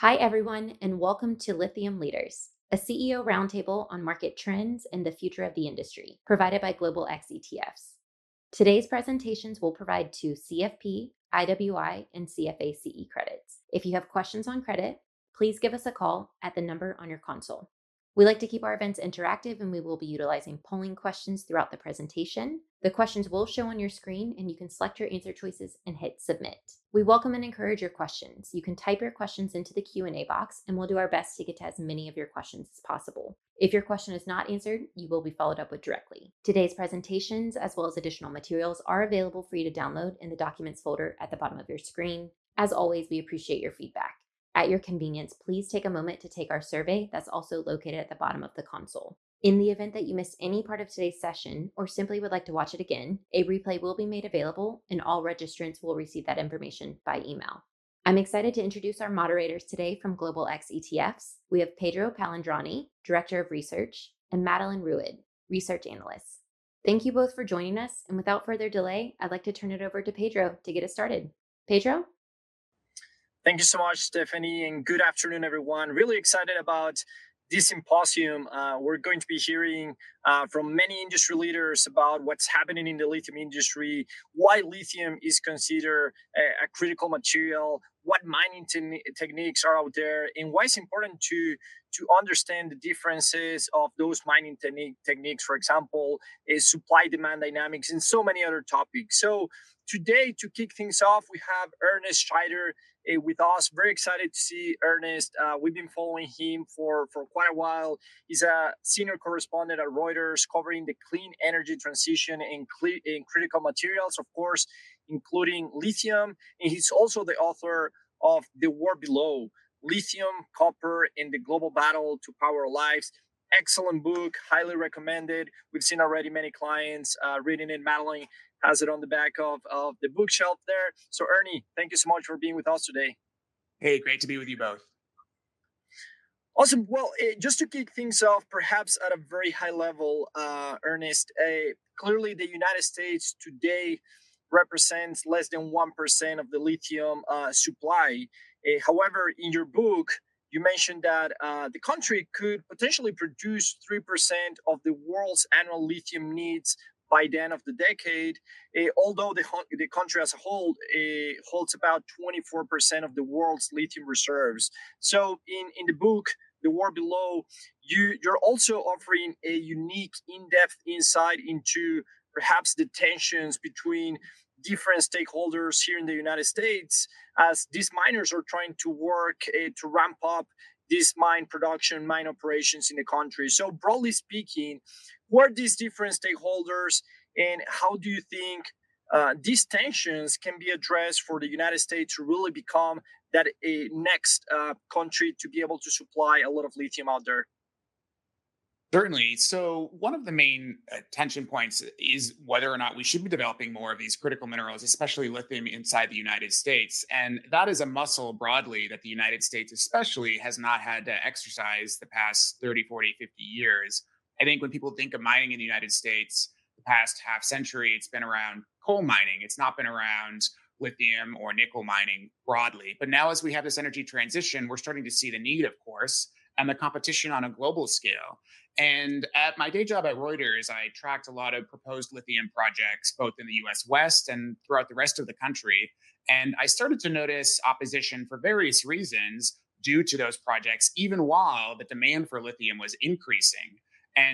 Hi, everyone, and welcome to Lithium Leaders, a CEO roundtable on market trends and the future of the industry, provided by Global X ETFs. Today's presentations will provide 2 CFP, IWI, and CFA CE credits. If you have questions on credit, please give us a call at the number on your console. We like to keep our events interactive, and we will be utilizing polling questions throughout the presentation. The questions will show on your screen, and you can select your answer choices and hit Submit. We welcome and encourage your questions. You can type your questions into the Q&A box, and we'll do our best to get to as many of your questions as possible. If your question is not answered, you will be followed up with directly. Today's presentations, as well as additional materials, are available for you to download in the Documents folder at the bottom of your screen. As always, we appreciate your feedback. At your convenience, please take a moment to take our survey that's also located at the bottom of the console. In the event that you missed any part of today's session or simply would like to watch it again, a replay will be made available, and all registrants will receive that information by email. I'm excited to introduce our moderators today from Global X ETFs. We have Pedro Palandrani, Director of Research, and Madeline Ruid, Research Analyst. Thank you both for joining us, and without further delay, I'd like to turn it over to Pedro to get us started. Pedro? Thank you so much, Stephanie, and good afternoon, everyone. Really excited about this symposium. We're going to be hearing from many industry leaders about what's happening in the lithium industry, why lithium is considered a critical material, what mining techniques are out there, and why it's important to understand the differences of those mining techniques. For example, its supply-demand dynamics and so many other topics. So today, to kick things off, we have Ernest Scheyder with us. Very excited to see Ernest. We've been following him for quite a while. He's a senior correspondent at Reuters, covering the clean energy transition in critical materials, of course, including lithium, and he's also the author of The War Below: Lithium, Copper, and the Global Battle to Power Our Lives. Excellent book, highly recommended. We've seen already many clients reading it. Madeline has it on the back of the bookshelf there. So, Ernie, thank you so much for being with us today. Hey, great to be with you both. Awesome. Well, just to kick things off, perhaps at a very high level, Ernest, clearly, the United States today represents less than 1% of the lithium supply. However, in your book, you mentioned that, the country could potentially produce 3% of the world's annual lithium needs by the end of the decade, although the country as a whole, holds about 24% of the world's lithium reserves. So in the book, The War Below, you're also offering a unique, in-depth insight into perhaps the tensions between different stakeholders here in the United States as these miners are trying to work, to ramp up this mine production, mine operations in the country. Broadly speaking, who are these different stakeholders, and how do you think these tensions can be addressed for the United States to really become that next country to be able to supply a lot of lithium out there? Certainly. So one of the main tension points is whether or not we should be developing more of these critical minerals, especially lithium, inside the United States, and that is a muscle broadly that the United States especially has not had to exercise the past 30, 40, 50 years. I think when people think of mining in the United States, the past half century, it's been around coal mining. It's not been around lithium or nickel mining broadly. But now, as we have this energy transition, we're starting to see the need, of course, and the competition on a global scale. And at my day job at Reuters, I tracked a lot of proposed lithium projects, both in the U.S. West and throughout the rest of the country, and I started to notice opposition for various reasons due to those projects, even while the demand for lithium was increasing.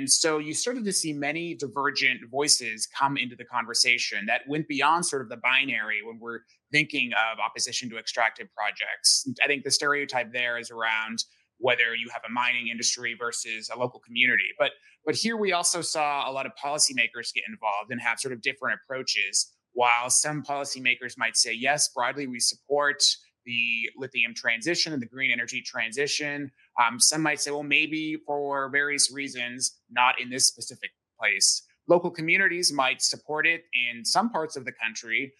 So you started to see many divergent voices come into the conversation that went beyond sort of the binary when we're thinking of opposition to extractive projects. I think the stereotype there is around whether you have a mining industry versus a local community. But here we also saw a lot of policymakers get involved and have sort of different approaches. While some policymakers might say, "Yes, broadly, we support the lithium transition and the green energy transition," some might say, "Well, maybe for various reasons, not in this specific place." Local communities might support it in some parts of the country,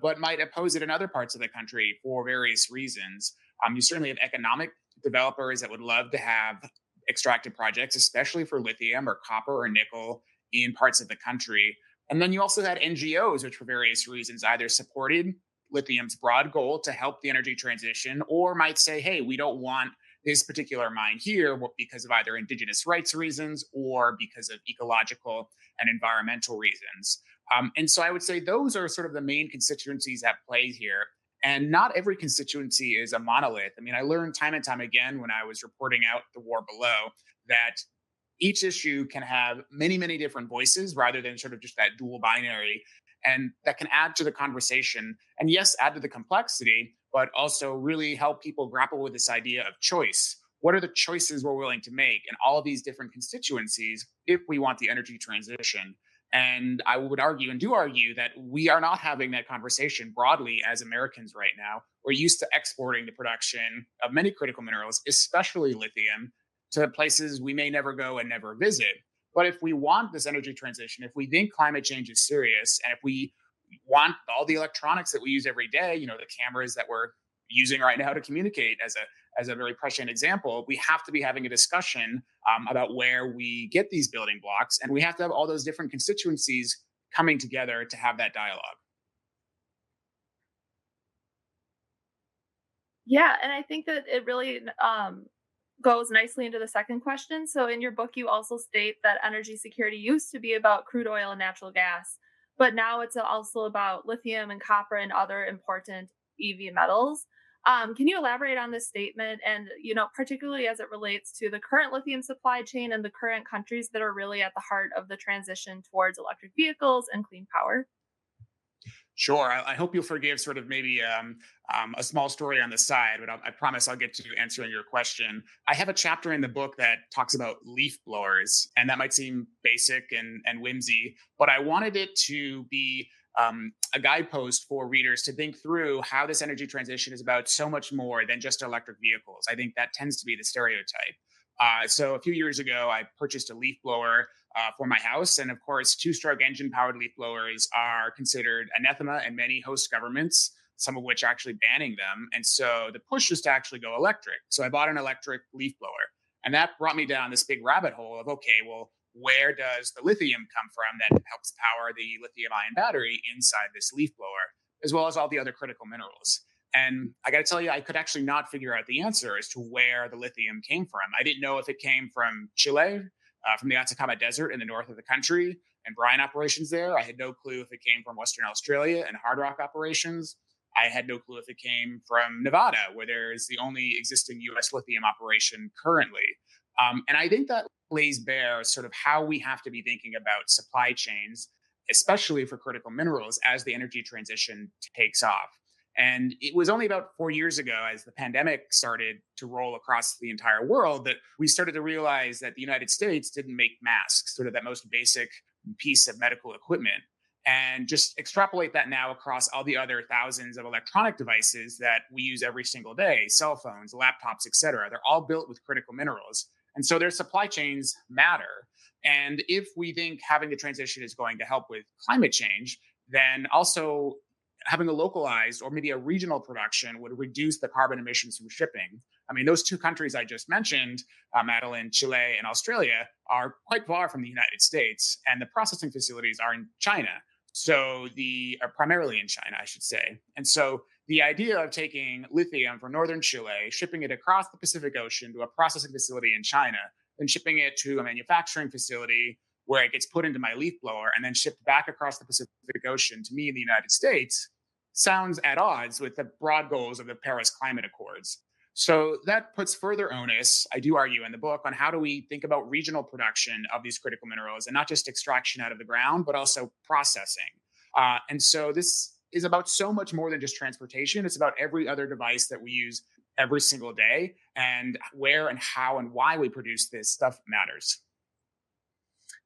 but might oppose it in other parts of the country for various reasons. You certainly have economic developers that would love to have extractive projects, especially for lithium or copper or nickel, in parts of the country. And then you also had NGOs, which, for various reasons, either supported lithium's broad goal to help the energy transition or might say, "Hey, we don't want this particular mine here," because of either indigenous rights reasons or because of ecological and environmental reasons. And so I would say those are sort of the main constituencies at play here, and not every constituency is a monolith. I mean, I learned time and time again when I was reporting out The War Below, that each issue can have many, many different voices, rather than sort of just that dual binary, and that can add to the conversation, and, yes, add to the complexity, but also really help people grapple with this idea of choice. What are the choices we're willing to make in all of these different constituencies if we want the energy transition? I would argue, and do argue, that we are not having that conversation broadly as Americans right now. We're used to exporting the production of many critical minerals, especially lithium, to places we may never go and never visit. But if we want this energy transition, if we think climate change is serious, and if we want all the electronics that we use every day, you know, the cameras that we're using right now to communicate, as a, as a very prescient example, we have to be having a discussion about where we get these building blocks, and we have to have all those different constituencies coming together to have that dialogue.... Yeah, and I think that it really goes nicely into the second question. So in your book, you also state that energy security used to be about crude oil and natural gas, but now it's also about lithium and copper and other important EV metals. Can you elaborate on this statement and, you know, particularly as it relates to the current lithium supply chain and the current countries that are really at the heart of the transition towards electric vehicles and clean power? Sure. I hope you'll forgive sort of maybe a small story on the side, but I promise I'll get to answering your question. I have a chapter in the book that talks about leaf blowers, and that might seem basic and whimsy, but I wanted it to be a guidepost for readers to think through how this energy transition is about so much more than just electric vehicles. I think that tends to be the stereotype. So a few years ago, I purchased a leaf blower for my house, and of course, two-stroke engine-powered leaf blowers are considered anathema in many host governments, some of which are actually banning them, and so the push is to actually go electric. So I bought an electric leaf blower, and that brought me down this big rabbit hole of, okay, well, where does the lithium come from that helps power the lithium-ion battery inside this leaf blower, as well as all the other critical minerals? And I gotta tell you, I could actually not figure out the answer as to where the lithium came from. I didn't know if it came from Chile, from the Atacama Desert in the north of the country, and brine operations there. I had no clue if it came from Western Australia and hard rock operations. I had no clue if it came from Nevada, where there's the only existing U.S. lithium operation currently. And I think that lays bare sort of how we have to be thinking about supply chains, especially for critical minerals, as the energy transition takes off. It was only about four years ago, as the pandemic started to roll across the entire world, that we started to realize that the United States didn't make masks, sort of that most basic piece of medical equipment. And just extrapolate that now across all the other thousands of electronic devices that we use every single day, cell phones, laptops, et cetera. They're all built with critical minerals, and so their supply chains matter. And if we think having the transition is going to help with climate change, then also having a localized or maybe a regional production would reduce the carbon emissions from shipping. I mean, those two countries I just mentioned, Madeline, Chile and Australia, are quite far from the United States, and the processing facilities are in China, so the... Or primarily in China, I should say. And so the idea of taking lithium from northern Chile, shipping it across the Pacific Ocean to a processing facility in China, then shipping it to a manufacturing facility, where it gets put into my leaf blower and then shipped back across the Pacific Ocean to me in the United States, sounds at odds with the broad goals of the Paris Climate Accords. So that puts further onus, I do argue in the book, on how do we think about regional production of these critical minerals, and not just extraction out of the ground, but also processing. And so this is about so much more than just transportation. It's about every other device that we use every single day, and where and how and why we produce this stuff matters.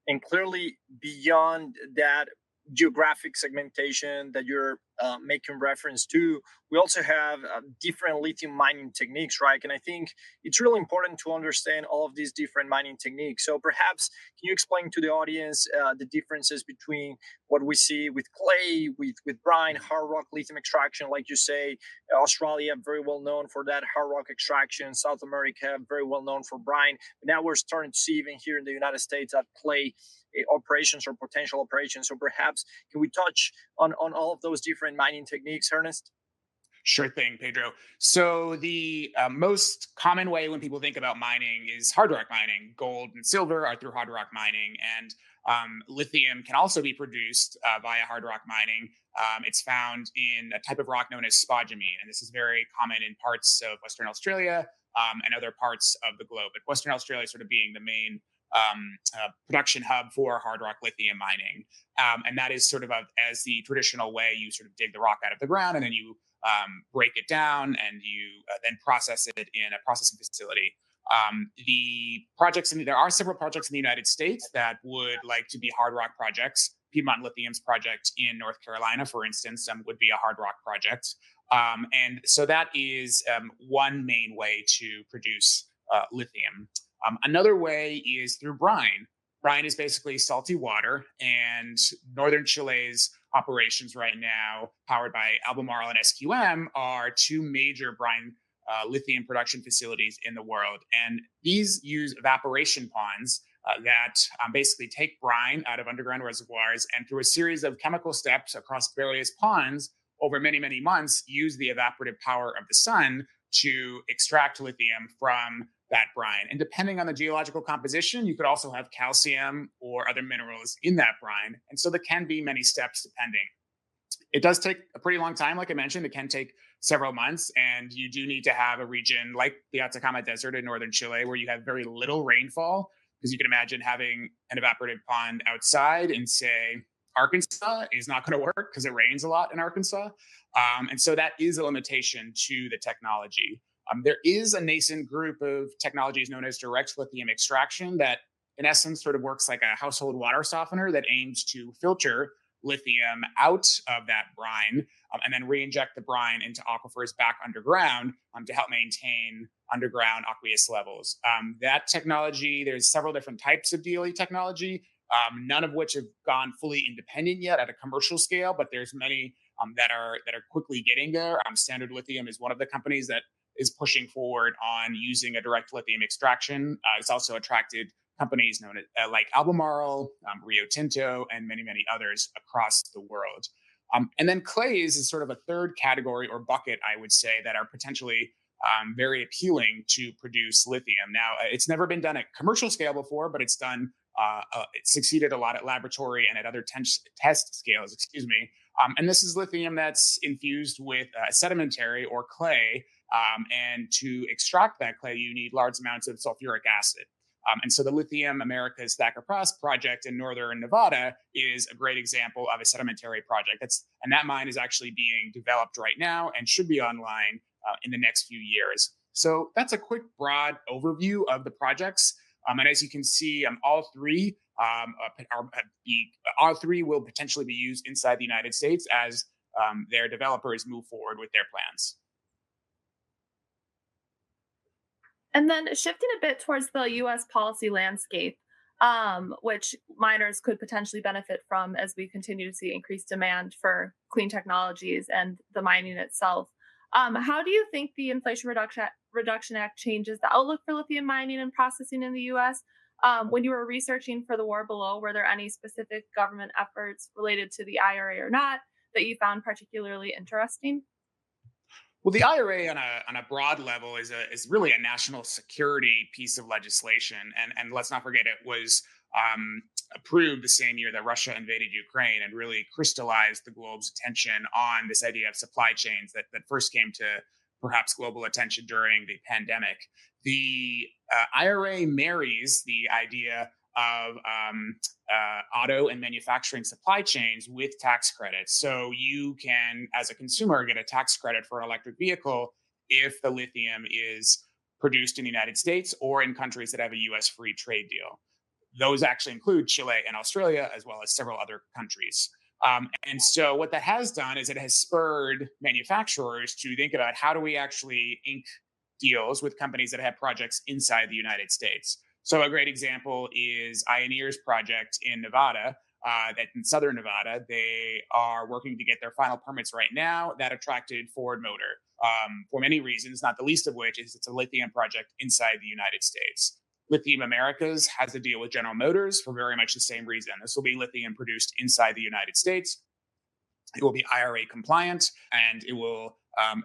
And clearly, beyond that geographic segmentation that you're making reference to, we also have different lithium mining techniques, right? And I think it's really important to understand all of these different mining techniques. So perhaps can you explain to the audience the differences between what we see with clay, with brine, hard rock lithium extraction, like you say, Australia, very well known for that hard rock extraction. South America, very well known for brine. But now we're starting to see even here in the United States that clay operations or potential operations, so perhaps can we touch on all of those different mining techniques, Ernest? Sure thing, Pedro. So the most common way when people think about mining is hard rock mining. Gold and silver are through hard rock mining, and lithium can also be produced via hard rock mining. It's found in a type of rock known as spodumene, and this is very common in parts of Western Australia and other parts of the globe, but Western Australia sort of being the main production hub for hard rock lithium mining. And that is sort of as the traditional way, you sort of dig the rock out of the ground, and then you break it down, and you then process it in a processing facility. There are several projects in the United States that would like to be hard rock projects. Piedmont Lithium's project in North Carolina, for instance, would be a hard rock project. And so that is one main way to produce lithium. Another way is through brine. Brine is basically salty water, and northern Chile's operations right now, powered by Albemarle and SQM, are two major brine lithium production facilities in the world. And these use evaporation ponds that basically take brine out of underground reservoirs, and through a series of chemical steps across various ponds, over many, many months, use the evaporative power of the sun to extract lithium from that brine. And depending on the geological composition, you could also have calcium or other minerals in that brine, and so there can be many steps, depending. It does take a pretty long time. Like I mentioned, it can take several months, and you do need to have a region like the Atacama Desert in northern Chile, where you have very little rainfall. Because you can imagine having an evaporative pond outside in, say, Arkansas, is not gonna work, 'cause it rains a lot in Arkansas. And so that is a limitation to the technology. There is a nascent group of technologies known as direct lithium extraction that, in essence, sort of works like a household water softener that aims to filter lithium out of that brine, and then reinject the brine into aquifers back underground, to help maintain underground aqueous levels. That technology, there's several different types of DLE technology, none of which have gone fully independent yet at a commercial scale, but there's many that are quickly getting there. Standard Lithium is one of the companies that is pushing forward on using a direct lithium extraction. It's also attracted companies known like Albemarle, Rio Tinto, and many, many others across the world. And then clays is sort of a third category or bucket, I would say, that are potentially very appealing to produce lithium. Now, it's never been done at commercial scale before, but it succeeded a lot at laboratory and at other test scales, excuse me. And this is lithium that's infused with sedimentary or clay, and to extract that clay, you need large amounts of sulfuric acid. And so the Lithium Americas Thacker Pass project in northern Nevada is a great example of a sedimentary project. That's and that mine is actually being developed right now and should be online in the next few years. So that's a quick, broad overview of the projects, and as you can see, all three will potentially be used inside the United States as their developers move forward with their plans. And then shifting a bit towards the U.S. policy landscape, which miners could potentially benefit from as we continue to see increased demand for clean technologies and the mining itself. How do you think the Inflation Reduction Act changes the outlook for lithium mining and processing in the U.S.? When you were researching for The War Below, were there any specific government efforts related to the IRA or not, that you found particularly interesting? Well, the IRA on a broad level is really a national security piece of legislation, and let's not forget, it was approved the same year that Russia invaded Ukraine and really crystallized the globe's attention on this idea of supply chains that first came to perhaps global attention during the pandemic. The IRA marries the idea of auto and manufacturing supply chains with tax credits. So you can, as a consumer, get a tax credit for an electric vehicle if the lithium is produced in the United States or in countries that have a U.S. free trade deal. Those actually include Chile and Australia, as well as several other countries. And so what that has done is it has spurred manufacturers to think about, how do we actually ink deals with companies that have projects inside the United States? So a great example is Ioneer's project in Nevada, in southern Nevada. They are working to get their final permits right now. That attracted Ford Motor, for many reasons, not the least of which is it's a lithium project inside the United States. Lithium Americas has a deal with General Motors for very much the same reason. This will be lithium produced inside the United States, it will be IRA compliant, and it will,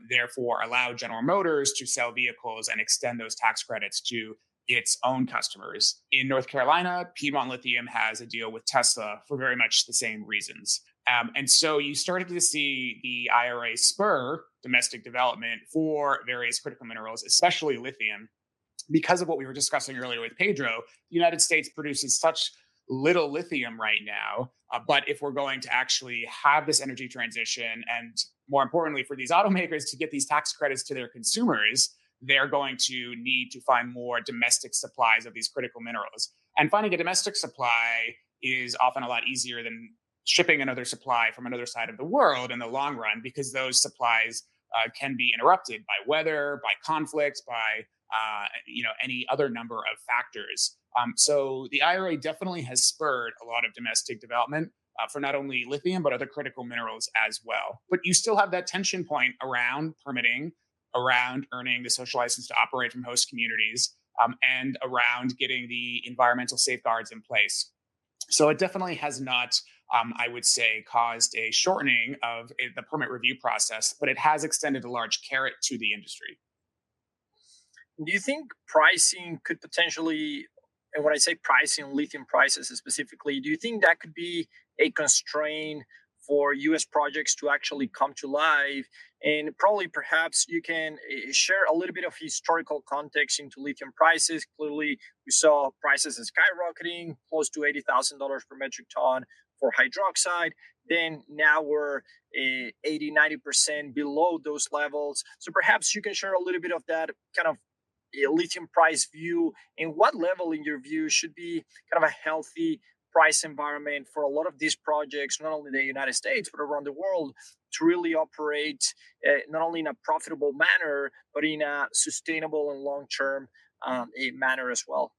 therefore, allow General Motors to sell vehicles and extend those tax credits to its own customers. In North Carolina, Piedmont Lithium has a deal with Tesla for very much the same reasons. And so you're starting to see the IRA spur domestic development for various critical minerals, especially lithium. Because of what we were discussing earlier with Pedro, the United States produces such little lithium right now, but if we're going to actually have this energy transition, and more importantly for these automakers to get these tax credits to their consumers, they're going to need to find more domestic supplies of these critical minerals. And finding a domestic supply is often a lot easier than shipping another supply from another side of the world in the long run, because those supplies can be interrupted by weather, by conflicts, by, you know, any other number of factors. So the IRA definitely has spurred a lot of domestic development for not only lithium, but other critical minerals as well. But you still have that tension point around permitting, around earning the social license to operate from host communities, and around getting the environmental safeguards in place. So it definitely has not, I would say, caused a shortening of the permit review process, but it has extended a large carrot to the industry. Do you think pricing could potentially, and when I say pricing, lithium prices specifically, do you think that could be a constraint for U.S. projects to actually come to life? And probably, perhaps you can share a little bit of historical context into lithium prices. Clearly, we saw prices as skyrocketing, close to $80,000 per metric ton for hydroxide. Then now we're 80%-90% below those levels. So perhaps you can share a little bit of that kind of lithium price view, and what level, in your view, should be kind of a healthy price environment for a lot of these projects, not only in the United States, but around the world, to really operate not only in a profitable manner, but in a sustainable and long-term manner as well?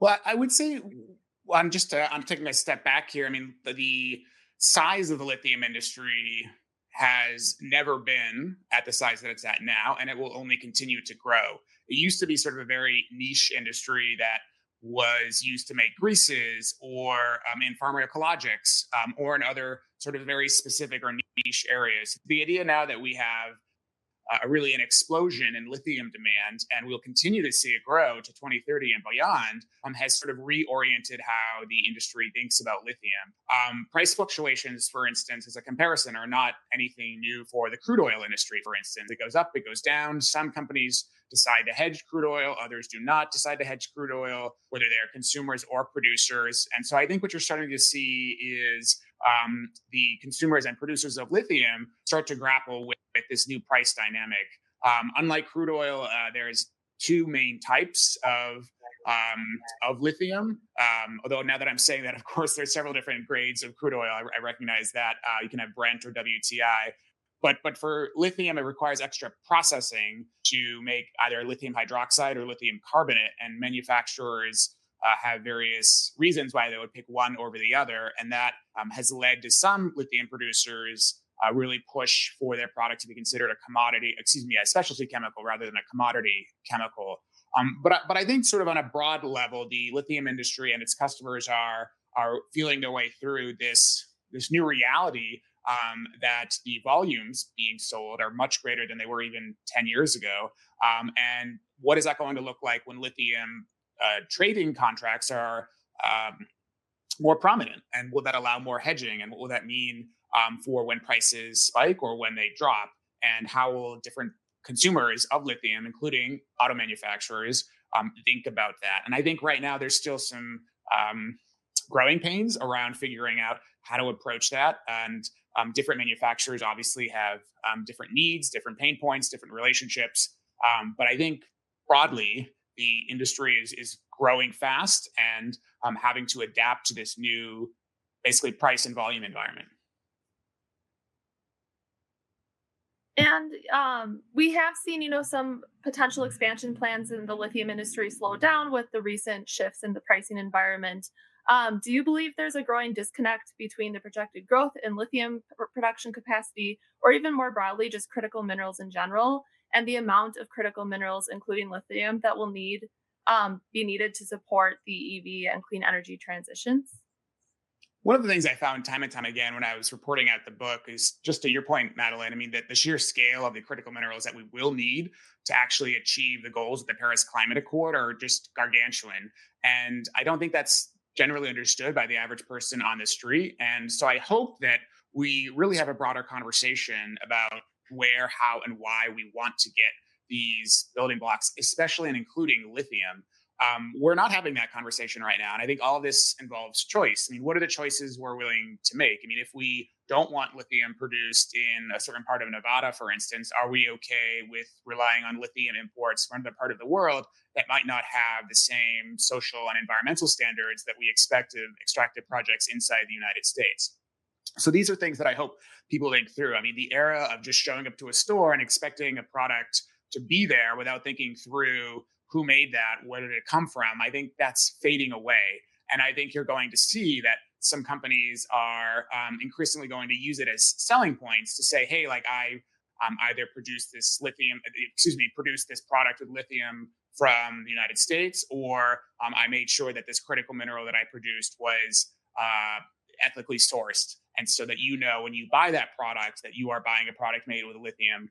Well, I'm just taking a step back here. I mean, the size of the lithium industry has never been at the size that it's at now, and it will only continue to grow. It used to be sort of a very niche industry that was used to make greases or in pharmacologics or in other sort of very specific or niche areas. The idea now that we have really an explosion in lithium demand, and we'll continue to see it grow to 2030 and beyond, has sort of reoriented how the industry thinks about lithium. Price fluctuations, for instance, as a comparison, are not anything new for the crude oil industry, for instance. It goes up, it goes down. Some companies decide to hedge crude oil, others do not decide to hedge crude oil, whether they are consumers or producers. And so I think what you're starting to see is, the consumers and producers of lithium start to grapple with this new price dynamic. Unlike crude oil, there's two main types of lithium. Although now that I'm saying that, of course, there's several different grades of crude oil. I recognize that. You can have Brent or WTI, but for lithium, it requires extra processing to make either lithium hydroxide or lithium carbonate, and manufacturers have various reasons why they would pick one over the other, and that has led to some lithium producers really push for their product to be considered a commodity, excuse me, a specialty chemical rather than a commodity chemical. But I, but I think sort of on a broad level, the lithium industry and its customers are, are feeling their way through this, this new reality, that the volumes being sold are much greater than they were even 10 years ago. And what is that going to look like when lithium, trading contracts are, more prominent? And will that allow more hedging, and what will that mean, for when prices spike or when they drop? And how will different consumers of lithium, including auto manufacturers, think about that? And I think right now there's still some, growing pains around figuring out how to approach that, and, different manufacturers obviously have, different needs, different pain points, different relationships. But I think broadly, the industry is growing fast, and having to adapt to this new, basically, price and volume environment. We have seen, you know, some potential expansion plans in the lithium industry slow down with the recent shifts in the pricing environment. Do you believe there's a growing disconnect between the projected growth in lithium production capacity, or even more broadly, just critical minerals in general, and the amount of critical minerals, including lithium, that will need, be needed to support the EV and clean energy transitions? One of the things I found time and time again when I was reporting out the book is, just to your point, Madeline, I mean, that the sheer scale of the critical minerals that we will need to actually achieve the goals of the Paris Climate Accord are just gargantuan, and I don't think that's generally understood by the average person on the street. And so I hope that we really have a broader conversation about where, how, and why we want to get these building blocks, especially and including lithium. We're not having that conversation right now, and I think all this involves choice. I mean, what are the choices we're willing to make? I mean, if we don't want lithium produced in a certain part of Nevada, for instance, are we okay with relying on lithium imports from the part of the world that might not have the same social and environmental standards that we expect of extractive projects inside the United States? So these are things that I hope people think through. I mean, the era of just showing up to a store and expecting a product to be there without thinking through who made that, where did it come from, I think that's fading away. And I think you're going to see that some companies are increasingly going to use it as selling points to say, "Hey, like I either produced this lithium..." Excuse me. Produced this product with lithium from the United States," or, "I made sure that this critical mineral that I produced was, ethically sourced, and so that you know when you buy that product, that you are buying a product made with lithium,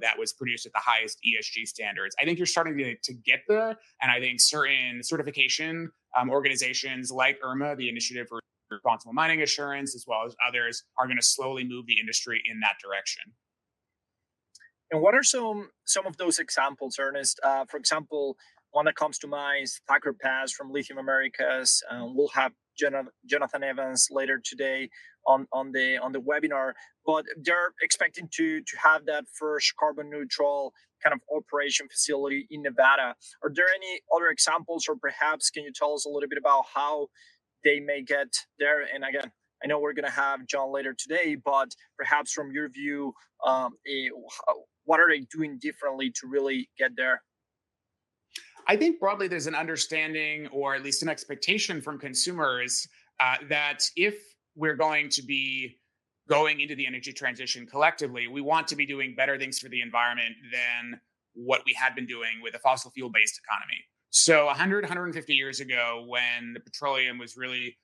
that was produced at the highest ESG standards." I think you're starting to get there, and I think certain certification organizations like IRMA, the Initiative for Responsible Mining Assurance, as well as others, are gonna slowly move the industry in that direction. And what are some of those examples, Ernest? For example, one that comes to mind, Thacker Pass from Lithium Americas, and we'll have Jonathan Evans later today on the webinar. But they're expecting to have that first carbon neutral kind of operation facility in Nevada. Are there any other examples, or perhaps can you tell us a little bit about how they may get there? And again, I know we're gonna have Jon later today, but perhaps from your view, what are they doing differently to really get there? I think broadly there's an understanding or at least an expectation from consumers that if we're going to be going into the energy transition collectively, we want to be doing better things for the environment than what we had been doing with a fossil fuel-based economy. So 100-150 years ago, when the petroleum was really,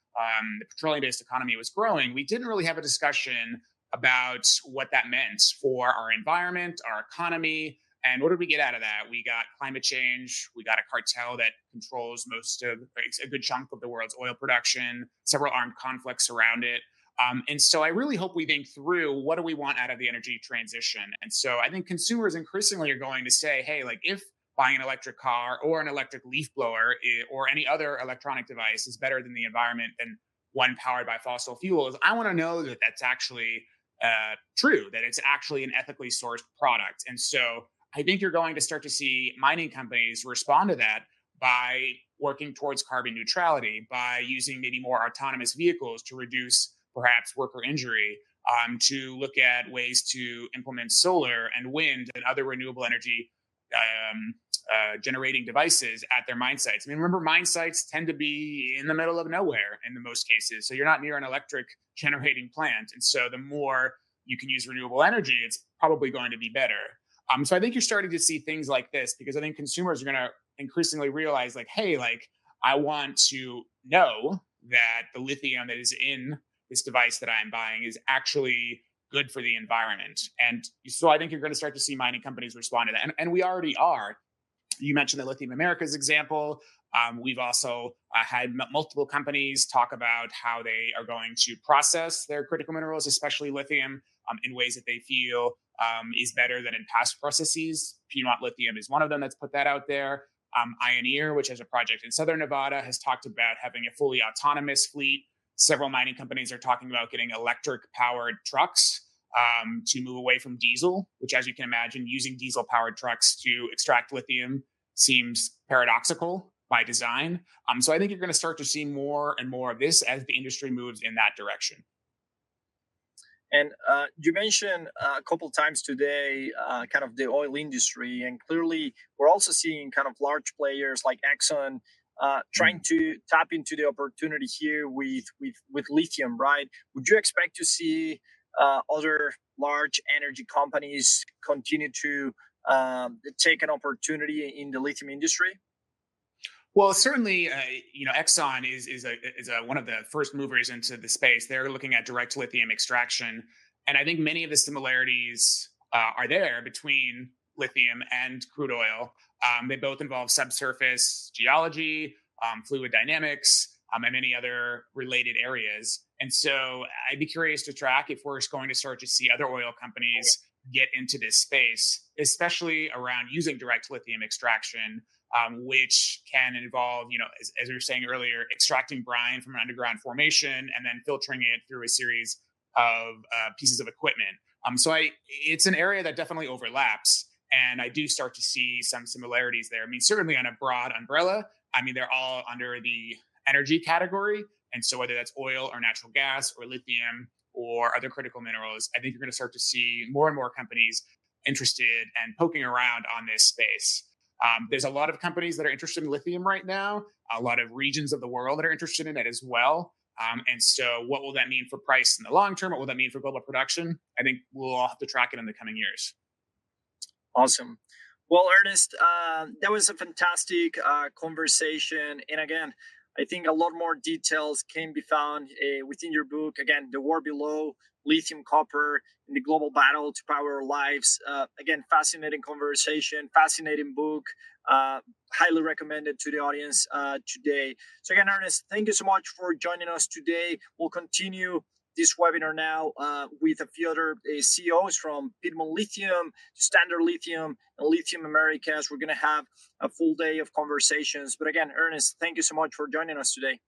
the petroleum-based economy was growing, we didn't really have a discussion about what that meant for our environment, our economy, and what did we get out of that? We got climate change, we got a cartel that controls most of a good chunk of the world's oil production, several armed conflicts around it. And so I really hope we think through, what do we want out of the energy transition? And so I think consumers increasingly are going to say, "Hey, like, if buying an electric car or an electric leaf blower, or any other electronic device is better than the environment than one powered by fossil fuels, I wanna know that that's actually true, that it's actually an ethically sourced product." And so I think you're going to start to see mining companies respond to that by working towards carbon neutrality, by using maybe more autonomous vehicles to reduce, perhaps, worker injury, to look at ways to implement solar and wind and other renewable energy generating devices at their mine sites. I mean, remember, mine sites tend to be in the middle of nowhere in the most cases, so you're not near an electric generating plant, and so the more you can use renewable energy, it's probably going to be better. So I think you're starting to see things like this, because I think consumers are gonna increasingly realize, like, "Hey, like, I want to know that the lithium that is in this device that I'm buying is actually good for the environment." So I think you're gonna start to see mining companies respond to that, and we already are. You mentioned the Lithium Americas example. We've also had multiple companies talk about how they are going to process their critical minerals, especially lithium, in ways that they feel is better than in past processes. Piedmont Lithium is one of them that's put that out there. Ioneer, which has a project in southern Nevada, has talked about having a fully autonomous fleet.... Several mining companies are talking about getting electric-powered trucks, to move away from diesel, which, as you can imagine, using diesel-powered trucks to extract lithium seems paradoxical by design. So I think you're gonna start to see more and more of this as the industry moves in that direction. You mentioned a couple times today, kind of the oil industry, and clearly we're also seeing kind of large players like Exxon. Mm... trying to tap into the opportunity here with lithium, right? Would you expect to see other large energy companies continue to take an opportunity in the lithium industry? Well, certainly, you know, Exxon is one of the first movers into the space. They're looking at direct lithium extraction, and I think many of the similarities are there between lithium and crude oil. They both involve subsurface geology, fluid dynamics, and many other related areas. And so I'd be curious to track if we're going to start to see other oil companies get into this space, especially around using direct lithium extraction, which can involve, you know, as you were saying earlier, extracting brine from an underground formation and then filtering it through a series of pieces of equipment. So I... It's an area that definitely overlaps, and I do start to see some similarities there. I mean, certainly on a broad umbrella, I mean, they're all under the energy category, and so whether that's oil or natural gas or lithium or other critical minerals, I think you're gonna start to see more and more companies interested and poking around on this space. There's a lot of companies that are interested in lithium right now, a lot of regions of the world that are interested in it as well. And so what will that mean for price in the long term? What will that mean for global production? I think we'll have to track it in the coming years. Awesome. Well, Ernest, that was a fantastic conversation. Again, I think a lot more details can be found within your book. Again, The War Below: Lithium, Copper, and the Global Battle to Power Our Lives. Again, fascinating conversation, fascinating book, highly recommend it to the audience today. Again, Ernest, thank you so much for joining us today. We'll continue this webinar now with a few other CEOs from Piedmont Lithium to Standard Lithium and Lithium Americas. We're gonna have a full day of conversations. Again, Ernest, thank you so much for joining us today.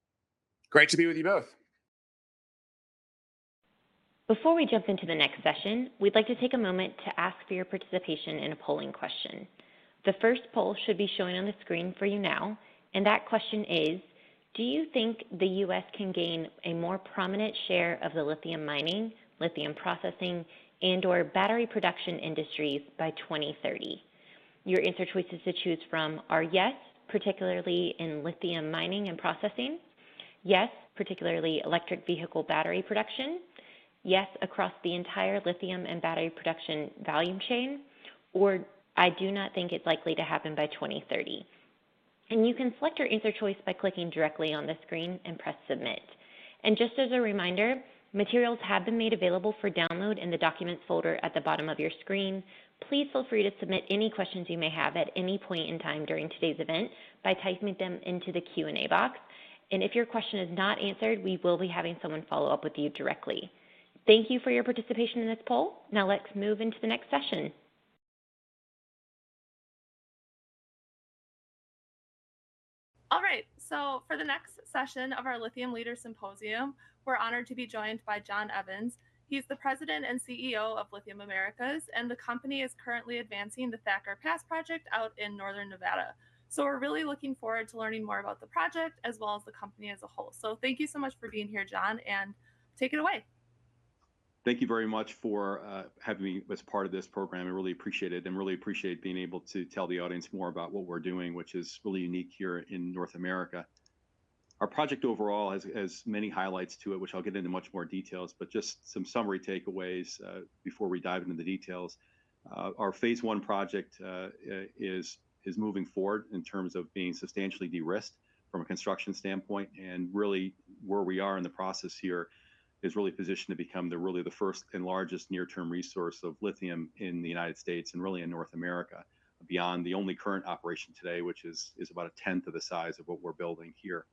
Great to be with you both. Before we jump into the next session, we'd like to take a moment to ask for your participation in a polling question. The first poll should be showing on the screen for you now, and that question is: Do you think the U.S. can gain a more prominent share of the lithium mining, lithium processing, and/or battery production industries by 2030? Your answer choices to choose from are: yes, particularly in lithium mining and processing. Yes, particularly electric vehicle battery production. Yes, across the entire lithium and battery production value chain. Or, I do not think it's likely to happen by 2030. You can select your answer choice by clicking directly on the screen and press Submit. Just as a reminder, materials have been made available for download in the Documents folder at the bottom of your screen. Please feel free to submit any questions you may have at any point in time during today's event by typing them into the Q&A box, and if your question is not answered, we will be having someone follow up with you directly. Thank you for your participation in this poll. Now, let's move into the next session. All right, so for the next session of our Lithium Leaders Symposium, we're honored to be joined by Jon Evans. He's the President and CEO of Lithium Americas, and the company is currently advancing the Thacker Pass project out in northern Nevada. So we're really looking forward to learning more about the project, as well as the company as a whole. So thank you so much for being here, Jon, and take it away. Thank you very much for having me as part of this program. I really appreciate it, and really appreciate being able to tell the audience more about what we're doing, which is really unique here in North America. Our project overall has many highlights to it, which I'll get into much more details, but just some summary takeaways before we dive into the details. Our Phase I project is moving forward in terms of being substantially de-risked from a construction standpoint. Really, where we are in the process here is really positioned to become really the first and largest near-term resource of lithium in the United States, and really in North America, beyond the only current operation today, which is about a tenth of the size of what we're building here.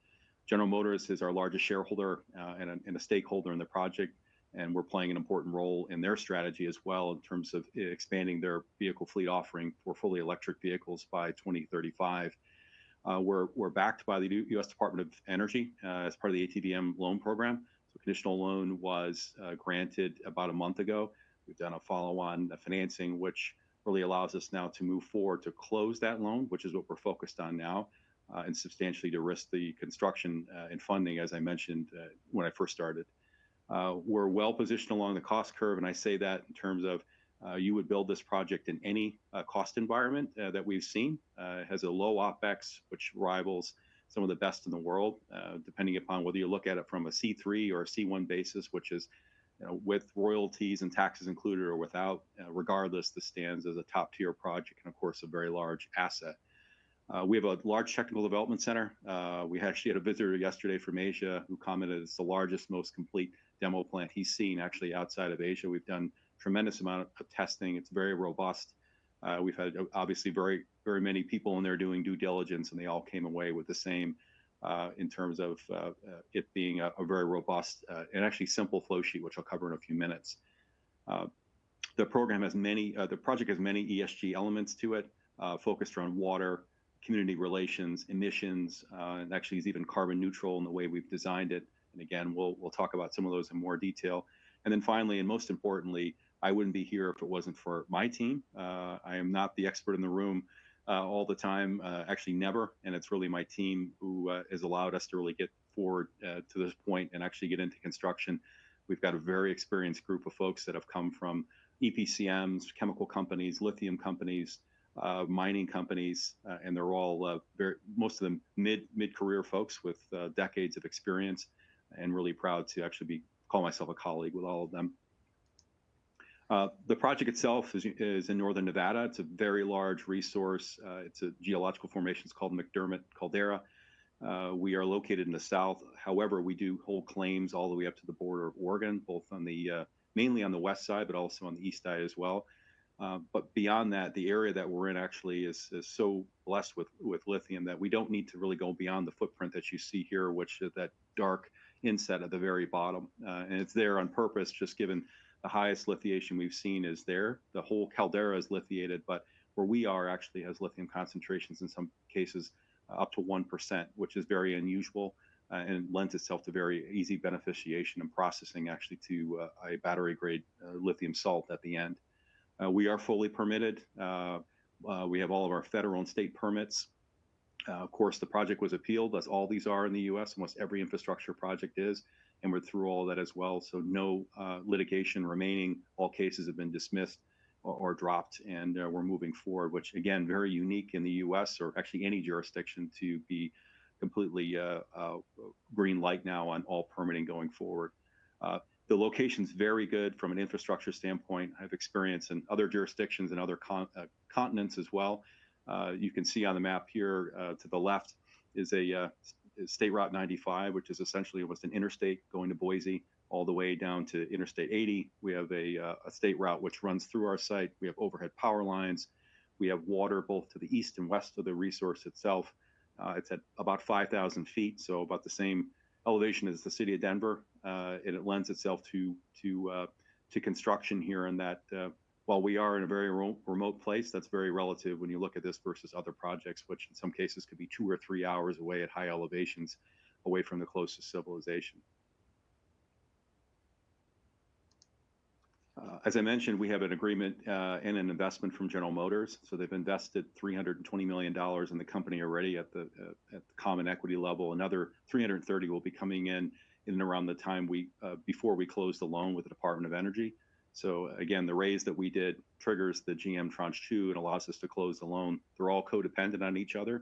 General Motors is our largest shareholder, and a stakeholder in the project, and we're playing an important role in their strategy as well in terms of expanding their vehicle fleet offering for fully electric vehicles by 2035. We're backed by the new U.S. Department of Energy as part of the ATVM loan program. A conditional loan was granted about a month ago. We've done a follow-on financing, which really allows us now to move forward to close that loan, which is what we're focused on now, and substantially de-risk the construction and funding, as I mentioned when I first started. We're well-positioned along the cost curve, and I say that in terms of you would build this project in any cost environment that we've seen. It has a low OpEx, which rivals some of the best in the world, depending upon whether you look at it from a C3 or a C1 basis, which is, with royalties and taxes included or without. Regardless, this stands as a top-tier project and, of course, a very large asset. We have a large technical development center. We actually had a visitor yesterday from Asia who commented it's the largest, most complete demo plant he's seen actually outside of Asia. We've done tremendous amount of testing. It's very robust. We've had, obviously very, very many people in there doing due diligence, and they all came away with the same, in terms of, it being a very robust, and actually simple flow sheet, which I'll cover in a few minutes. The project has many ESG elements to it, focused around water, community relations, emissions, and actually is even carbon neutral in the way we've designed it. Again, we'll talk about some of those in more detail. Then finally, and most importantly, I wouldn't be here if it wasn't for my team. I am not the expert in the room all the time, actually, never, and it's really my team who has allowed us to really get forward to this point and actually get into construction. We've got a very experienced group of folks that have come from EPCMs, chemical companies, lithium companies, mining companies, and they're all very—most of them mid, mid-career folks with decades of experience, and really proud to actually be—call myself a colleague with all of them. The project itself is in northern Nevada. It's a very large resource. It's a geological formation. It's called McDermitt Caldera. We are located in the south. However, we do hold claims all the way up to the border of Oregon, both on the mainly on the west side, but also on the east side as well. But beyond that, the area that we're in actually is so blessed with lithium that we don't need to really go beyond the footprint that you see here, which is that dark inset at the very bottom. And it's there on purpose, just given the highest lithiation we've seen is there. The whole caldera is lithiated, but where we are actually has lithium concentrations in some cases up to 1%, which is very unusual, and lends itself to very easy beneficiation and processing, actually, to a battery-grade lithium salt at the end. We are fully permitted. We have all of our federal and state permits. Of course, the project was appealed, as all these are in the U.S., almost every infrastructure project is, and we're through all that as well, so no litigation remaining. All cases have been dismissed or dropped, and we're moving forward, which again, very unique in the U.S. or actually any jurisdiction to be completely green light now on all permitting going forward. The location's very good from an infrastructure standpoint. I have experience in other jurisdictions and other continents as well. You can see on the map here, to the left is State Route 95, which is essentially what's an interstate going to Boise, all the way down to Interstate 80. We have a state route which runs through our site. We have overhead power lines. We have water both to the east and west of the resource itself. It's at about 5,000 ft, so about the same elevation as the city of Denver. And it lends itself to construction here in that, while we are in a very remote place, that's very relative when you look at this versus other projects, which in some cases could be two or three hours away at high elevations away from the closest civilization. As I mentioned, we have an agreement, and an investment from General Motors. So they've invested $320 million in the company already at the common equity level. Another $330 million will be coming in in and around the time we, before we close the loan with the Department of Energy. So again, the raise that we did triggers the GM tranche two and allows us to close the loan. They're all co-dependent on each other,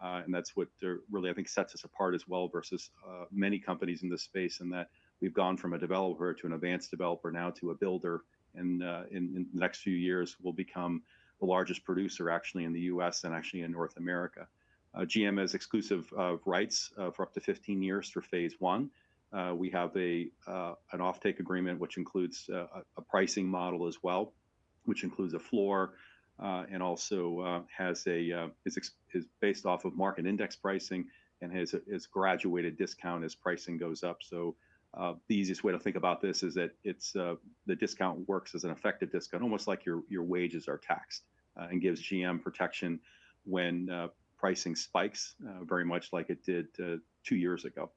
and that's what really, I think, sets us apart as well versus many companies in this space, in that we've gone from a developer to an advanced developer now to a builder, and in the next few years, we'll become the largest producer actually in the U.S. and actually in North America. GM has exclusive rights for up to 15 years for Phase I. We have an offtake agreement, which includes a pricing model as well, which includes a floor and also has a... is based off of market index pricing and has a graduated discount as pricing goes up. The easiest way to think about this is that it's the discount works as an effective discount, almost like your wages are taxed, and gives GM protection when pricing spikes, very much like it did two years ago.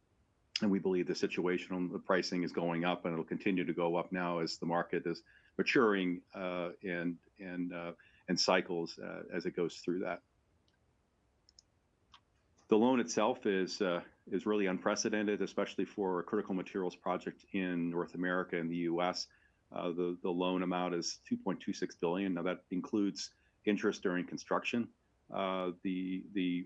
We believe the situational, the pricing is going up and it'll continue to go up now as the market is maturing, and cycles as it goes through that. The loan itself is really unprecedented, especially for a critical materials project in North America and the U.S. The loan amount is $2.26 billion. Now, that includes interest during construction. The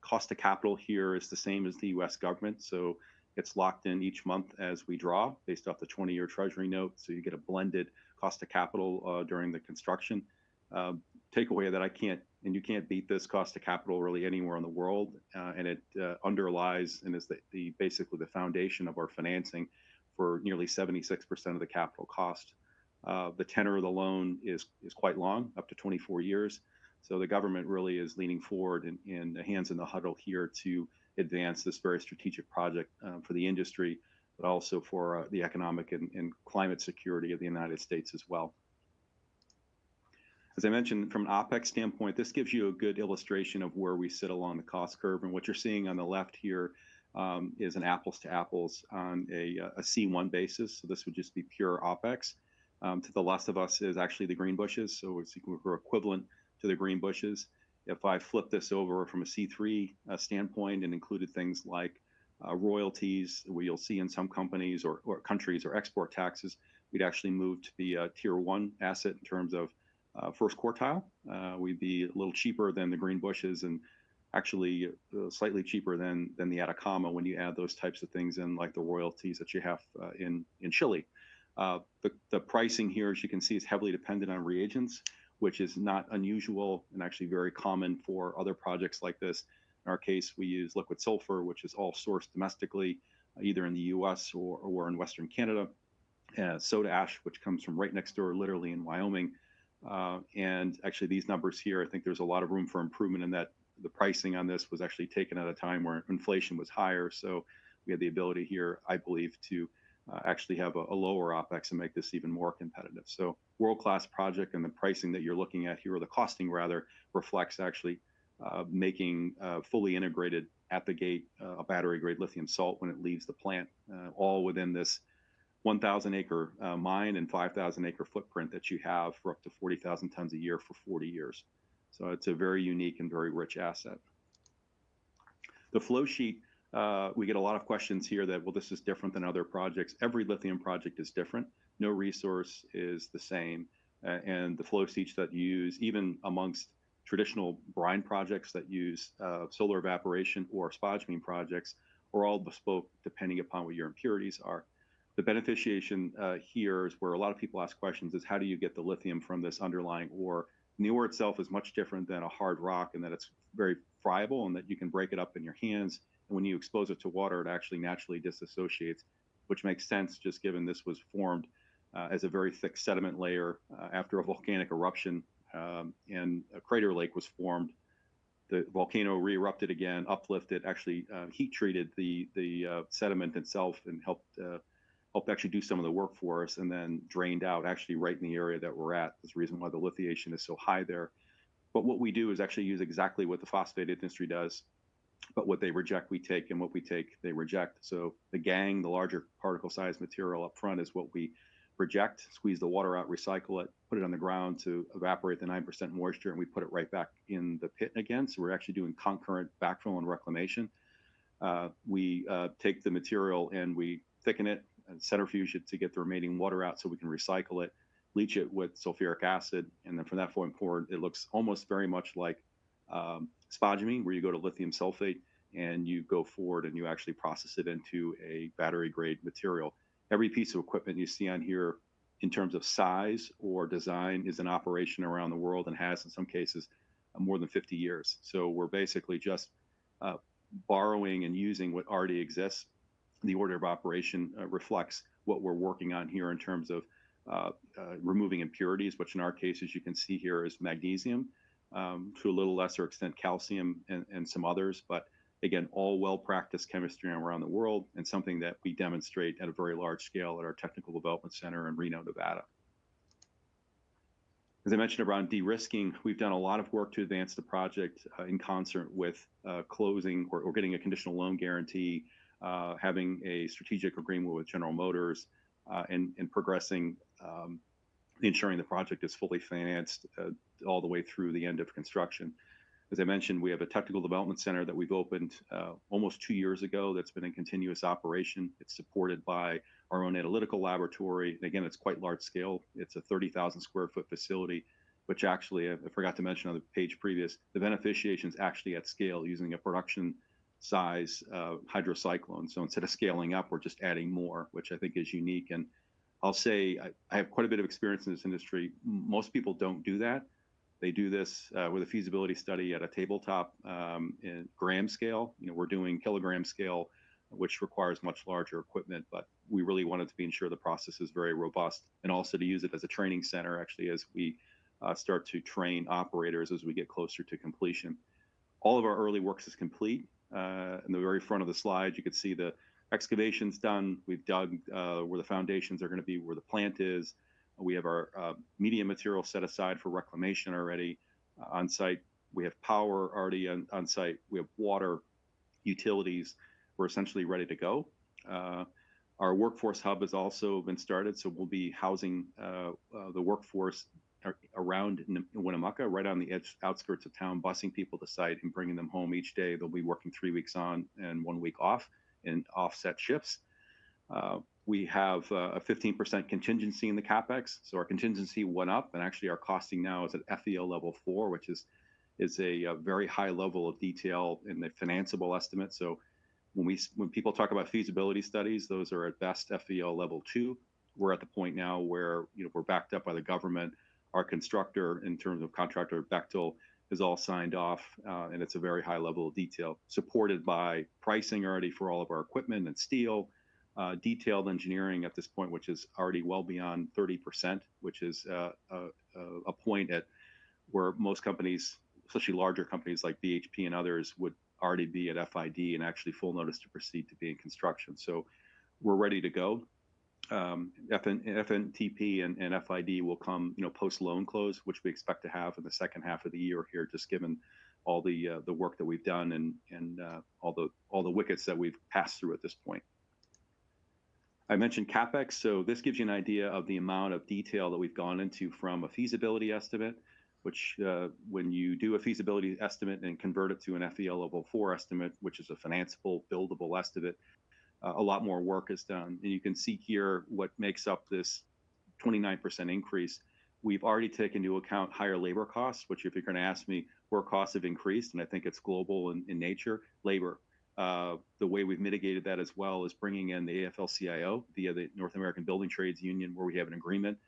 cost of capital here is the same as the U.S. government, so it's locked in each month as we draw, based off the 20-year Treasury note, so you get a blended cost of capital during the construction. Takeaway that I can't, and you can't beat this cost of capital really anywhere in the world, and it underlies and is basically the foundation of our financing for nearly 76% of the capital cost. The tenor of the loan is quite long, up to 24 years. So the government really is leaning forward and hands in the huddle here to advance this very strategic project for the industry, but also for the economic and climate security of the United States as well. As I mentioned, from an OpEx standpoint, this gives you a good illustration of where we sit along the cost curve, and what you're seeing on the left here is an apples to apples on a C1 basis. So this would just be pure OpEx. To the left of us is actually the Greenbushes, so it's equivalent to the Greenbushes. If I flip this over from a C3 standpoint and included things like royalties, where you'll see in some companies or countries or export taxes, we'd actually move to the tier one asset in terms of first quartile. We'd be a little cheaper than the Greenbushes and actually slightly cheaper than the Atacama when you add those types of things in, like the royalties that you have in Chile. The pricing here, as you can see, is heavily dependent on reagents, which is not unusual and actually very common for other projects like this. In our case, we use liquid sulfur, which is all sourced domestically, either in the U.S. or in Western Canada. Soda ash, which comes from right next door, literally in Wyoming... and actually these numbers here, I think there's a lot of room for improvement in that the pricing on this was actually taken at a time where inflation was higher. So we have the ability here, I believe, to actually have a lower OpEx and make this even more competitive. So, world-class project, and the pricing that you're looking at here, or the costing rather, reflects, actually, making fully integrated at the gate a battery-grade lithium salt when it leaves the plant, all within this 1,000-acre mine and 5,000-acre footprint that you have for up to 40,000 tons a year for 40 years. So it's a very unique and very rich asset. The flow sheet, we get a lot of questions here that, well, this is different than other projects. Every lithium project is different. No resource is the same, and the flow sheets that you use, even among traditional brine projects that use solar evaporation or spodumene projects, are all bespoke, depending upon what your impurities are. The beneficiation here is where a lot of people ask questions, is how do you get the lithium from this underlying ore? And the ore itself is much different than a hard rock in that it's very friable and that you can break it up in your hands, and when you expose it to water, it actually naturally disassociates, which makes sense just given this was formed as a very thick sediment layer after a volcanic eruption, and a crater lake was formed. The volcano re-erupted again, uplifted, actually, heat-treated the sediment itself and helped actually do some of the work for us and then drained out, actually, right in the area that we're at. That's the reason why the lithiation is so high there. But what we do is actually use exactly what the phosphate industry does, but what they reject, we take, and what we take, they reject. So the gangue, the larger particle size material up front, is what we reject, squeeze the water out, recycle it, put it on the ground to evaporate the 9% moisture, and we put it right back in the pit again. So we're actually doing concurrent backfill and reclamation. We take the material and we thicken it and centrifuge it to get the remaining water out so we can recycle it, leach it with sulfuric acid, and then from that point forward, it looks almost very much like spodumene, where you go to lithium sulfate, and you go forward and you actually process it into a battery-grade material. Every piece of equipment you see on here in terms of size or design is in operation around the world and has, in some cases, more than 50 years. So we're basically just borrowing and using what already exists. The order of operation reflects what we're working on here in terms of removing impurities, which in our case, as you can see here, is magnesium, to a little lesser extent, calcium and some others. But again, all well-practiced chemistry around the world, and something that we demonstrate at a very large scale at our Technical Development Center in Reno, Nevada. As I mentioned around de-risking, we've done a lot of work to advance the project, in concert with, closing or, or getting a conditional loan guarantee, having a strategic agreement with General Motors, and, and progressing, ensuring the project is fully financed, all the way through the end of construction. As I mentioned, we have a Technical Development Center that we've opened, almost two years ago that's been in continuous operation. It's supported by our own analytical laboratory. Again, it's quite large scale. It's a 30,000 sq ft facility, which actually I, I forgot to mention on the page previous, the beneficiation is actually at scale using a production size, hydrocyclone. So instead of scaling up, we're just adding more, which I think is unique. And I'll say, I, I have quite a bit of experience in this industry. Most people don't do that. They do this with a feasibility study at a tabletop in gram scale. You know, we're doing kilogram scale, which requires much larger equipment, but we really wanted to ensure the process is very robust and also to use it as a training center, actually, as we start to train operators as we get closer to completion. All of our early works is complete. In the very front of the slide, you can see the excavation's done. We've dug where the foundations are gonna be, where the plant is. We have our mined material set aside for reclamation already on-site. We have power already on-site. We have water, utilities. We're essentially ready to go. Our workforce hub has also been started, so we'll be housing the workforce around Winnemucca, right on the outskirts of town, busing people to site and bringing them home each day. They'll be working three weeks on and one week off in offset shifts. We have a 15% contingency in the CapEx, so our contingency went up, and actually our costing now is at FEL Level four, which is a very high level of detail in the financeable estimate. So when people talk about feasibility studies, those are at best FEL Level two. We're at the point now where, you know, we're backed up by the government. Our constructor, in terms of contractor, Bechtel, is all signed off, and it's a very high level of detail, supported by pricing already for all of our equipment and steel, detailed engineering at this point, which is already well beyond 30%, which is a point at where most companies, especially larger companies like BHP and others, would already be at FID and actually full notice to proceed to be in construction. So we're ready to go. FNTP and FID will come, you know, post-loan close, which we expect to have in the second half of the year here, just given all the work that we've done and all the wickets that we've passed through at this point. I mentioned CapEx, so this gives you an idea of the amount of detail that we've gone into from a feasibility estimate, which, when you do a feasibility estimate and convert it to an FEL Level four estimate, which is a financeable, buildable estimate, a lot more work is done. And you can see here what makes up this 29% increase. We've already taken into account higher labor costs, which, if you're going to ask me, where costs have increased, and I think it's global in nature, labor. The way we've mitigated that as well is bringing in the AFL-CIO, the North American Building Trades Union, where we have an agreement.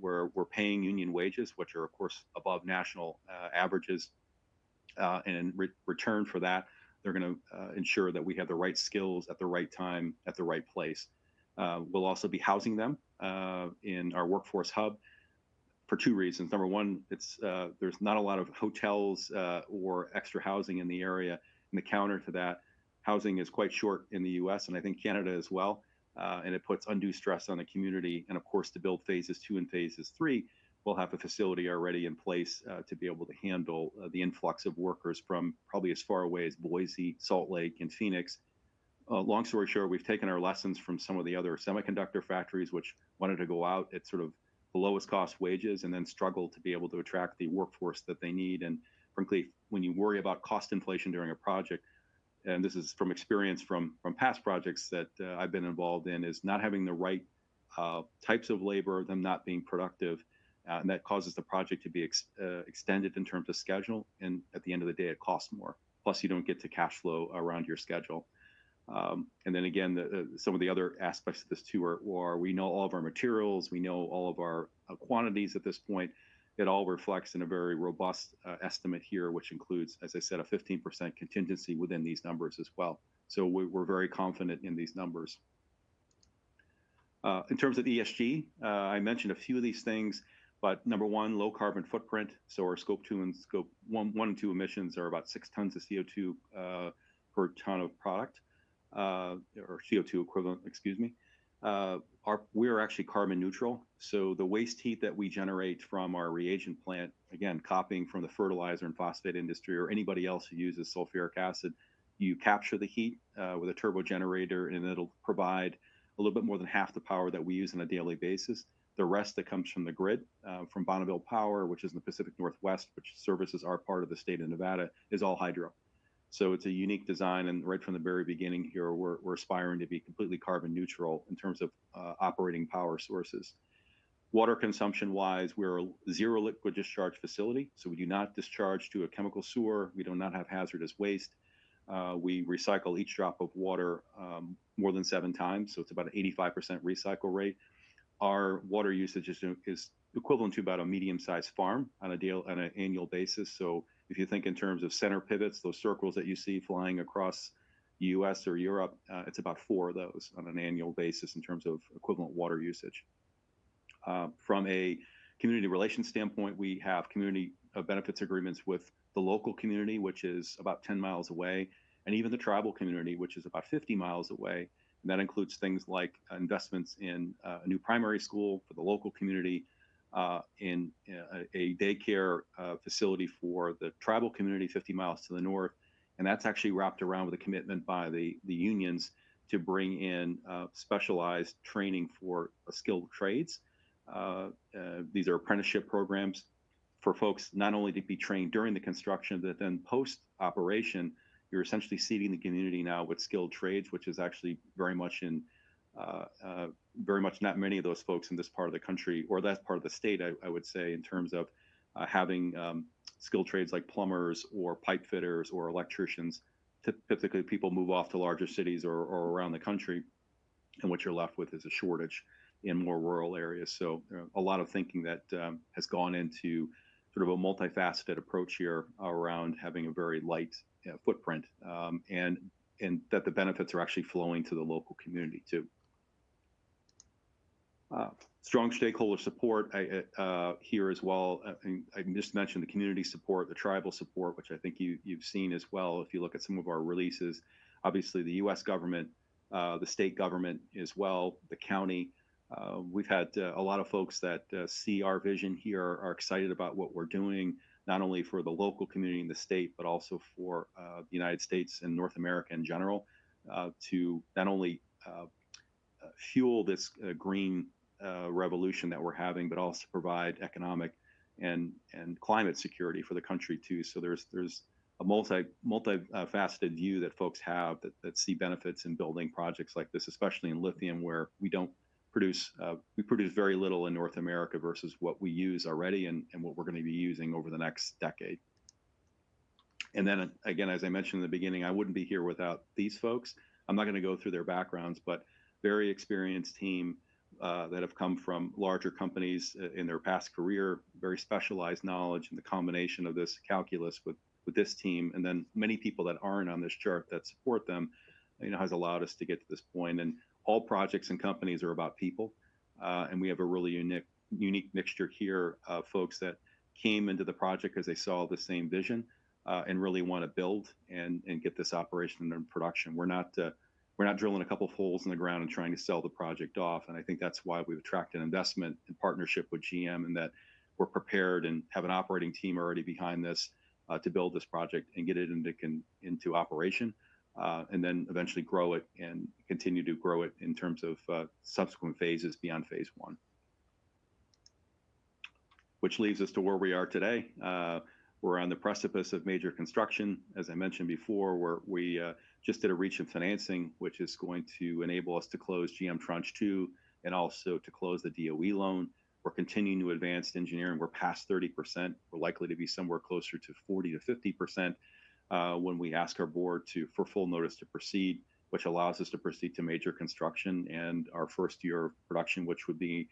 We're paying union wages, which are, of course, above national averages.... And in return for that, they're gonna ensure that we have the right skills at the right time, at the right place. We'll also be housing them in our workforce hub for two reasons. Number one, it's. There's not a lot of hotels or extra housing in the area, and the counter to that, housing is quite short in the U.S. and I think Canada as well, and it puts undue stress on the community. And of course, to build Phases II and Phases III, we'll have a facility already in place to be able to handle the influx of workers from probably as far away as Boise, Salt Lake, and Phoenix. Long story short, we've taken our lessons from some of the other semiconductor factories, which wanted to go out at sort of the lowest cost wages and then struggled to be able to attract the workforce that they need. And frankly, when you worry about cost inflation during a project, and this is from experience from past projects that I've been involved in, is not having the right types of labor, them not being productive, and that causes the project to be extended in terms of schedule, and at the end of the day, it costs more. Plus, you don't get to cashflow around your schedule. And then again, some of the other aspects of this too are we know all of our materials, we know all of our quantities at this point. It all reflects in a very robust estimate here, which includes, as I said, a 15% contingency within these numbers as well. So we're very confident in these numbers. In terms of ESG, I mentioned a few of these things, but number one, low carbon footprint, so our Scope two and Scope one, one and two emissions are about 6 tons of CO2 per ton of product or CO2 equivalent, excuse me. Our... We are actually carbon neutral, so the waste heat that we generate from our reagent plant, again, copying from the fertilizer and phosphate industry or anybody else who uses sulfuric acid, you capture the heat with a turbo generator, and it'll provide a little bit more than half the power that we use on a daily basis. The rest that comes from the grid from Bonneville Power, which is in the Pacific Northwest, which services are part of the state of Nevada, is all hydro. So it's a unique design, and right from the very beginning here, we're aspiring to be completely carbon neutral in terms of operating power sources. Water consumption-wise, we're a zero liquid discharge facility, so we do not discharge to a chemical sewer, we do not have hazardous waste. We recycle each drop of water more than seven times, so it's about 85% recycle rate. Our water usage is equivalent to about a medium-sized farm on an annual basis. So if you think in terms of center pivots, those circles that you see flying across the U.S. or Europe, it's about four of those on an annual basis in terms of equivalent water usage. From a community relations standpoint, we have community benefits agreements with the local community, which is about 10 mi away, and even the tribal community, which is about 50 mi away. And that includes things like investments in a new primary school for the local community, and a daycare facility for the tribal community 50 mi to the north. And that's actually wrapped around with a commitment by the unions to bring in specialized training for skilled trades. These are apprenticeship programs for folks not only to be trained during the construction, but then post-operation, you're essentially seeding the community now with skilled trades, which is actually very much in, very much not many of those folks in this part of the country or that part of the state, I would say, in terms of, having, skilled trades like plumbers or pipe fitters or electricians. Typically, people move off to larger cities or around the country, and what you're left with is a shortage in more rural areas. So, a lot of thinking that, has gone into sort of a multifaceted approach here around having a very light, footprint, and that the benefits are actually flowing to the local community too. Strong stakeholder support here as well. I can just mention the community support, the tribal support, which I think you've seen as well if you look at some of our releases. Obviously, the U.S. government, the state government as well, the county. We've had a lot of folks that see our vision here, are excited about what we're doing, not only for the local community and the state, but also for the United States and North America in general, to not only fuel this green revolution that we're having, but also provide economic and climate security for the country too. So there's a multifaceted view that folks have that see benefits in building projects like this, especially in lithium, where we don't produce, we produce very little in North America versus what we use already and what we're gonna be using over the next decade. And then again, as I mentioned in the beginning, I wouldn't be here without these folks. I'm not gonna go through their backgrounds, but very experienced team that have come from larger companies in their past career, very specialized knowledge, and the combination of this calculus with this team, and then many people that aren't on this chart that support them, you know, has allowed us to get to this point. All projects and companies are about people, and we have a really unique mixture here of folks that came into the project 'cause they saw the same vision, and really wanna build and get this operation in production. We're not drilling a couple holes in the ground and trying to sell the project off, and I think that's why we've attracted investment in partnership with GM, and that we're prepared and have an operating team already behind this, to build this project and get it into operation, and then eventually grow it and continue to grow it in terms of subsequent phases beyond Phase I. Which leads us to where we are today. We're on the precipice of major construction. As I mentioned before, we just did a recent financing, which is going to enable us to close GM Tranche two, and also to close the DOE loan. We're continuing to advance engineering. We're past 30%. We're likely to be somewhere closer to 40%-50% when we ask our board for full notice to proceed, which allows us to proceed to major construction and our first year of production, which would be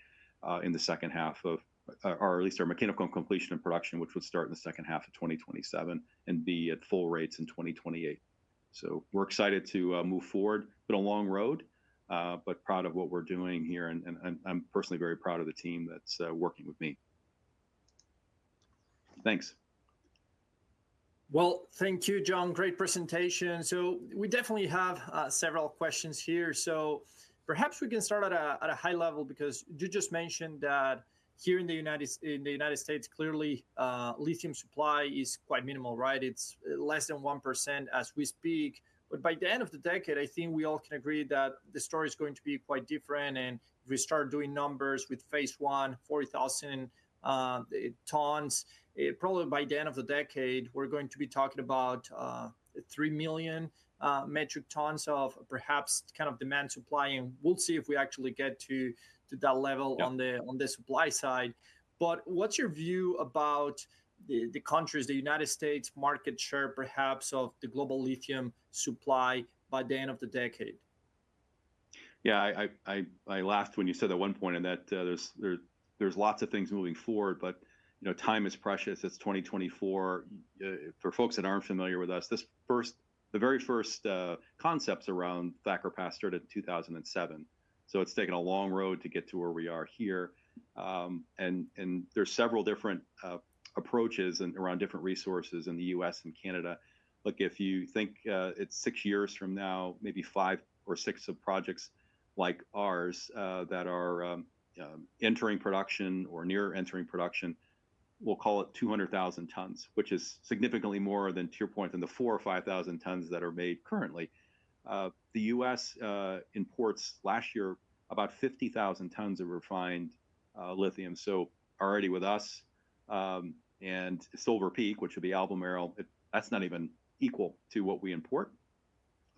in the second half of, or at least our mechanical completion of production, which would start in the second half of 2027, and be at full rates in 2028. So we're excited to move forward. Been a long road, but proud of what we're doing here, and I'm personally very proud of the team that's working with me. Thanks. Well, thank you, Jon. Great presentation. So we definitely have several questions here. So perhaps we can start at a high level, because you just mentioned that here in the United States, clearly, lithium supply is quite minimal, right? It's less than 1% as we speak, but by the end of the decade, I think we all can agree that the story is going to be quite different. And if we start doing numbers with Phase I, 40,000 tons, probably by the end of the decade, we're going to be talking about 3,000,000 metric tons of perhaps kind of demand supply, and we'll see if we actually get to that level- Yeah... on the supply side. But what's your view about the countries, the United States market share, perhaps, of the global lithium supply by the end of the decade? Yeah, I laughed when you said at one point and that there's lots of things moving forward, but you know, time is precious. It's 2024. For folks that aren't familiar with us, this first, the very first concepts around Thacker Pass started in 2007. So it's taken a long road to get to where we are here. And there's several different approaches and around different resources in the U.S. and Canada. Look, if you think it's six years from now, maybe five or six of projects like ours that are entering production or near entering production, we'll call it 200,000 tons, which is significantly more than, to your point, than the 4,000 or 5,000 tons that are made currently. The U.S. imports last year, about 50,000 tons of refined lithium. So already with us and Silver Peak, which would be Albemarle, that's not even equal to what we import.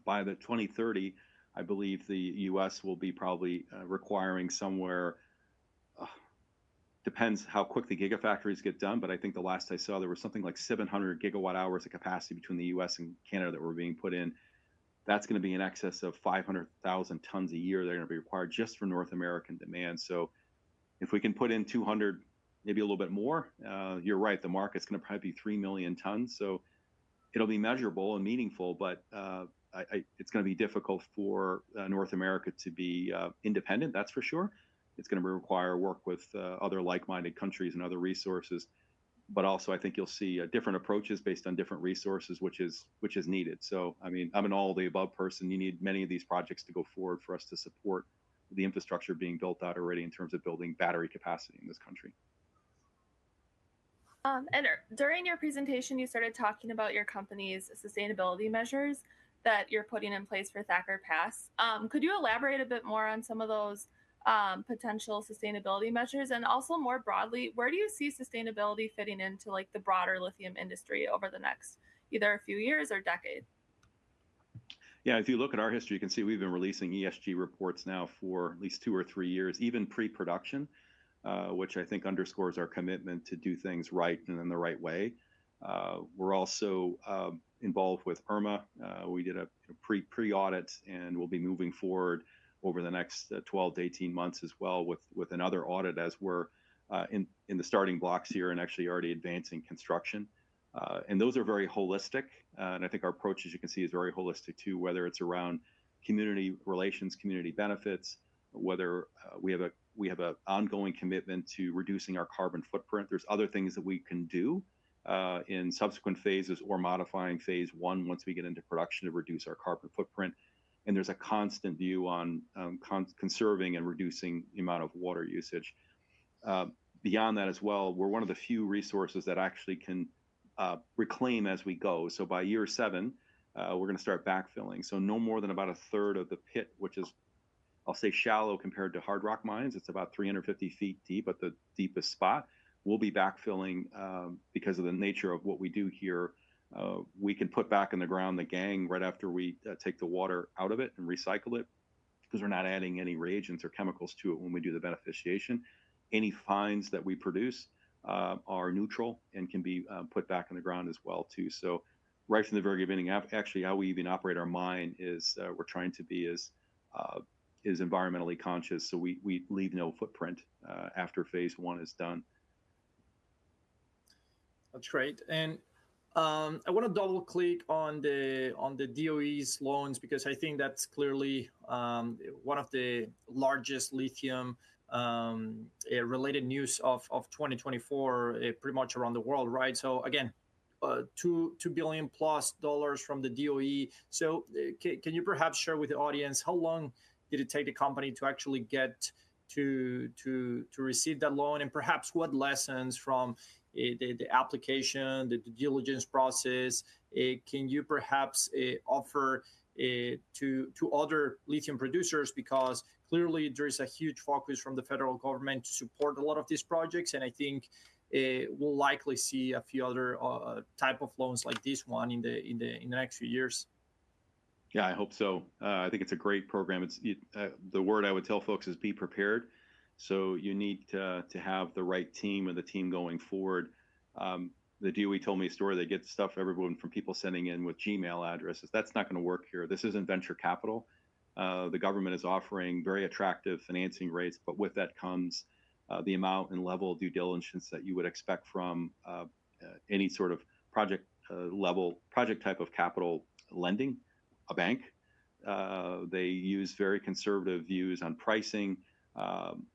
By 2030, I believe the U.S. will be probably requiring somewhere, depends how quick the gigafactories get done, but I think the last I saw, there was something like 700 GWh of capacity between the U.S. and Canada that were being put in. That's gonna be in excess of 500,000 tons a year that are gonna be required just for North American demand. So if we can put in 200, maybe a little bit more, you're right, the market's gonna probably be 3,000,000 tons, so it'll be measurable and meaningful, but I... It's gonna be difficult for North America to be independent, that's for sure. It's gonna require work with other like-minded countries and other resources. But also, I think you'll see different approaches based on different resources, which is needed. So, I mean, I'm an all of the above person. You need many of these projects to go forward for us to support the infrastructure being built out already in terms of building battery capacity in this country. During your presentation, you started talking about your company's sustainability measures that you're putting in place for Thacker Pass. Could you elaborate a bit more on some of those potential sustainability measures? Also, more broadly, where do you see sustainability fitting into, like, the broader lithium industry over the next either a few years or decade? Yeah, if you look at our history, you can see we've been releasing ESG reports now for at least two or three years, even pre-production, which I think underscores our commitment to do things right and in the right way. We're also involved with IRMA. We did a pre-audit, and we'll be moving forward over the next 12-18 months as well with another audit as we're in the starting blocks here and actually already advancing construction. And those are very holistic, and I think our approach, as you can see, is very holistic too, whether it's around community relations, community benefits, whether we have an ongoing commitment to reducing our carbon footprint. There's other things that we can do in subsequent phases or modifying Phase I once we get into production to reduce our carbon footprint, and there's a constant view on conserving and reducing the amount of water usage. Beyond that as well, we're one of the few resources that actually can reclaim as we go. So by year seven, we're gonna start backfilling. So no more than about a third of the pit, which is, I'll say, shallow compared to hard rock mines. It's about 350 ft deep, at the deepest spot. We'll be backfilling, because of the nature of what we do here, we can put back in the ground the gangue right after we take the water out of it and recycle it, 'cause we're not adding any reagents or chemicals to it when we do the beneficiation. Any fines that we produce are neutral and can be put back in the ground as well too. So right from the very beginning, actually, how we even operate our mine is, we're trying to be as environmentally conscious, so we leave no footprint after Phase I is done. That's great. And, I wanna double-click on the DOE's loans, because I think that's clearly one of the largest lithium related news of 2024, pretty much around the world, right? So again, $2 billion plus from the DOE. So can you perhaps share with the audience how long did it take the company to actually get to receive that loan, and perhaps what lessons from the application, the due diligence process, can you perhaps offer to other lithium producers? Because clearly, there is a huge focus from the federal government to support a lot of these projects, and I think we'll likely see a few other type of loans like this one in the next few years.... Yeah, I hope so. I think it's a great program. It's, the word I would tell folks is be prepared. So you need to, to have the right team and the team going forward. The DOE told me a story. They get stuff everyone from people sending in with Gmail addresses. That's not gonna work here. This isn't venture capital. The government is offering very attractive financing rates, but with that comes, the amount and level of due diligence that you would expect from, any sort of project, level, project type of capital lending, a bank. They use very conservative views on pricing.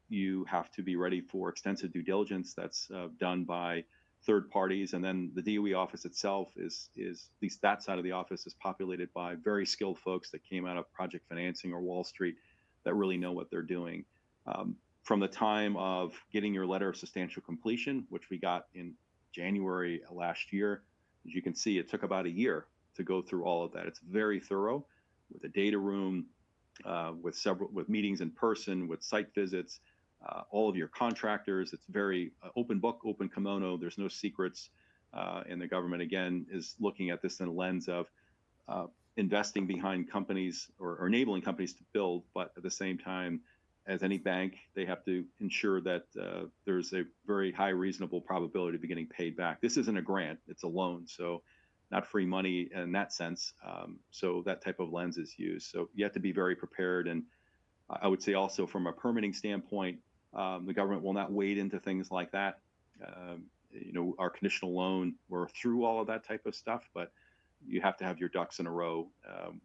You have to be ready for extensive due diligence that's, done by third parties. The DOE office itself is, at least that side of the office, populated by very skilled folks that came out of project financing or Wall Street that really know what they're doing. From the time of getting your letter of substantial completion, which we got in January last year, as you can see, it took about a year to go through all of that. It's very thorough, with a data room, with several meetings in person, with site visits, all of your contractors. It's very open book, open kimono. There's no secrets. And the government, again, is looking at this in a lens of investing behind companies or enabling companies to build. But at the same time, as any bank, they have to ensure that there's a very high reasonable probability of getting paid back. This isn't a grant, it's a loan. So not free money in that sense. So that type of lens is used. So you have to be very prepared. And I would say also from a permitting standpoint, the government will not wade into things like that. You know, our conditional loan, we're through all of that type of stuff, but you have to have your ducks in a row,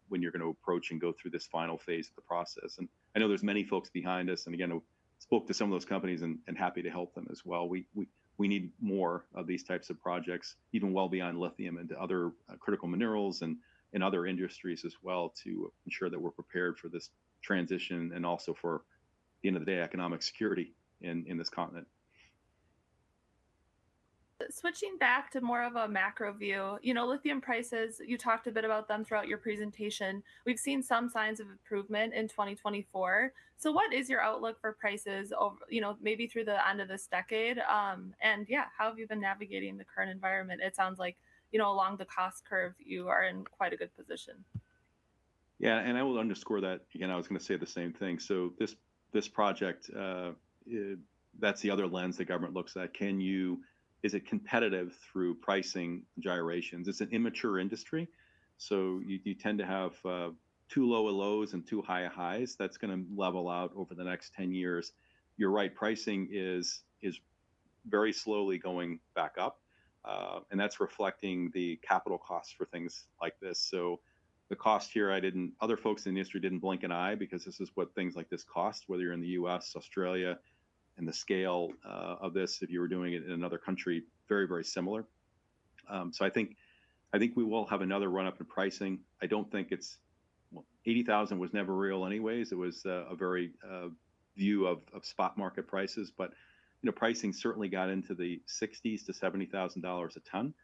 when you're gonna approach and go through this final phase of the process. And I know there's many folks behind us, and again, I spoke to some of those companies and happy to help them as well. We need more of these types of projects, even well beyond lithium into other critical minerals and other industries as well, to ensure that we're prepared for this transition and also for, at the end of the day, economic security in this continent. Switching back to more of a macro view, you know, lithium prices, you talked a bit about them throughout your presentation. We've seen some signs of improvement in 2024. So what is your outlook for prices over, you know, maybe through the end of this decade? And yeah, how have you been navigating the current environment? It sounds like, you know, along the cost curve, you are in quite a good position. Yeah, and I will underscore that. Again, I was gonna say the same thing. So this project, that's the other lens the government looks at. Is it competitive through pricing gyrations? It's an immature industry, so you tend to have too low a lows and too high a highs. That's gonna level out over the next 10 years. You're right, pricing is very slowly going back up, and that's reflecting the capital costs for things like this. So the cost here, other folks in the industry didn't blink an eye because this is what things like this cost, whether you're in the U.S., Australia, and the scale of this, if you were doing it in another country, very, very similar. So I think we will have another run-up in pricing. I don't think it's... Well, $80,000 was never real anyways. It was a very view of spot market prices, but, you know, pricing certainly got into the $60,000-$70,000 a ton.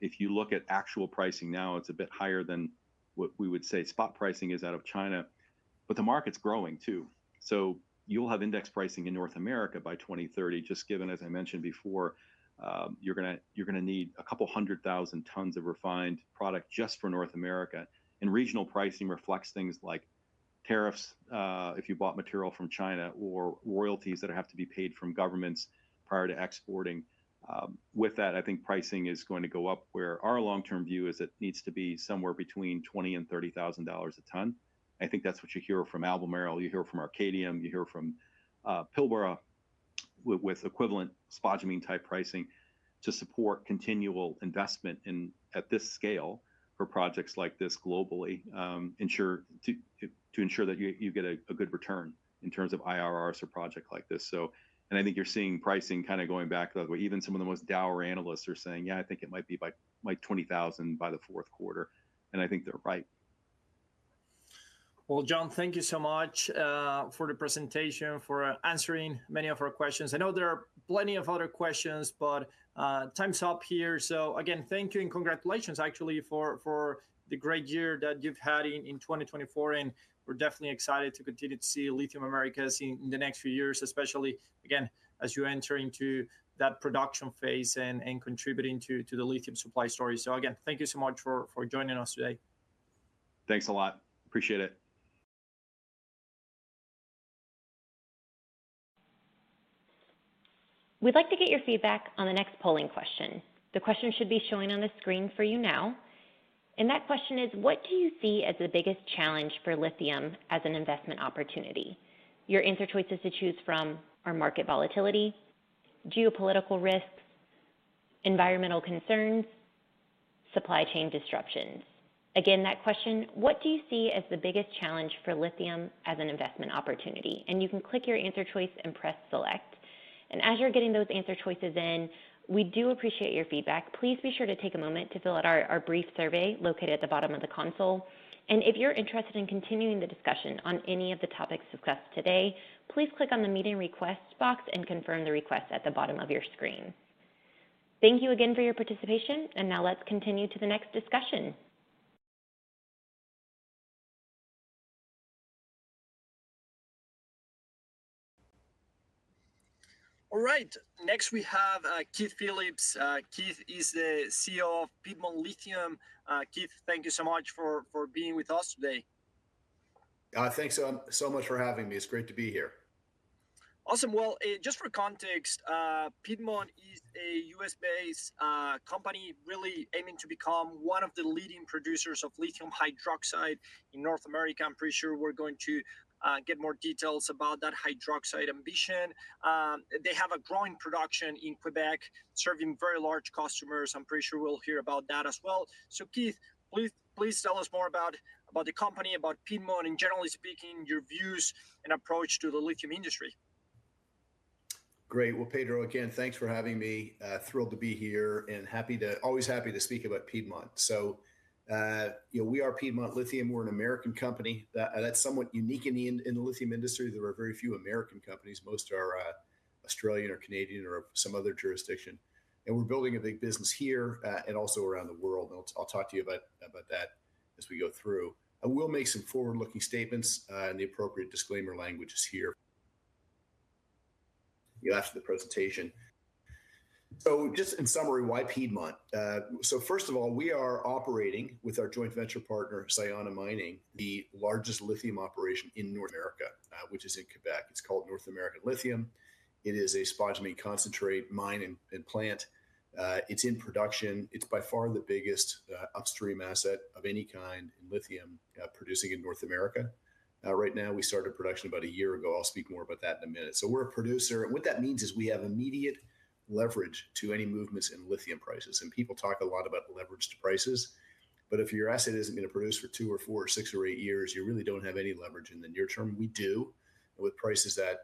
If you look at actual pricing now, it's a bit higher than what we would say spot pricing is out of China, but the market's growing too. So you'll have index pricing in North America by 2030, just given, as I mentioned before, you're gonna, you're gonna need 200,000 tons of refined product just for North America. And regional pricing reflects things like tariffs, if you bought material from China or royalties that have to be paid from governments prior to exporting. With that, I think pricing is going to go up where our long-term view is it needs to be somewhere between $20,000 and $30,000 a ton. I think that's what you hear from Albemarle, you hear from Arcadium, you hear from Pilbara, with equivalent spodumene type pricing to support continual investment in at this scale for projects like this globally, to ensure that you get a good return in terms of IRRs for a project like this, so. And I think you're seeing pricing kind of going back that way. Even some of the most dour analysts are saying, "Yeah, I think it might be by, like, $20,000 by the fourth quarter." And I think they're right. Well, John, thank you so much for the presentation, for answering many of our questions. I know there are plenty of other questions, but time's up here. So again, thank you and congratulations actually for the great year that you've had in 2024. And we're definitely excited to continue to see Lithium Americas in the next few years, especially again, as you enter into that production phase and contributing to the lithium supply story. So again, thank you so much for joining us today. Thanks a lot. Appreciate it. We'd like to get your feedback on the next polling question. The question should be showing on the screen for you now. And that question is: What do you see as the biggest challenge for lithium as an investment opportunity? Your answer choices to choose from are market volatility, geopolitical risks, environmental concerns, supply chain disruptions. Again, that question: What do you see as the biggest challenge for lithium as an investment opportunity? And you can click your answer choice and press select. And as you're getting those answer choices in, we do appreciate your feedback. Please be sure to take a moment to fill out our brief survey located at the bottom of the console. And if you're interested in continuing the discussion on any of the topics discussed today, please click on the meeting request box and confirm the request at the bottom of your screen. Thank you again for your participation, and now let's continue to the next discussion. ...All right, next we have, Keith Phillips. Keith is the CEO of Piedmont Lithium. Keith, thank you so much for, for being with us today. Thanks, so much for having me. It's great to be here. Awesome. Well, just for context, Piedmont is a U.S.-based company really aiming to become one of the leading producers of lithium hydroxide in North America. I'm pretty sure we're going to get more details about that hydroxide ambition. They have a growing production in Quebec, serving very large customers. I'm pretty sure we'll hear about that as well. So, Keith, please tell us more about the company, about Piedmont, and generally speaking, your views and approach to the lithium industry. Great! Well, Pedro, again, thanks for having me. Thrilled to be here and always happy to speak about Piedmont. So, you know, we are Piedmont Lithium. We're an American company. That, that's somewhat unique in the lithium industry. There are very few American companies. Most are Australian or Canadian or of some other jurisdiction, and we're building a big business here and also around the world, and I'll talk to you about that as we go through. I will make some forward-looking statements, and the appropriate disclaimer language is here after the presentation. So just in summary, why Piedmont? So first of all, we are operating with our joint venture partner, Sayona Mining, the largest lithium operation in North America, which is in Quebec. It's called North American Lithium. It is a spodumene concentrate mine and plant. It's in production. It's by far the biggest upstream asset of any kind in lithium producing in North America. Right now, we started production about a year ago. I'll speak more about that in a minute. So we're a producer, and what that means is we have immediate leverage to any movements in lithium prices. And people talk a lot about the leverage to prices, but if your asset isn't going to produce for two or four or six or eight years, you really don't have any leverage in the near term. We do, with prices at,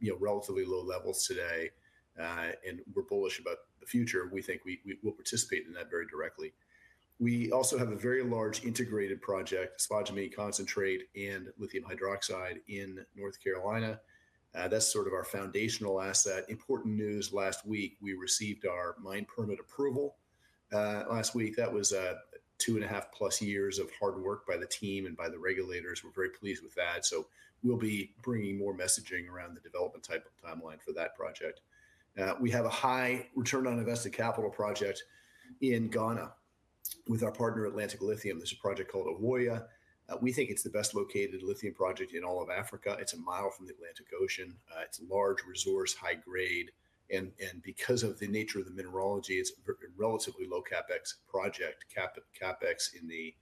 you know, relatively low levels today, and we're bullish about the future. We think we will participate in that very directly. We also have a very large integrated project, spodumene concentrate and lithium hydroxide in North Carolina. That's sort of our foundational asset. Important news, last week, we received our mine permit approval. Last week, that was two and a half plus years of hard work by the team and by the regulators. We're very pleased with that. So we'll be bringing more messaging around the development type of timeline for that project. We have a high return on invested capital project in Ghana with our partner, Atlantic Lithium. There's a project called Ewoyaa. We think it's the best located lithium project in all of Africa. It's a mile from the Atlantic Ocean. It's large resource, high grade, and because of the nature of the mineralogy, it's a relatively low CapEx project. CapEx in the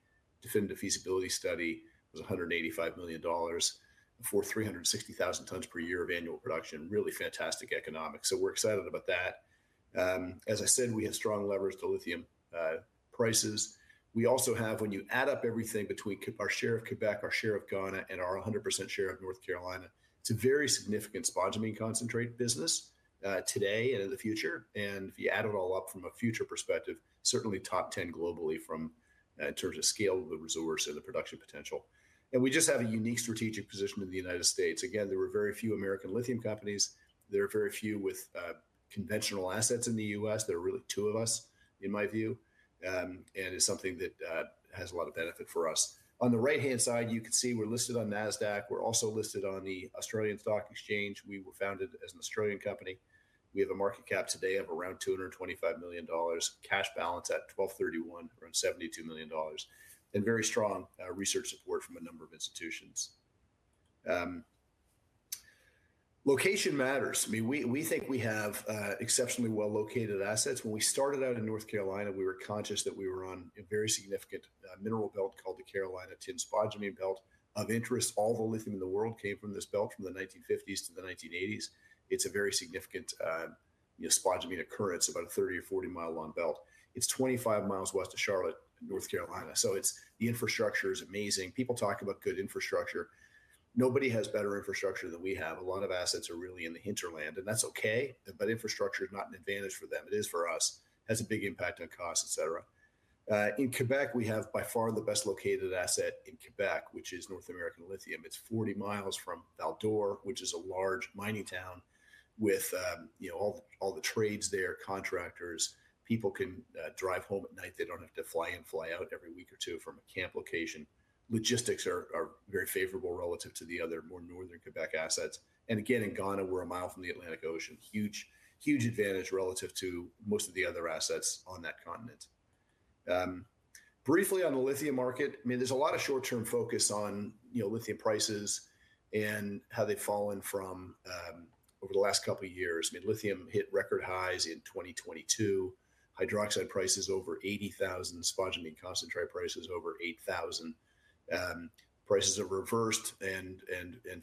definitive feasibility study was $185 million for 360,000 tons per year of annual production. Really fantastic economics, so we're excited about that. As I said, we have strong leverage to lithium prices. We also have, when you add up everything between our share of Quebec, our share of Ghana, and our 100% share of North Carolina, it's a very significant spodumene concentrate business today and in the future. And if you add it all up from a future perspective, certainly top 10 globally from in terms of scale of the resource or the production potential. And we just have a unique strategic position in the United States. Again, there are very few American lithium companies. There are very few with conventional assets in the U.S. There are really two of us, in my view, and it's something that has a lot of benefit for us. On the right-hand side, you can see we're listed on Nasdaq. We're also listed on the Australian Stock Exchange. We were founded as an Australian company. We have a market cap today of around $225 million, cash balance at 12/31 around $72 million, and very strong research support from a number of institutions. Location matters. I mean, we think we have exceptionally well-located assets. When we started out in North Carolina, we were conscious that we were on a very significant mineral belt called the Carolina Tin-Spodumene Belt. Of interest, all the lithium in the world came from this belt from the 1950s to the 1980s. It's a very significant spodumene occurrence, about a 30 or 40 mi long belt. It's 25 mi west of Charlotte, North Carolina, so it's... The infrastructure is amazing. People talk about good infrastructure. Nobody has better infrastructure than we have. A lot of assets are really in the hinterland, and that's okay, but infrastructure is not an advantage for them. It is for us. Has a big impact on cost, et cetera. In Quebec, we have by far the best located asset in Quebec, which is North American Lithium. It's 40 mi from Val-d'Or, which is a large mining town with, you know, all the trades there, contractors. People can drive home at night. They don't have to fly in, fly out every week or two from a camp location. Logistics are very favorable relative to the other more northern Quebec assets. And again, in Ghana, we're 1 mi from the Atlantic Ocean. Huge, huge advantage relative to most of the other assets on that continent. Briefly on the lithium market, I mean, there's a lot of short-term focus on, you know, lithium prices and how they've fallen from over the last couple of years. I mean, lithium hit record highs in 2022, hydroxide prices over $80,000, spodumene concentrate prices over $8,000. Prices have reversed and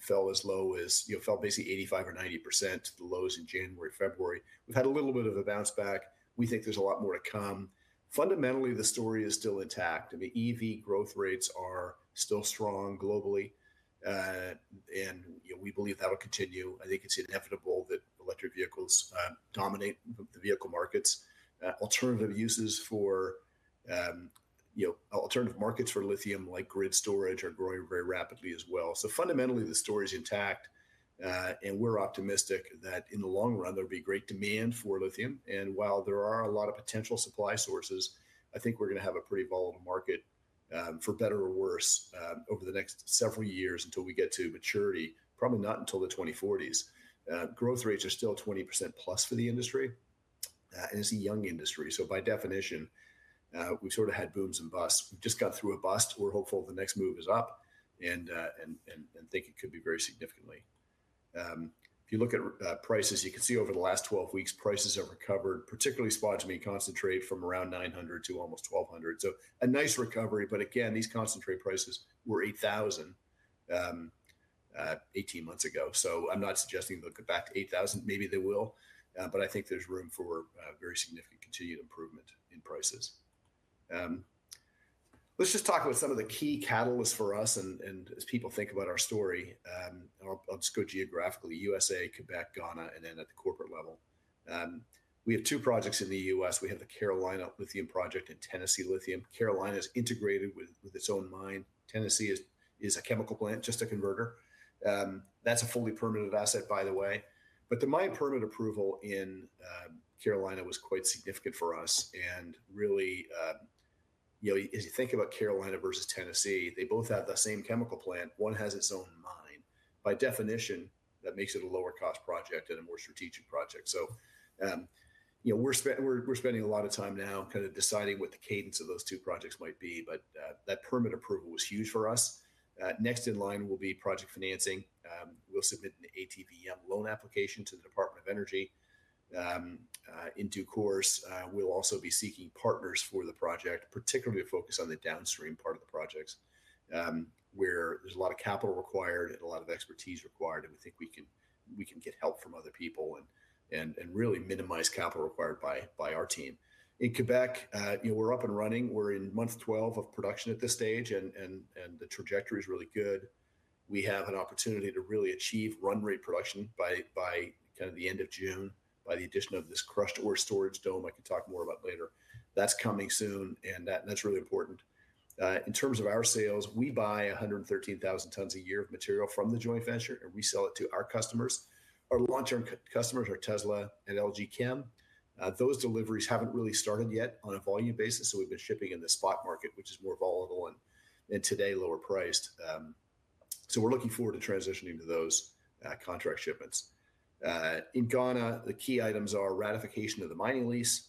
fell as low as, you know, fell basically 85% or 90% to the lows in January, February. We've had a little bit of a bounce back. We think there's a lot more to come. Fundamentally, the story is still intact. I mean, EV growth rates are still strong globally, and, you know, we believe that'll continue. I think it's inevitable that electric vehicles dominate the vehicle markets. Alternative uses for, you know, alternative markets for lithium, like grid storage, are growing very rapidly as well. So fundamentally, the story is intact, and we're optimistic that in the long run, there'll be great demand for lithium. And while there are a lot of potential supply sources, I think we're gonna have a pretty volatile market for better or worse, over the next several years until we get to maturity, probably not until the 2040s. Growth rates are still 20%+ for the industry. And it's a young industry, so by definition, we sort of had booms and busts. We've just got through a bust. We're hopeful the next move is up and think it could be very significantly. If you look at prices, you can see over the last 12 weeks, prices have recovered, particularly spodumene concentrate from around $900 to almost $1,200. So a nice recovery, but again, these concentrate prices were $8,000 18 months ago. So I'm not suggesting they'll go back to $8,000. Maybe they will, but I think there's room for very significant continued improvement in prices. Let's just talk about some of the key catalysts for us and as people think about our story, and I'll just go geographically, U.S.A., Quebec, Ghana, and then at the corporate level. We have two projects in the U.S. We have the Carolina Lithium project and Tennessee Lithium. Carolina is integrated with its own mine. Tennessee is a chemical plant, just a converter. That's a fully permitted asset, by the way. But the mine permit approval in Carolina was quite significant for us, and really, you know, as you think about Carolina versus Tennessee, they both have the same chemical plant. One has its own mine. By definition, that makes it a lower cost project and a more strategic project. So, you know, we're spending a lot of time now kind of deciding what the cadence of those two projects might be, but that permit approval was huge for us. Next in line will be project financing. We'll submit an ATVM loan application to the Department of Energy. In due course, we'll also be seeking partners for the project, particularly to focus on the downstream part of the projects, where there's a lot of capital required and a lot of expertise required, and we think we can get help from other people and really minimize capital required by our team. In Quebec, you know, we're up and running. We're in month 12 of production at this stage, and the trajectory is really good. We have an opportunity to really achieve run rate production by kind of the end of June, by the addition of this crushed ore storage dome. I can talk more about later. That's coming soon, and that's really important. In terms of our sales, we buy 113,000 tons a year of material from the joint venture, and we sell it to our customers. Our long-term customers are Tesla and LG Chem. Those deliveries haven't really started yet on a volume basis, so we've been shipping in the spot market, which is more volatile and today, lower priced. So we're looking forward to transitioning to those contract shipments. In Ghana, the key items are ratification of the mining lease,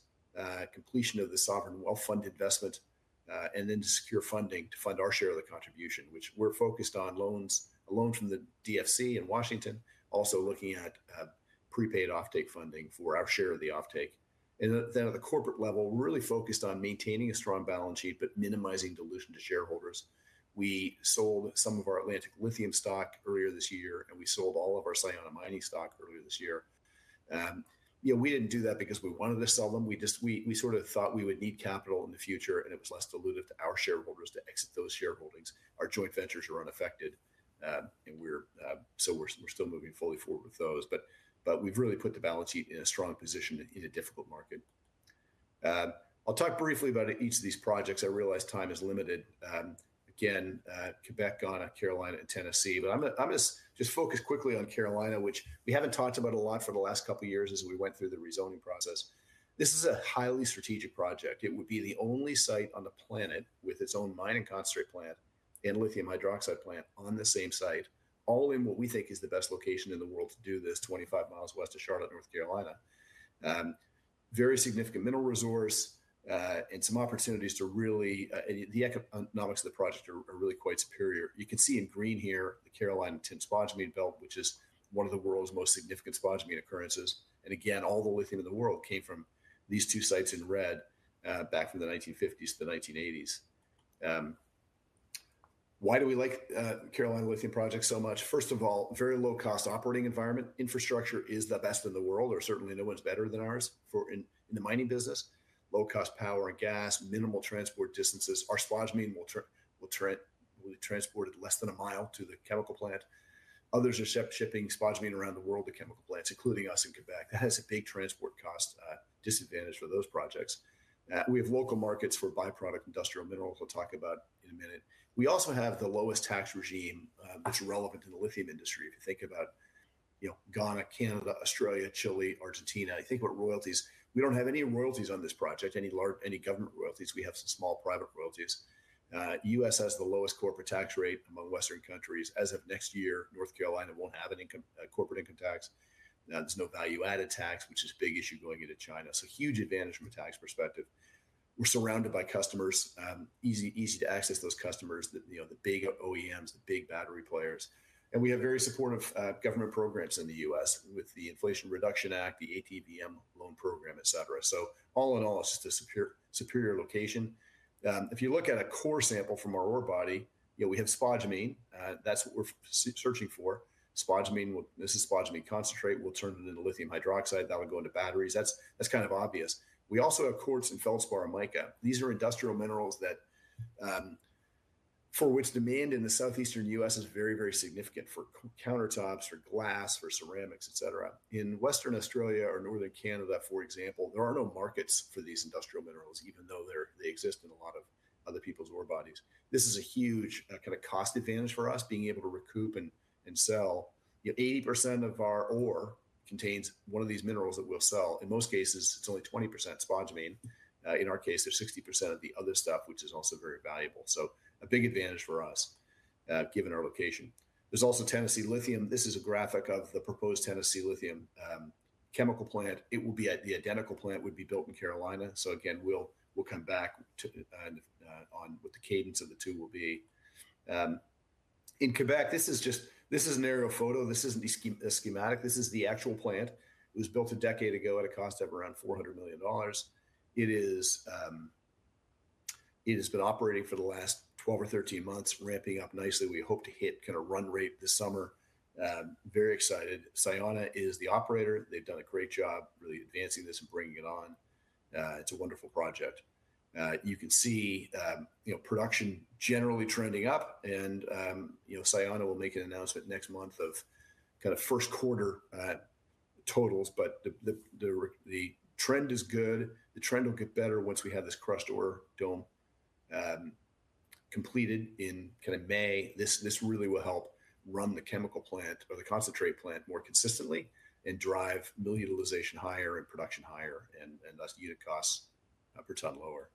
completion of the Sovereign Wealth Fund investment, and then to secure funding to fund our share of the contribution, which we're focused on loans, a loan from the DFC in Washington, also looking at prepaid offtake funding for our share of the offtake. At the corporate level, we're really focused on maintaining a strong balance sheet, but minimizing dilution to shareholders. We sold some of our Atlantic Lithium stock earlier this year, and we sold all of our Sayona Mining stock earlier this year. You know, we didn't do that because we wanted to sell them. We just sort of thought we would need capital in the future, and it was less dilutive to our shareholders to exit those shareholdings. Our joint ventures are unaffected, and we're still moving fully forward with those. But we've really put the balance sheet in a strong position in a difficult market. I'll talk briefly about each of these projects. I realize time is limited. Again, Quebec, Ghana, Carolina, and Tennessee, but I'm gonna just focus quickly on Carolina, which we haven't talked about a lot for the last couple of years as we went through the rezoning process. This is a highly strategic project. It would be the only site on the planet with its own mine and concentrate plant and lithium hydroxide plant on the same site, all in what we think is the best location in the world to do this, 25 mi west of Charlotte, North Carolina. Very significant mineral resource, and some opportunities to really... The economics of the project are really quite superior. You can see in green here, the Carolina Tin-Spodumene Belt, which is one of the world's most significant spodumene occurrences. And again, all the lithium in the world came from these two sites in red back from the 1950s to the 1980s. Why do we like the Carolina Lithium project so much? First of all, very low cost operating environment. Infrastructure is the best in the world, or certainly no one's better than ours for the mining business. Low-cost power and gas, minimal transport distances. Our spodumene will be transported less than a mile to the chemical plant. Others are shipping spodumene around the world to chemical plants, including us in Quebec. That has a big transport cost disadvantage for those projects. We have local markets for byproduct industrial minerals we'll talk about in a minute. We also have the lowest tax regime that's relevant to the lithium industry. If you think about, you know, Ghana, Canada, Australia, Chile, Argentina, I think what royalties, we don't have any royalties on this project, any government royalties. We have some small private royalties. The U.S. has the lowest corporate tax rate among Western countries. As of next year, North Carolina won't have a corporate income tax. There's no value-added tax, which is a big issue going into China. So huge advantage from a tax perspective. We're surrounded by customers. Easy, easy to access those customers, you know, the big OEMs, the big battery players. And we have very supportive government programs in the U.S. with the Inflation Reduction Act, the ATVM loan program, et cetera. So all in all, it's just a superior, superior location. If you look at a core sample from our ore body, you know, we have spodumene. That's what we're searching for. Spodumene, this is spodumene concentrate, will turn it into lithium hydroxide, that would go into batteries. That's, that's kind of obvious. We also have quartz and feldspar and mica. These are industrial minerals that, for which demand in the southeastern U.S. is very, very significant for countertops or glass or ceramics, et cetera. In Western Australia or northern Canada, for example, there are no markets for these industrial minerals, even though they exist in a lot of other people's ore bodies. This is a huge, kind of cost advantage for us, being able to recoup and sell. 80% of our ore contains one of these minerals that we'll sell. In most cases, it's only 20% spodumene. In our case, there's 60% of the other stuff, which is also very valuable. So a big advantage for us, given our location. There's also Tennessee Lithium. This is a graphic of the proposed Tennessee Lithium, chemical plant. It will be the identical plant would be built in Carolina. So again, we'll come back to on what the cadence of the two will be. In Quebec, this is just, this is an aerial photo. This isn't the schematic. This is the actual plant. It was built a decade ago at a cost of around $400 million. It has been operating for the last 12 or 13 months, ramping up nicely. We hope to hit kind of run rate this summer. Very excited. Sayona is the operator. They've done a great job really advancing this and bringing it on. It's a wonderful project. You can see, you know, production generally trending up and, you know, Sayona will make an announcement next month of kind of first quarter totals, but the trend is good. The trend will get better once we have this crushed ore dome completed in kind of May. This really will help run the chemical plant or the concentrate plant more consistently and drive mill utilization higher and production higher, and thus, unit costs per ton lower.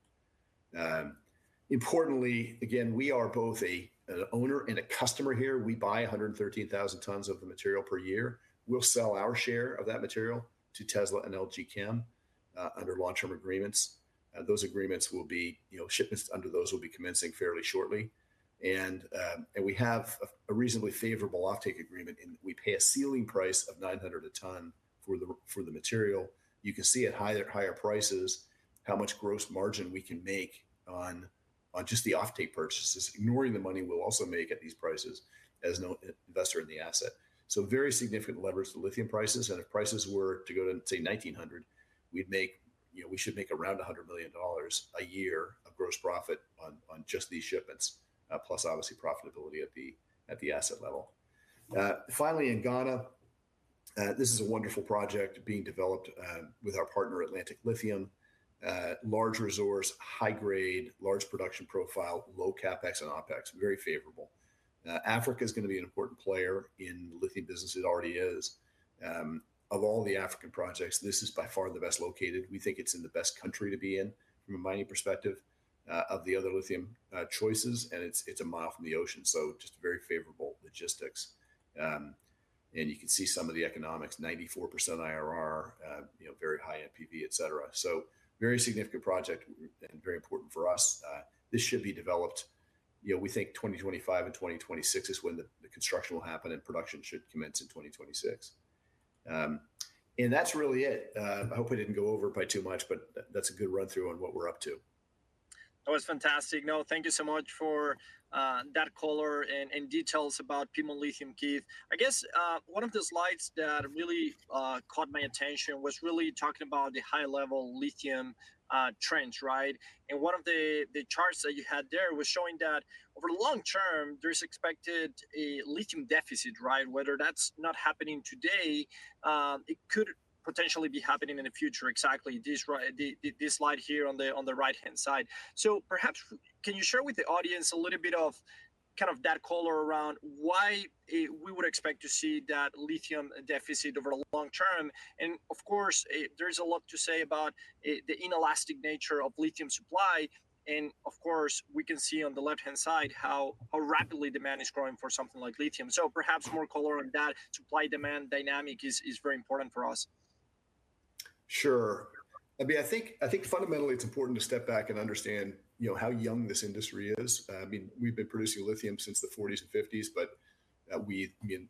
Importantly, again, we are both an owner and a customer here. We buy 113,000 tons of the material per year. We'll sell our share of that material to Tesla and LG Chem under long-term agreements. Those agreements will be, you know, shipments under those will be commencing fairly shortly. And we have a reasonably favorable offtake agreement, and we pay a ceiling price of $900 a ton for the material. You can see at higher prices, how much gross margin we can make on just the offtake purchases, ignoring the money we'll also make at these prices as an investor in the asset. So very significant leverage to lithium prices, and if prices were to go to, say, $1,900, we'd make, you know, we should make around $100 million a year of gross profit on just these shipments, plus obviously profitability at the asset level. Finally, in Ghana, this is a wonderful project being developed with our partner, Atlantic Lithium. Large resource, high grade, large production profile, low CapEx and OpEx, very favorable. Africa is going to be an important player in the lithium business. It already is. Of all the African projects, this is by far the best located. We think it's in the best country to be in from a mining perspective, of the other lithium choices, and it's a mile from the ocean, so just very favorable logistics. And you can see some of the economics, 94% IRR, you know, very high NPV, et cetera. So very significant project and very important for us. This should be developed, you know, we think 2025 and 2026 is when the construction will happen, and production should commence in 2026. And that's really it. I hope I didn't go over by too much, but that's a good run-through on what we're up to. That was fantastic. No, thank you so much for, that color and, and details about Piedmont Lithium, Keith. I guess, one of the slides that really, caught my attention was really talking about the high-level lithium, trends, right? And one of the, the charts that you had there was showing that over the long term, there's expected a lithium deficit, right? Whether that's not happening today, it could potentially be happening in the future exactly. This, the, the, this slide here on the, on the right-hand side. So perhaps, can you share with the audience a little bit of kind of that color around why, we would expect to see that lithium deficit over the long term? Of course, there's a lot to say about the inelastic nature of lithium supply, and of course, we can see on the left-hand side how rapidly demand is growing for something like lithium. So perhaps more color on that supply-demand dynamic is very important for us. Sure. I mean, I think, I think fundamentally, it's important to step back and understand, you know, how young this industry is. I mean, we've been producing lithium since the 1940s and 1950s, but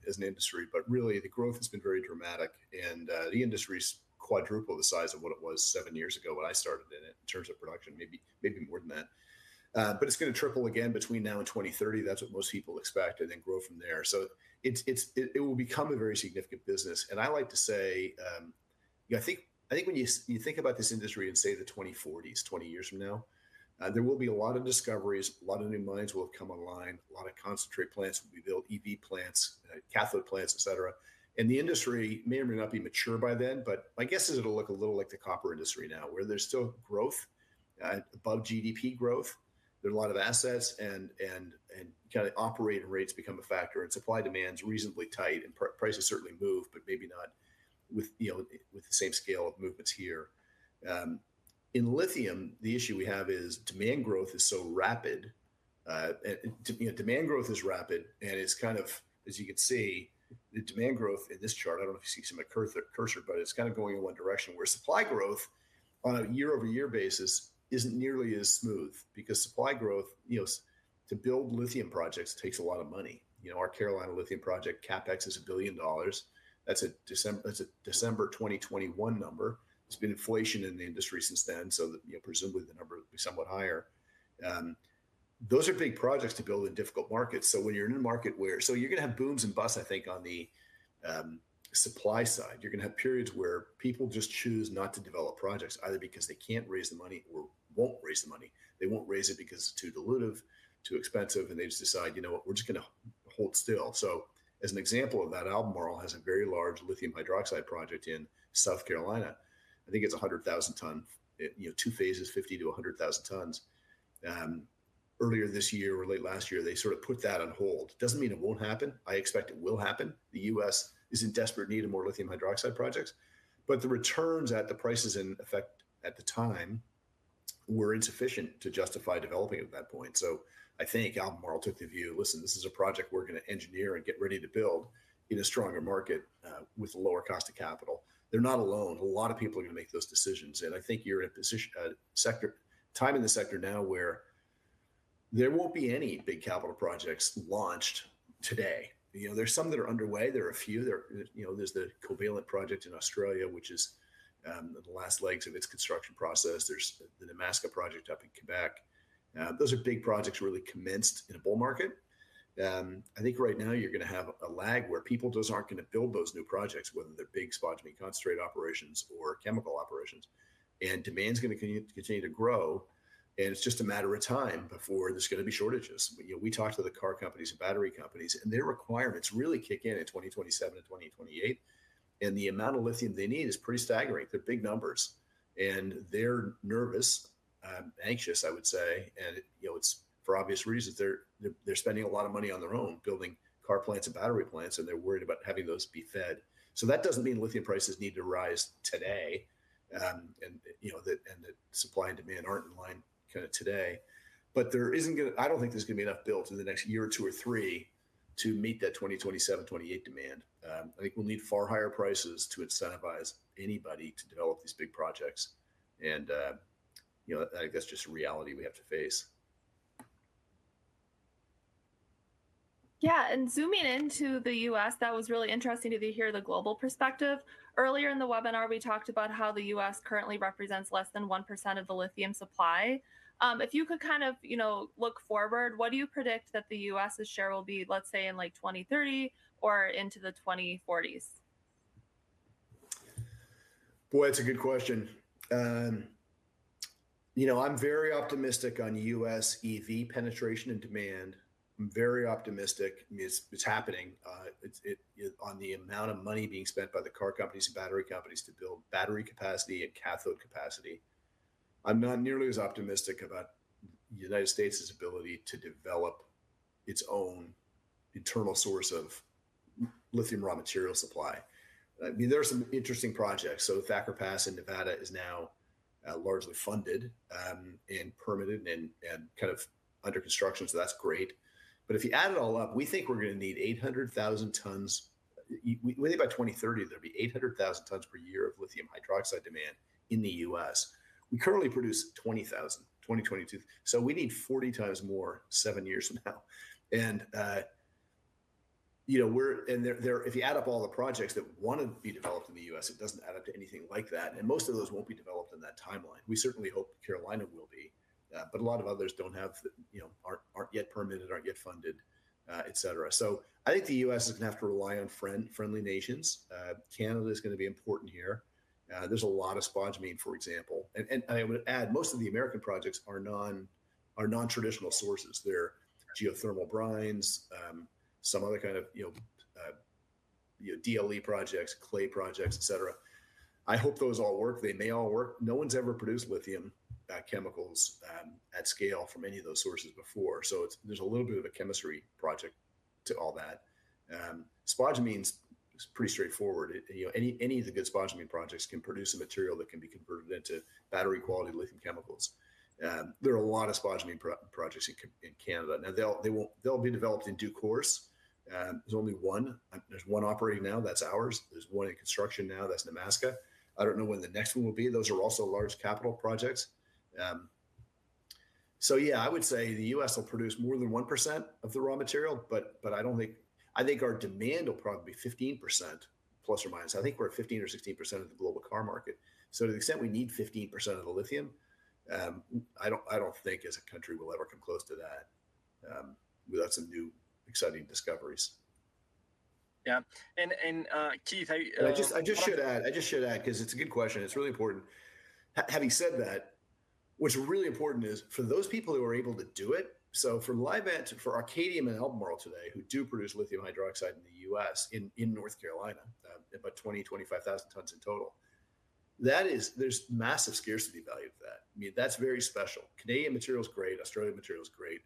as an industry, but really, the growth has been very dramatic, and the industry's quadruple the size of what it was seven years ago when I started in it, in terms of production, maybe, maybe more than that. But it's going to triple again between now and 2030. That's what most people expect, and then grow from there. So it's, it's, it will become a very significant business. And I like to say, you know, I think, I think when you think about this industry in, say, the 2040s, 20 years from now, there will be a lot of discoveries, a lot of new mines will have come online, a lot of concentrate plants will be built, EV plants, cathode plants, et cetera. And the industry may or may not be mature by then, but my guess is it'll look a little like the copper industry now, where there's still growth above GDP growth. There are a lot of assets and kind of operating rates become a factor, and supply demand's reasonably tight, and prices certainly move, but maybe not with, you know, with the same scale of movements here. In lithium, the issue we have is demand growth is so rapid. You know, demand growth is rapid, and it's kind of, as you can see, the demand growth in this chart, I don't know if you see my cursor, but it's kind of going in one direction, where supply growth on a year-over-year basis isn't nearly as smooth because supply growth, you know, to build lithium projects takes a lot of money. You know, our Carolina Lithium project, CapEx is $1 billion. That's a December 2021 number. There's been inflation in the industry since then, so the, you know, presumably, the number would be somewhat higher. Those are big projects to build in difficult markets. So when you're in a market where... So you're going to have booms and busts, I think, on the supply side. You're going to have periods where people just choose not to develop projects, either because they can't raise the money or won't raise the money. They won't raise it because it's too dilutive, too expensive, and they just decide, "You know what? We're just going to hold still." So as an example of that, Albemarle has a very large lithium hydroxide project in South Carolina. I think it's 100,000-ton. You know, two phases, 50,000 tons-100,000 tons. Earlier this year or late last year, they sort of put that on hold. Doesn't mean it won't happen. I expect it will happen. The U.S. is in desperate need of more lithium hydroxide projects, but the returns at the prices in effect at the time were insufficient to justify developing at that point. I think Albemarle took the view, "Listen, this is a project we're gonna engineer and get ready to build in a stronger market with a lower cost of capital." They're not alone. A lot of people are gonna make those decisions, and I think you're at position, sector time in the sector now where there won't be any big capital projects launched today. You know, there's some that are underway. There are a few. There, you know, there's the Covalent project in Australia, which is the last legs of its construction process. There's the Nemaska project up in Quebec. Those are big projects really commenced in a bull market. I think right now you're gonna have a lag where people just aren't gonna build those new projects, whether they're big spodumene concentrate operations or chemical operations, and demand's gonna continue to grow, and it's just a matter of time before there's gonna be shortages. You know, we talked to the car companies and battery companies, and their requirements really kick in in 2027 and 2028, and the amount of lithium they need is pretty staggering. They're big numbers, and they're nervous, anxious, I would say, and, you know, it's for obvious reasons. They're spending a lot of money on their own, building car plants and battery plants, and they're worried about having those be fed. So that doesn't mean lithium prices need to rise today, and, you know, and the supply and demand aren't in line kinda today. I don't think there's gonna be enough built in the next year or two or three to meet that 2027, 2028 demand. I think we'll need far higher prices to incentivize anybody to develop these big projects, and, you know, I think that's just a reality we have to face. Yeah, and zooming into the U.S., that was really interesting to hear the global perspective. Earlier in the webinar, we talked about how the U.S. currently represents less than 1% of the lithium supply. If you could kind of, you know, look forward, what do you predict that the U.S.'s share will be, let's say, in, like, 2030 or into the 2040s? Boy, that's a good question. You know, I'm very optimistic on U.S. EV penetration and demand. I'm very optimistic. I mean, it's happening. On the amount of money being spent by the car companies and battery companies to build battery capacity and cathode capacity, I'm not nearly as optimistic about the United States' ability to develop its own internal source of lithium raw material supply. I mean, there are some interesting projects. So Thacker Pass in Nevada is now largely funded and permitted and kind of under construction, so that's great. But if you add it all up, we think we're gonna need 800,000 tons. We think by 2030, there'll be 800,000 tons per year of lithium hydroxide demand in the U.S. We currently produce 20,000 in 2022, so we need 40 times more seven years from now. If you add up all the projects that want to be developed in the U.S., it doesn't add up to anything like that, and most of those won't be developed in that timeline. We certainly hope Carolina will be, but a lot of others don't have, you know, aren't yet permitted, aren't yet funded, et cetera. So I think the U.S. is gonna have to rely on friendly nations. Canada is gonna be important here. There's a lot of spodumene, for example, and I would add, most of the American projects are non-traditional sources. They're geothermal brines, some other kind of, you know, DLE projects, clay projects, et cetera. I hope those all work. They may all work. No one's ever produced lithium chemicals at scale from any of those sources before, so it's—there's a little bit of a chemistry project to all that. Spodumene's pretty straightforward. You know, any of the good spodumene projects can produce a material that can be converted into battery quality lithium chemicals. There are a lot of spodumene projects in Canada. Now, they'll be developed in due course. There's only one operating now, that's ours. There's one in construction now, that's Nemaska. I don't know when the next one will be. Those are also large capital projects. So yeah, I would say the U.S. will produce more than 1% of the raw material, but I don't think... I think our demand will probably be 15%, ±. I think we're at 15% or 16% of the global car market. So to the extent we need 15% of the lithium, I don't, I don't think as a country we'll ever come close to that, without some new, exciting discoveries. Yeah, Keith, I— And I just should add, 'cause it's a good question. It's really important. Having said that, what's really important is for those people who are able to do it, so for Livent and for Arcadium and Albemarle today, who do produce lithium hydroxide in the U.S., in North Carolina, about 25,000 tons in total, that is—there's massive scarcity value of that. I mean, that's very special. Canadian material is great. Australian material is great.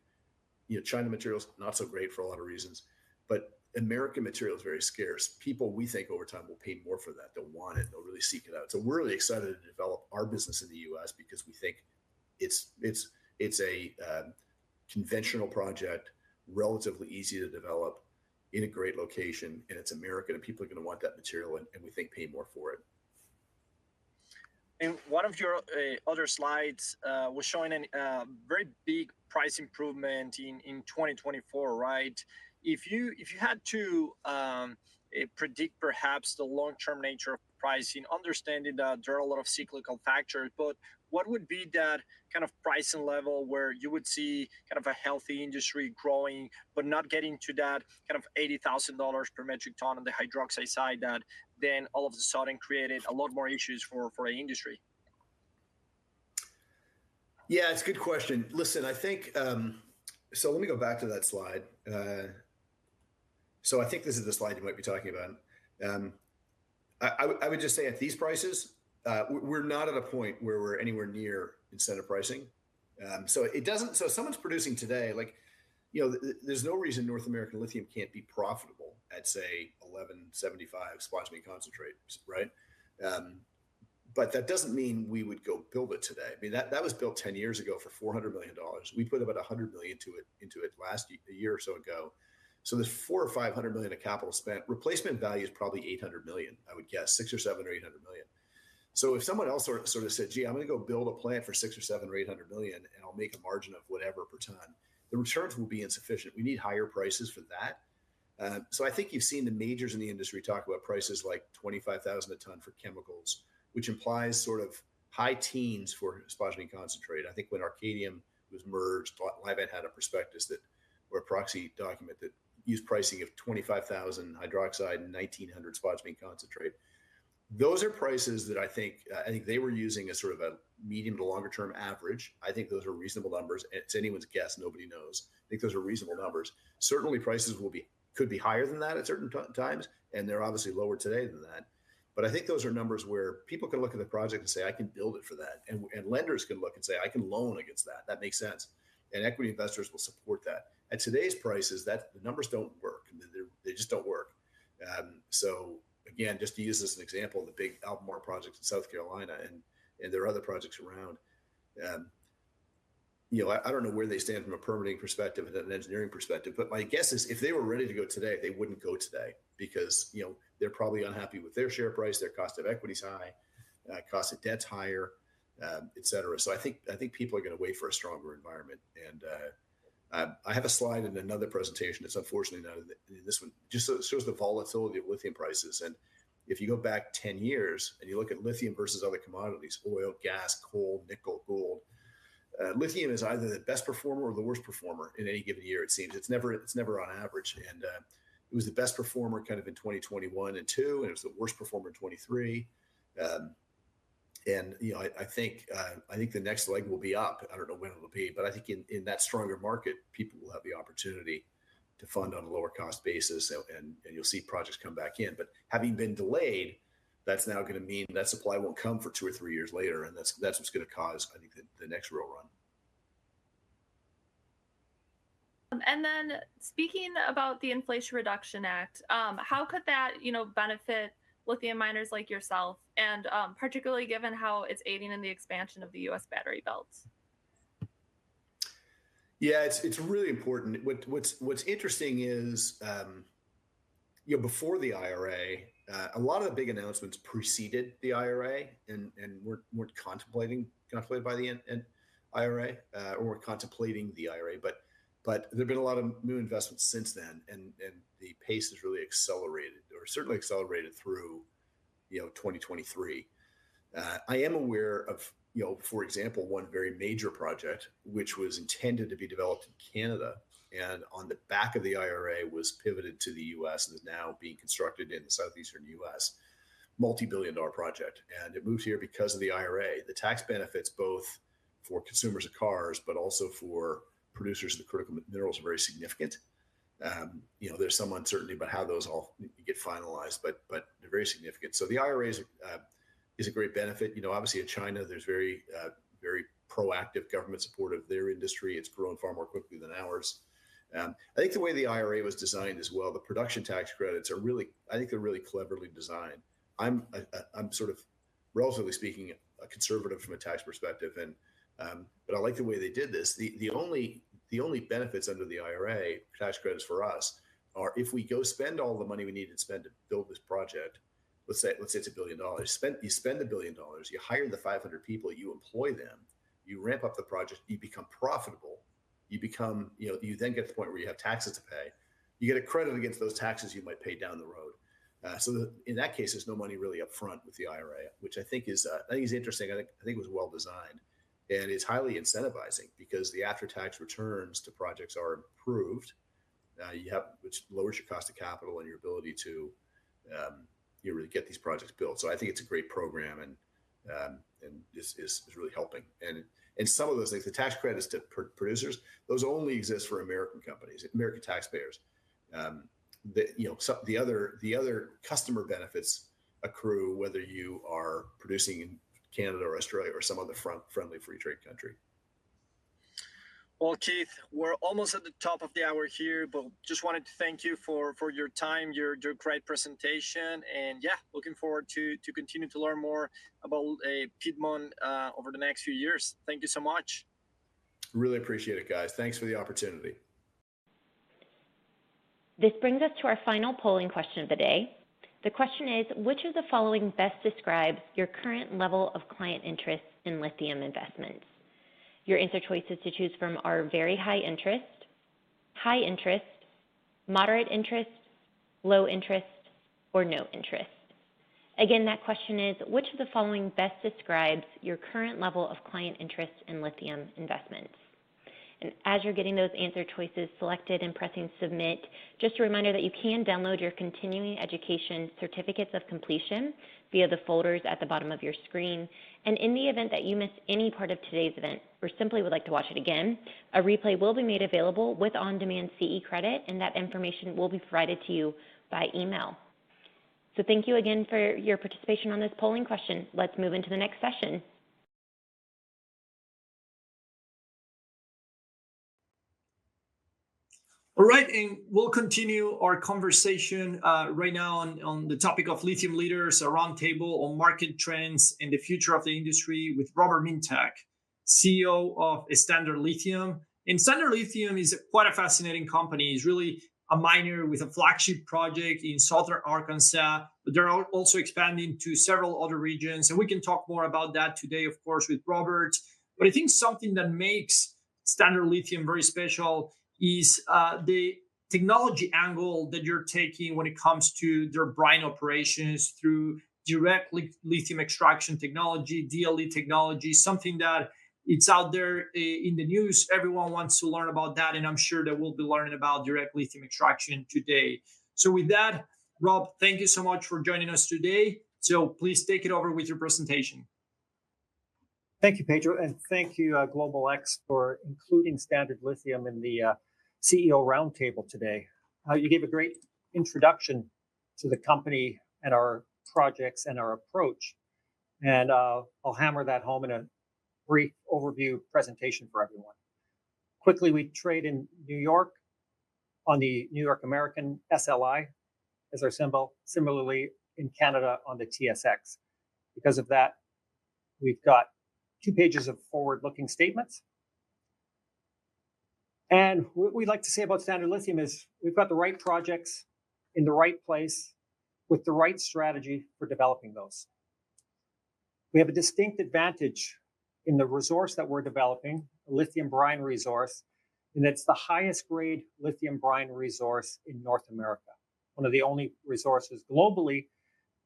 You know, China material is not so great for a lot of reasons, but American material is very scarce. People, we think over time, will pay more for that. They'll want it, they'll really seek it out. So we're really excited to develop our business in the U.S. because we think it's a conventional project, relatively easy to develop in a great location, and it's American, and people are gonna want that material and we think pay more for it. And one of your other slides was showing a very big price improvement in 2024, right? If you had to predict perhaps the long-term nature of pricing, understanding that there are a lot of cyclical factors, but what would be that kind of pricing level where you would see kind of a healthy industry growing, but not getting to that kind of $80,000 per metric ton on the hydroxide side that then all of a sudden created a lot more issues for our industry? Yeah, it's a good question. Listen, I think. So let me go back to that slide. So I think this is the slide you might be talking about. I would just say at these prices, we're not at a point where we're anywhere near incentive pricing. So it doesn't—So if someone's producing today, like, you know, there's no reason North American Lithium can't be profitable at, say, $1,175 spodumene concentrates, right? But that doesn't mean we would go build it today. I mean, that was built 10 years ago for $400 million. We put about $100 million to it, into it last year or so ago. So there's $400 million-$500 million of capital spent. Replacement value is probably $800 million, I would guess, $600 million-$800 million. So if someone else sort of, sort of said, "Gee, I'm gonna go build a plant for $600 million-$800 million, and I'll make a margin of whatever per ton," the returns will be insufficient. We need higher prices for that. So I think you've seen the majors in the industry talk about prices like $25,000 a ton for chemicals, which implies sort of high teens for spodumene concentrate. I think when Arcadium was merged, Livent had a prospectus that, or a proxy document, that used pricing of $25,000 hydroxide and $1,900 spodumene concentrate. Those are prices that I think, I think they were using a sort of a medium to longer term average. I think those are reasonable numbers. It's anyone's guess, nobody knows. I think those are reasonable numbers. Certainly, prices will be could be higher than that at certain times, and they're obviously lower today than that. But I think those are numbers where people can look at the project and say, "I can build it for that." And lenders can look and say, "I can loan against that. That makes sense." And equity investors will support that. At today's prices, that the numbers don't work. They just don't work. So again, just to use as an example, the big Albemarle project in South Carolina and there are other projects around, you know, I don't know where they stand from a permitting perspective and an engineering perspective, but my guess is if they were ready to go today, they wouldn't go today because, you know, they're probably unhappy with their share price, their cost of equity is high, cost of debt is higher, et cetera. So I think, I think people are gonna wait for a stronger environment. And I have a slide in another presentation that's unfortunately not in this one, shows the volatility of lithium prices. If you go back 10 years, and you look at lithium versus other commodities, oil, gas, coal, nickel, gold, lithium is either the best performer or the worst performer in any given year it seems. It's never on average, and it was the best performer kind of in 2021 and 2022, and it was the worst performer in 2023. You know, I think the next leg will be up. I don't know when it'll be, but I think in that stronger market, people will have the opportunity to fund on a lower cost basis, so and you'll see projects come back in. But having been delayed, that's now gonna mean that supply won't come for two or three years later, and that's what's gonna cause, I think, the next real run. And then speaking about the Inflation Reduction Act, how could that, you know, benefit lithium miners like yourself and, particularly given how it's aiding in the expansion of the U.S. battery belts? Yeah, it's really important. What's interesting is, you know, before the IRA, a lot of the big announcements preceded the IRA and were contemplating, kind of played in the IRA, or contemplating the IRA, but there have been a lot of new investments since then, and the pace has really accelerated or certainly accelerated through, you know, 2023. I am aware of, you know, for example, one very major project, which was intended to be developed in Canada, and on the back of the IRA, was pivoted to the U.S. and is now being constructed in the southeastern U.S., multi-billion-dollar project. And it moved here because of the IRA. The tax benefits, both for consumers of cars but also for producers of the critical minerals, are very significant. You know, there's some uncertainty about how those all get finalized, but they're very significant. So the IRA is a great benefit. You know, obviously in China, there's very proactive government support of their industry. It's grown far more quickly than ours. I think the way the IRA was designed as well, the production tax credits are really. I think they're really cleverly designed. I'm sort of, relatively speaking, a conservative from a tax perspective, and, but I like the way they did this. The only benefits under the IRA, tax credits for us, are if we go spend all the money we need to spend to build this project, let's say it's $1 billion. You spend $1 billion, you hire 500 people, you employ them, you ramp up the project, you become profitable, you become... You know, you then get to the point where you have taxes to pay. You get a credit against those taxes you might pay down the road. So the, in that case, there's no money really upfront with the IRA, which I think is interesting. I think it was well designed, and it's highly incentivizing because the after-tax returns to projects are improved. Which lowers your cost of capital and your ability to, you know, really get these projects built. So I think it's a great program, and is really helping. Some of those things, the tax credits to producers, those only exist for American companies, American taxpayers. You know, so the other customer benefits accrue, whether you are producing in Canada or Australia or some other friendly free trade country. Well, Keith, we're almost at the top of the hour here, but just wanted to thank you for your time, your great presentation, and, yeah, looking forward to continue to learn more about Piedmont over the next few years. Thank you so much. Really appreciate it, guys. Thanks for the opportunity. This brings us to our final polling question of the day. The question is: Which of the following best describes your current level of client interest in lithium investments? Your answer choices to choose from are: very high interest, high interest, moderate interest, low interest, or no interest. Again, that question is: Which of the following best describes your current level of client interest in lithium investments? And as you're getting those answer choices selected and pressing submit, just a reminder that you can download your continuing education certificates of completion via the folders at the bottom of your screen. And in the event that you missed any part of today's event or simply would like to watch it again, a replay will be made available with on-demand CE credit, and that information will be provided to you by email. Thank you again for your participation on this polling question. Let's move into the next session. All right, and we'll continue our conversation right now on the topic of Lithium Leaders, a roundtable on market trends and the future of the industry, with Robert Mintak, CEO of Standard Lithium. And Standard Lithium is quite a fascinating company. It's really a miner with a flagship project in southern Arkansas, but they're also expanding to several other regions, and we can talk more about that today, of course, with Robert. But I think something that makes Standard Lithium very special is the technology angle that you're taking when it comes to their brine operations through direct lithium extraction technology, DLE technology, something that it's out there in the news. Everyone wants to learn about that, and I'm sure that we'll be learning about direct lithium extraction today. So with that, Rob, thank you so much for joining us today. Please take it over with your presentation. Thank you, Pedro, and thank you, Global X, for including Standard Lithium in the CEO Roundtable today. You gave a great introduction to the company and our projects and our approach, and I'll hammer that home in a brief overview presentation for everyone. Quickly, we trade in New York on the New York American, SLI as our symbol. Similarly, in Canada, on the TSX. Because of that, we've got two pages of forward-looking statements. What we'd like to say about Standard Lithium is, we've got the right projects in the right place with the right strategy for developing those. We have a distinct advantage in the resource that we're developing, a lithium brine resource, and it's the highest grade lithium brine resource in North America. One of the only resources globally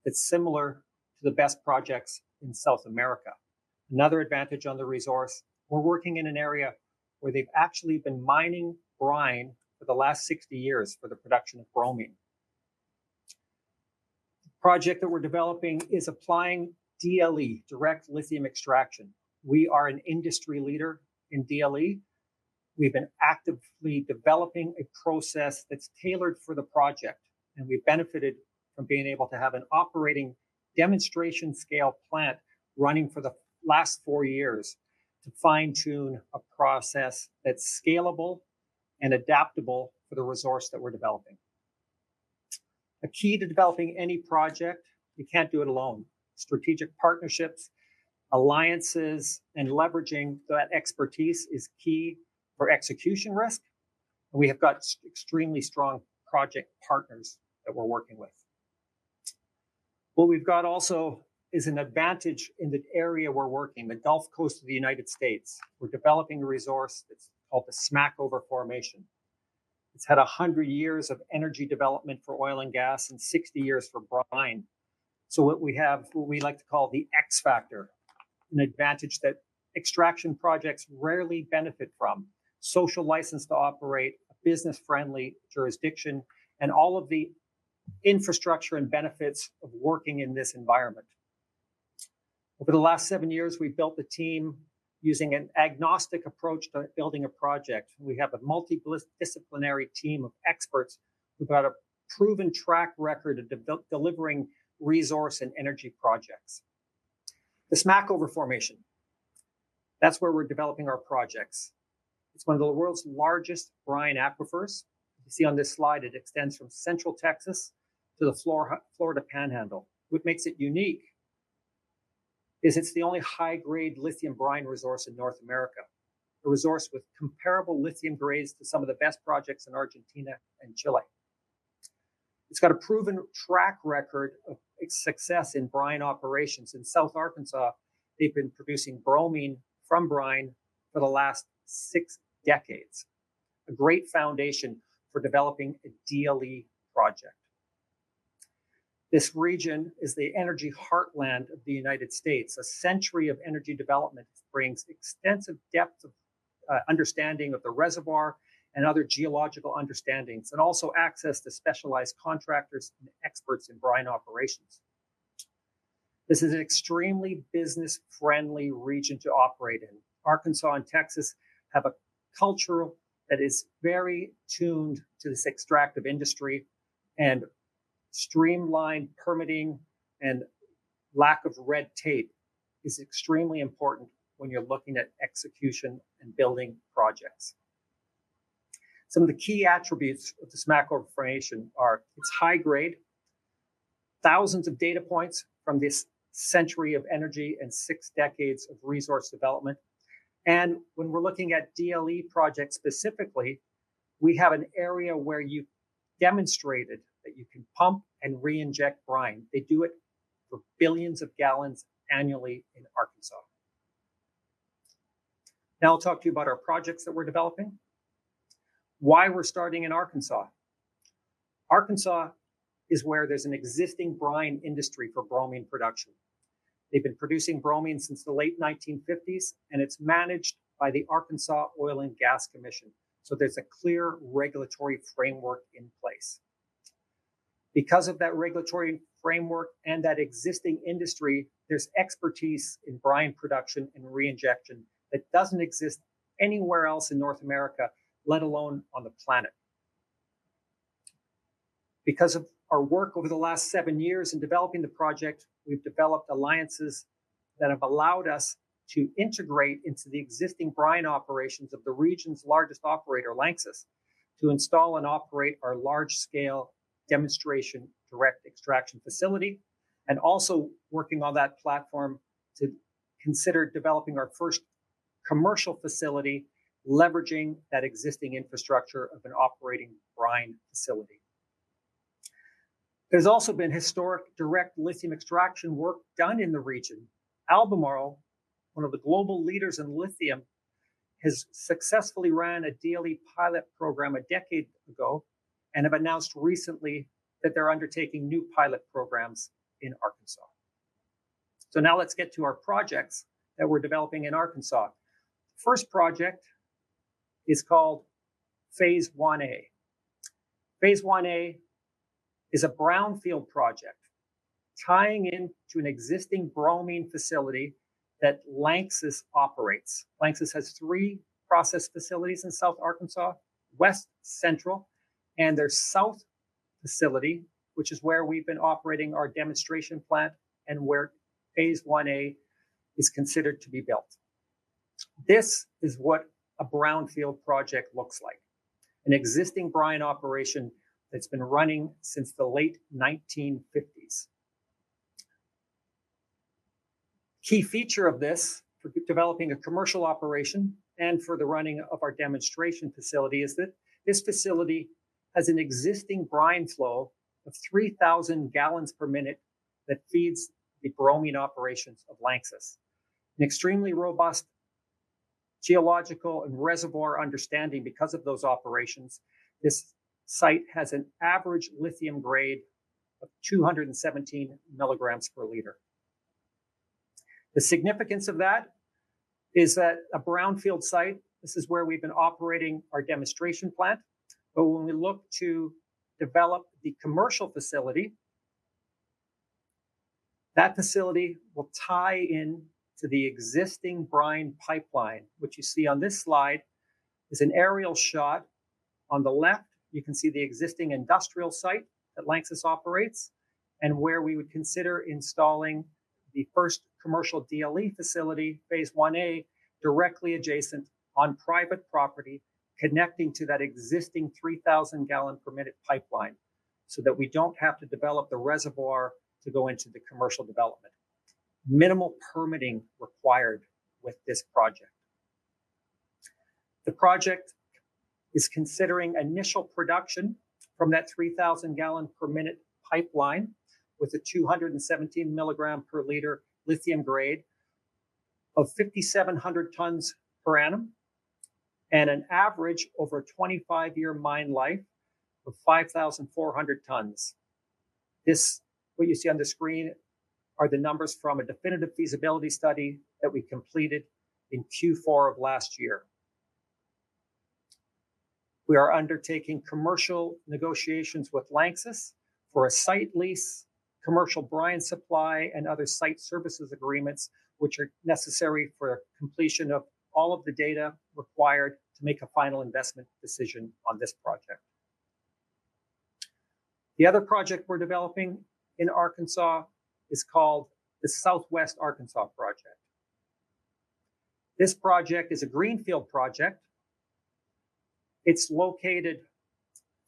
that's similar to the best projects in South America. Another advantage on the resource, we're working in an area where they've actually been mining brine for the last 60 years for the production of bromine. The project that we're developing is applying DLE, direct lithium extraction. We are an industry leader in DLE. We've been actively developing a process that's tailored for the project, and we've benefited from being able to have an operating demonstration scale plant running for the last four years, to fine-tune a process that's scalable and adaptable for the resource that we're developing. A key to developing any project, you can't do it alone. Strategic partnerships, alliances, and leveraging that expertise is key for execution risk, and we have got extremely strong project partners that we're working with. What we've got also is an advantage in the area we're working, the Gulf Coast of the United States. We're developing a resource that's called the Smackover Formation. It's had 100 years of energy development for oil and gas and 60 years for brine. So what we have, what we like to call the X factor, an advantage that extraction projects rarely benefit from, social license to operate, a business-friendly jurisdiction, and all of the infrastructure and benefits of working in this environment. Over the last seven years, we've built the team using an agnostic approach to building a project. We have a multidisciplinary team of experts who've got a proven track record of delivering resource and energy projects. The Smackover Formation, that's where we're developing our projects. It's one of the world's largest brine aquifers. You see on this slide, it extends from Central Texas to the Florida Panhandle. What makes it unique is it's the only high-grade lithium brine resource in North America, a resource with comparable lithium grades to some of the best projects in Argentina and Chile. It's got a proven track record of success in brine operations. In south Arkansas, they've been producing bromine from brine for the last six decades. A great foundation for developing a DLE project. This region is the energy heartland of the United States. A century of energy development brings extensive depth of understanding of the reservoir and other geological understandings, and also access to specialized contractors and experts in brine operations. This is an extremely business-friendly region to operate in. Arkansas and Texas have a culture that is very tuned to this extractive industry, and streamlined permitting and lack of red tape is extremely important when you're looking at execution and building projects. Some of the key attributes of the Smackover Formation are, it's high grade, thousands of data points from this century of energy and six decades of resource development, and when we're looking at DLE projects specifically, we have an area where you've demonstrated that you can pump and reinject brine. They do it for billions of gallons annually in Arkansas. Now I'll talk to you about our projects that we're developing. Why we're starting in Arkansas? Arkansas is where there's an existing brine industry for bromine production. They've been producing bromine since the late 1950s, and it's managed by the Arkansas Oil and Gas Commission, so there's a clear regulatory framework in place. Because of that regulatory framework and that existing industry, there's expertise in brine production and reinjection that doesn't exist anywhere else in North America, let alone on the planet. Because of our work over the last seven years in developing the project, we've developed alliances that have allowed us to integrate into the existing brine operations of the region's largest operator, LANXESS, to install and operate our large scale demonstration direct extraction facility, and also working on that platform to consider developing our first commercial facility, leveraging that existing infrastructure of an operating brine facility. There's also been historic direct lithium extraction work done in the region. Albemarle, one of the global leaders in lithium, has successfully ran a DLE pilot program a decade ago, and have announced recently that they're undertaking new pilot programs in Arkansas. So now let's get to our projects that we're developing in Arkansas. First project is called Phase I-A. Phase I-A is a brownfield project, tying into an existing bromine facility that LANXESS operates. LANXESS has three process facilities in South Arkansas: West, Central, and their South facility, which is where we've been operating our demonstration plant and where Phase I-A is considered to be built. This is what a brownfield project looks like, an existing brine operation that's been running since the late 1950s. Key feature of this, for developing a commercial operation and for the running of our demonstration facility, is that this facility has an existing brine flow of 3,000 gal per minute that feeds the bromine operations of LANXESS. An extremely robust geological and reservoir understanding because of those operations, this site has an average lithium grade of 217 mg/L. The significance of that is that a brownfield site, this is where we've been operating our demonstration plant, but when we look to develop the commercial facility, that facility will tie in to the existing brine pipeline. What you see on this slide is an aerial shot. On the left, you can see the existing industrial site that LANXESS operates, and where we would consider installing the first commercial DLE facility, Phase I-A, directly adjacent on private property, connecting to that existing 3,000-gal permitted pipeline, so that we don't have to develop the reservoir to go into the commercial development. Minimal permitting required with this project. The project is considering initial production from that 3,000-gal per minute pipeline, with a 217 mg/L lithium grade of 5,700 tons per annum, and an average over 25-year mine life of 5,400 tons. This, what you see on the screen, are the numbers from a definitive feasibility study that we completed in Q4 of last year. We are undertaking commercial negotiations with LANXESS for a site lease, commercial brine supply, and other site services agreements, which are necessary for completion of all of the data required to make a final investment decision on this project. The other project we're developing in Arkansas is called the Southwest Arkansas Project. This project is a greenfield project. It's located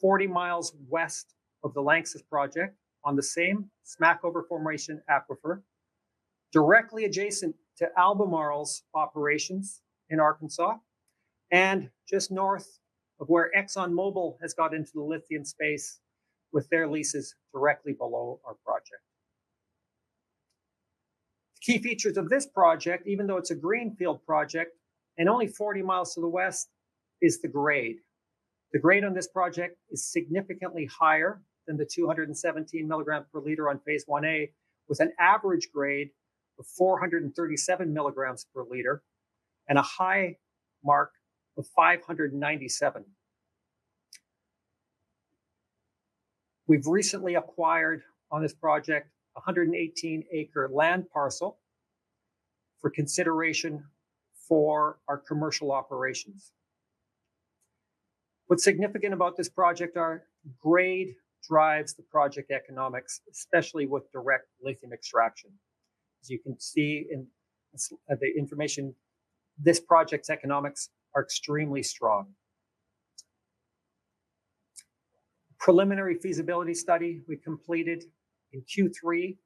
40 mi west of the LANXESS project, on the same Smackover Formation aquifer, directly adjacent to Albemarle's operations in Arkansas, and just north of where ExxonMobil has got into the lithium space, with their leases directly below our project. Key features of this project, even though it's a greenfield project and only 40 mi to the west, is the grade. The grade on this project is significantly higher than the 217 mg/L on Phase I-A, with an average grade of 437 mg/L, and a high mark of 597 mg/L. We've recently acquired, on this project, a 118-acre land parcel for consideration for our commercial operations. What's significant about this project are grade drives the project economics, especially with direct lithium extraction. As you can see in the information, this project's economics are extremely strong. Preliminary feasibility study we completed in Q3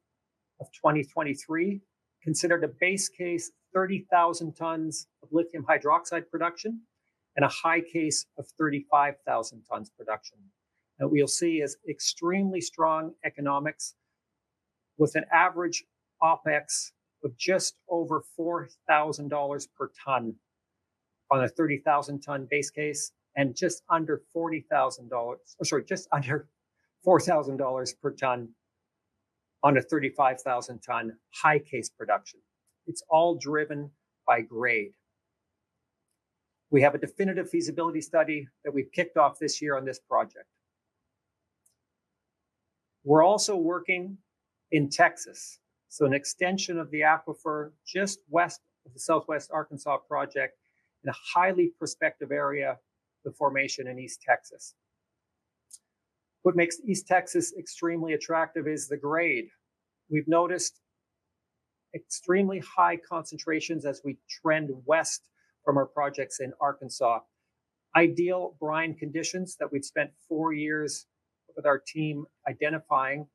of 2023, considered a base case, 30,000 tons of lithium hydroxide production, and a high case of 35,000 tons production. And we'll see is extremely strong economics, with an average OpEx of just over $4,000 per ton on a 30,000-ton base case, and just under $40,000... Oh, sorry, just under $4,000 per ton on a 35,000-ton high case production. It's all driven by grade. We have a definitive feasibility study that we've kicked off this year on this project. We're also working in Texas, so an extension of the aquifer just west of the Southwest Arkansas Project in a highly prospective area, the formation in East Texas. What makes East Texas extremely attractive is the grade. We've noticed extremely high concentrations as we trend west from our projects in Arkansas. Ideal brine conditions that we've spent four years with our team identifying.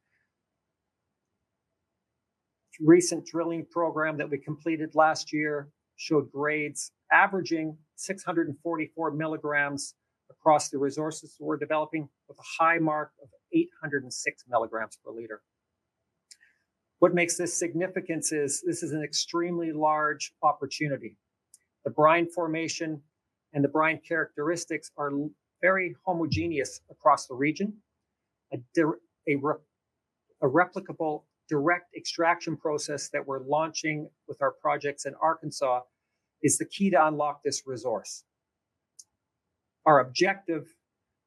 Recent drilling program that we completed last year showed grades averaging 644 mg across the resources we're developing, with a high mark of 806 mg/L. What makes this significance is, this is an extremely large opportunity. The brine formation and the brine characteristics are very homogeneous across the region. A replicable, direct extraction process that we're launching with our projects in Arkansas is the key to unlock this resource. Our objective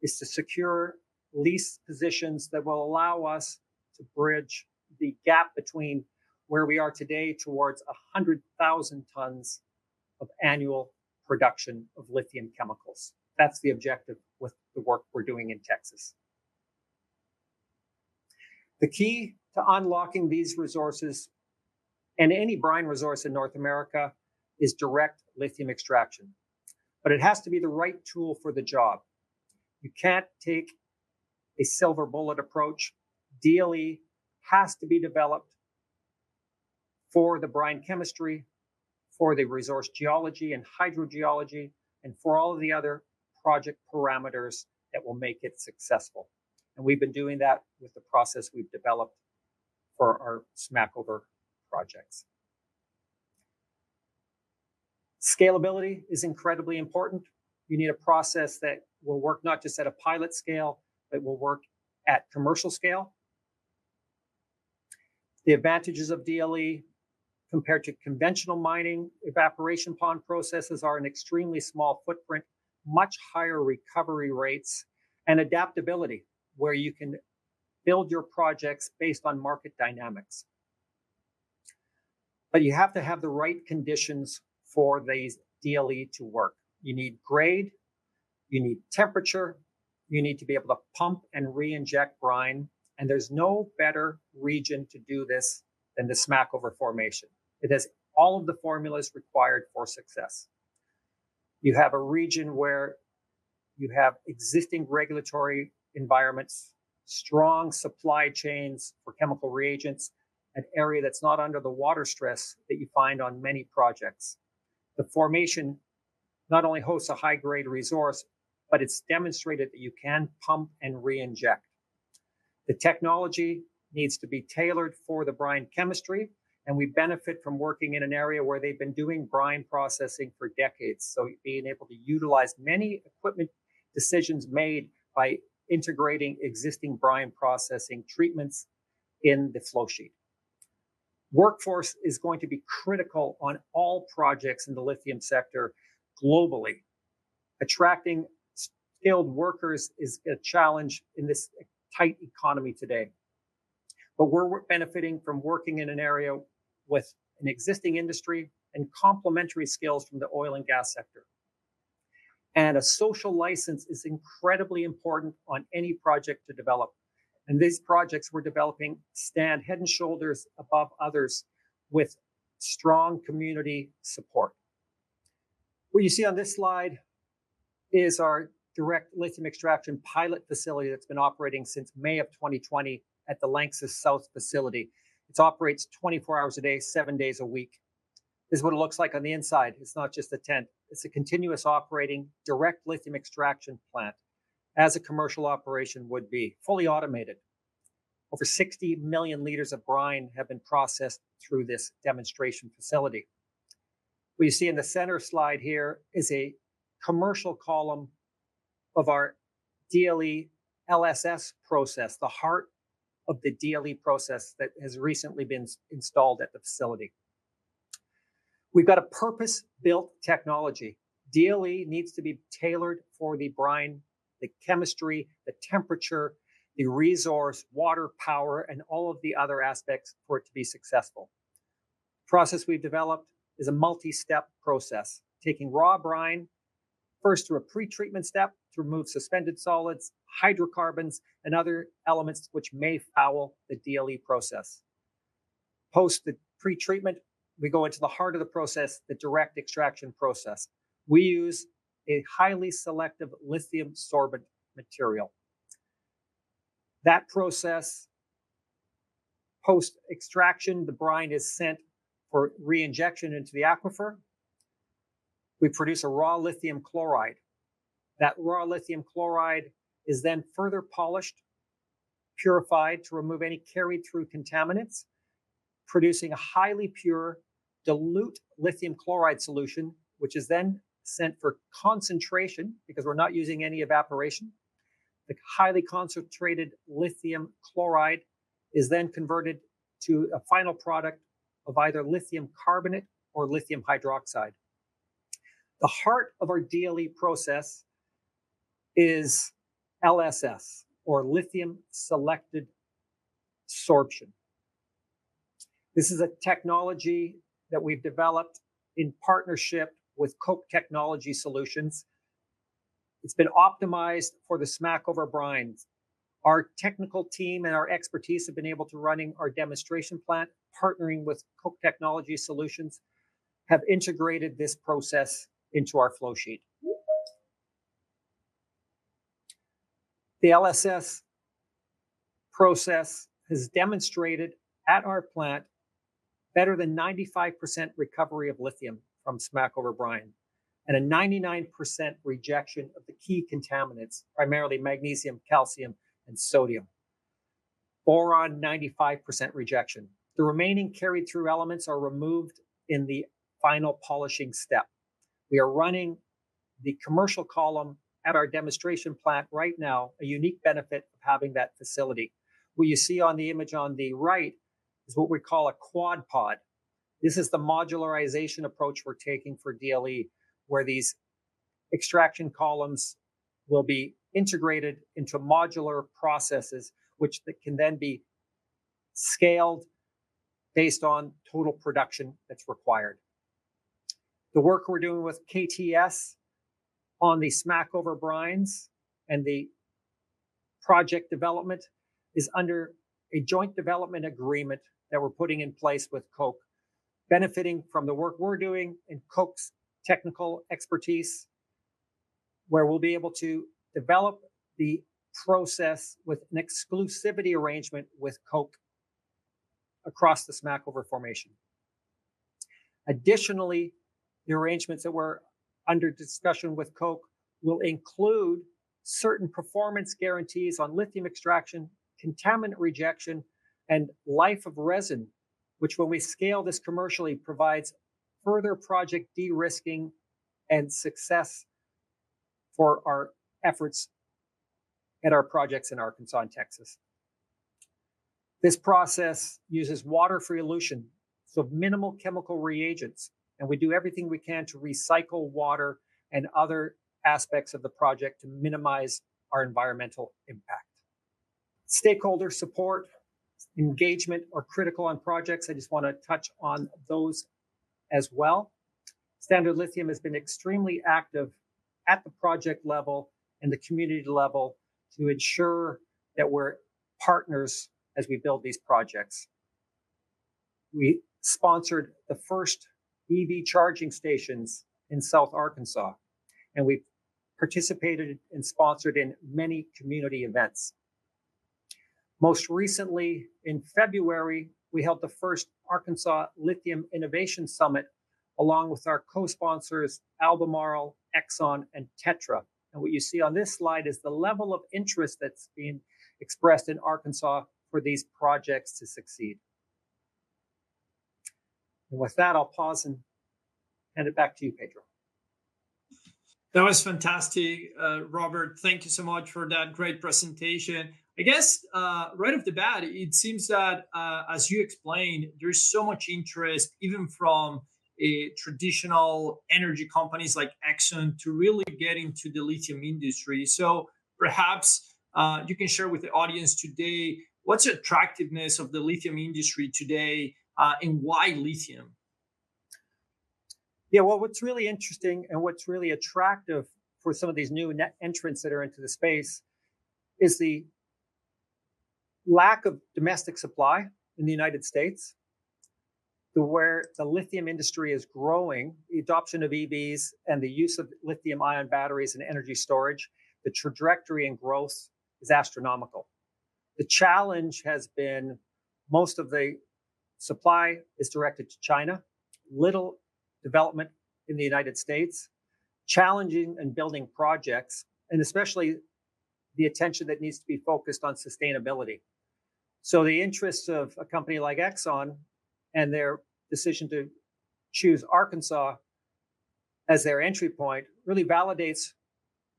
is to secure lease positions that will allow us to bridge the gap between where we are today, towards 100,000 tons of annual production of lithium chemicals. That's the objective with the work we're doing in Texas. The key to unlocking these resources, and any brine resource in North America, is direct lithium extraction, but it has to be the right tool for the job. You can't take a silver bullet approach. DLE has to be developed for the brine chemistry, for the resource geology and hydrogeology, and for all of the other project parameters that will make it successful, and we've been doing that with the process we've developed for our Smackover projects. Scalability is incredibly important. You need a process that will work not just at a pilot scale, but will work at commercial scale. The advantages of DLE compared to conventional mining, evaporation pond processes are an extremely small footprint, much higher recovery rates, and adaptability, where you can build your projects based on market dynamics. But you have to have the right conditions for the DLE to work. You need grade, you need temperature, you need to be able to pump and reinject brine, and there's no better region to do this than the Smackover Formation. It has all of the formulas required for success. You have a region where you have existing regulatory environments, strong supply chains for chemical reagents, an area that's not under the water stress that you find on many projects. The formation not only hosts a high-grade resource, but it's demonstrated that you can pump and reinject. The technology needs to be tailored for the brine chemistry, and we benefit from working in an area where they've been doing brine processing for decades, so being able to utilize many equipment decisions made by integrating existing brine processing treatments in the flow sheet. Workforce is going to be critical on all projects in the lithium sector globally. Attracting skilled workers is a challenge in this tight economy today, but we're benefiting from working in an area with an existing industry and complementary skills from the oil and gas sector. A social license is incredibly important on any project to develop, and these projects we're developing stand head and shoulders above others, with strong community support. What you see on this slide is our direct lithium extraction pilot facility that's been operating since May of 2020 at the LANXESS South facility. It operates 24 hours a day, seven days a week. This is what it looks like on the inside. It's not just a tent, it's a continuous operating direct lithium extraction plant, as a commercial operation would be, fully automated. Over 60 million liters of brine have been processed through this demonstration facility. What you see in the center slide here is a commercial column of our DLE LSS process, the heart of the DLE process that has recently been installed at the facility. We've got a purpose-built technology. DLE needs to be tailored for the brine, the chemistry, the temperature, the resource, water, power, and all of the other aspects for it to be successful. The process we've developed is a multi-step process, taking raw brine first through a pre-treatment step to remove suspended solids, hydrocarbons, and other elements which may foul the DLE process. Post the pre-treatment, we go into the heart of the process, the direct extraction process. We use a highly selective lithium sorbent material. That process, post-extraction, the brine is sent for reinjection into the aquifer. We produce a raw lithium chloride. That raw lithium chloride is then further polished, purified to remove any carry-through contaminants, producing a highly pure, dilute lithium chloride solution, which is then sent for concentration, because we're not using any evaporation. The highly concentrated lithium chloride is then converted to a final product of either lithium carbonate or lithium hydroxide. The heart of our DLE process is LSS, or lithium selective sorption. This is a technology that we've developed in partnership with Koch Technology Solutions. It's been optimized for the Smackover brines. Our technical team and our expertise have been able to running our demonstration plant, partnering with Koch Technology Solutions, have integrated this process into our flow sheet. The LSS process has demonstrated at our plant better than 95% recovery of lithium from Smackover brine, and a 99% rejection of the key contaminants, primarily magnesium, calcium, and sodium. Boron, 95% rejection. The remaining carry-through elements are removed in the final polishing step. We are running the commercial column at our demonstration plant right now, a unique benefit of having that facility. What you see on the image on the right is what we call a quad pod. This is the modularization approach we're taking for DLE, where these extraction columns will be integrated into modular processes, which they can then be scaled based on total production that's required. The work we're doing with KTS on the Smackover brines and the project development is under a joint development agreement that we're putting in place with Koch, benefiting from the work we're doing and Koch's technical expertise, where we'll be able to develop the process with an exclusivity arrangement with Koch across the Smackover Formation. Additionally, the arrangements that were under discussion with Koch will include certain performance guarantees on lithium extraction, contaminant rejection, and life of resin, which when we scale this commercially, provides further project de-risking and success for our efforts at our projects in Arkansas and Texas. This process uses water-free elution, so minimal chemical reagents, and we do everything we can to recycle water and other aspects of the project to minimize our environmental impact. Stakeholder support, engagement, are critical on projects. I just want to touch on those as well. Standard Lithium has been extremely active at the project level and the community level to ensure that we're partners as we build these projects. We sponsored the first EV charging stations in South Arkansas, and we've participated and sponsored in many community events. Most recently, in February, we held the first Arkansas Lithium Innovation Summit, along with our co-sponsors, Albemarle, Exxon, and Tetra. And what you see on this slide is the level of interest that's been expressed in Arkansas for these projects to succeed. And with that, I'll pause and hand it back to you, Pedro. That was fantastic, Robert. Thank you so much for that great presentation. I guess, right off the bat, it seems that, as you explained, there's so much interest, even from, traditional energy companies like Exxon, to really get into the lithium industry. So perhaps, you can share with the audience today what's the attractiveness of the lithium industry today, and why lithium? Yeah, well, what's really interesting, and what's really attractive for some of these new entrants that are into the space, is the lack of domestic supply in the United States to where the lithium industry is growing, the adoption of EVs and the use of lithium-ion batteries and energy storage, the trajectory and growth is astronomical. The challenge has been most of the supply is directed to China, little development in the United States, challenging and building projects, and especially the attention that needs to be focused on sustainability. So the interests of a company like Exxon, and their decision to choose Arkansas as their entry point, really validates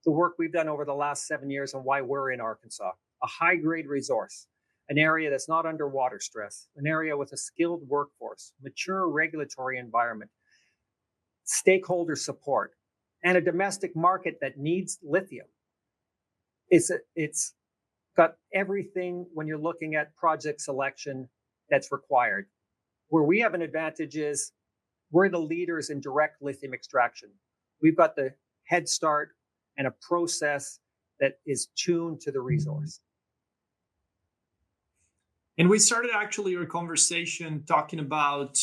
the work we've done over the last seven years and why we're in Arkansas. A high-grade resource, an area that's not under water stress, an area with a skilled workforce, mature regulatory environment, stakeholder support, and a domestic market that needs lithium. It's, it's got everything when you're looking at project selection that's required. Where we have an advantage is, we're the leaders in direct lithium extraction. We've got the head start and a process that is tuned to the resource. We started actually our conversation talking about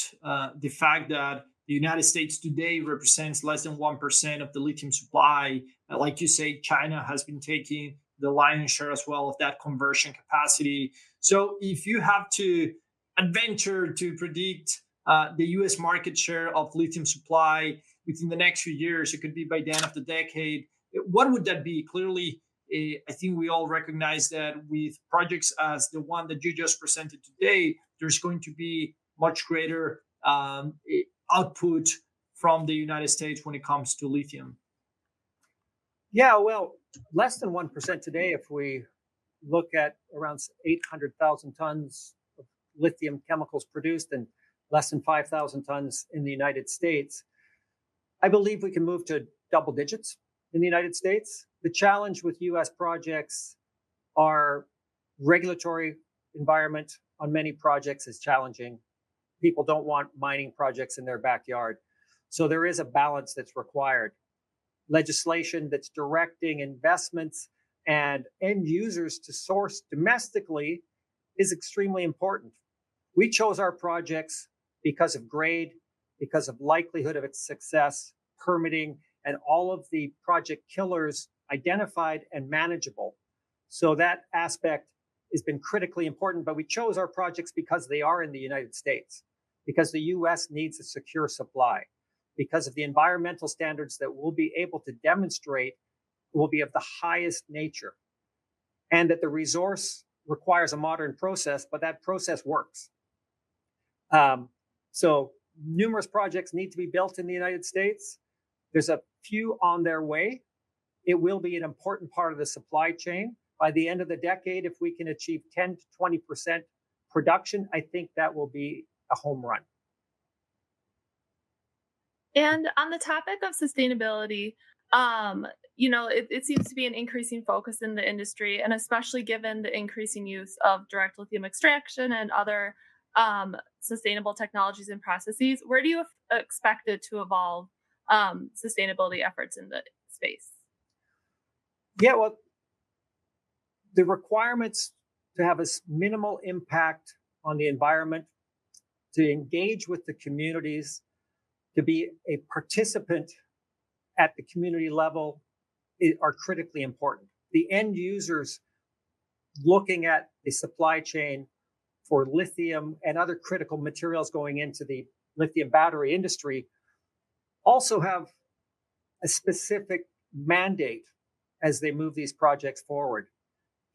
the fact that the United States today represents less than 1% of the lithium supply. Like you say, China has been taking the lion's share as well of that conversion capacity. If you have to venture to predict the U.S. market share of lithium supply within the next few years, it could be by the end of the decade, what would that be? Clearly, I think we all recognize that with projects as the one that you just presented today, there's going to be much greater output from the United States when it comes to lithium. Yeah, well, less than 1% today, if we look at around 800,000 tons of lithium chemicals produced, and less than 5,000 tons in the United States, I believe we can move to double digits in the United States. The challenge with U.S. projects are regulatory environment on many projects is challenging. People don't want mining projects in their backyard, so there is a balance that's required. Legislation that's directing investments and end users to source domestically is extremely important. We chose our projects because of grade, because of likelihood of its success, permitting, and all of the project killers identified and manageable. So that aspect has been critically important, but we chose our projects because they are in the United States, because the U.S. needs a secure supply, because of the environmental standards that we'll be able to demonstrate will be of the highest nature, and that the resource requires a modern process, but that process works. So numerous projects need to be built in the United States. There's a few on their way. It will be an important part of the supply chain. By the end of the decade, if we can achieve 10%-20% production, I think that will be a home run. On the topic of sustainability, you know, it, it seems to be an increasing focus in the industry, and especially given the increasing use of direct lithium extraction and other, sustainable technologies and processes. Where do you expect it to evolve, sustainability efforts in the space? Yeah, well, the requirements to have as minimal impact on the environment, to engage with the communities, to be a participant at the community level, are critically important. The end users looking at the supply chain for lithium and other critical materials going into the lithium battery industry, also have a specific mandate as they move these projects forward.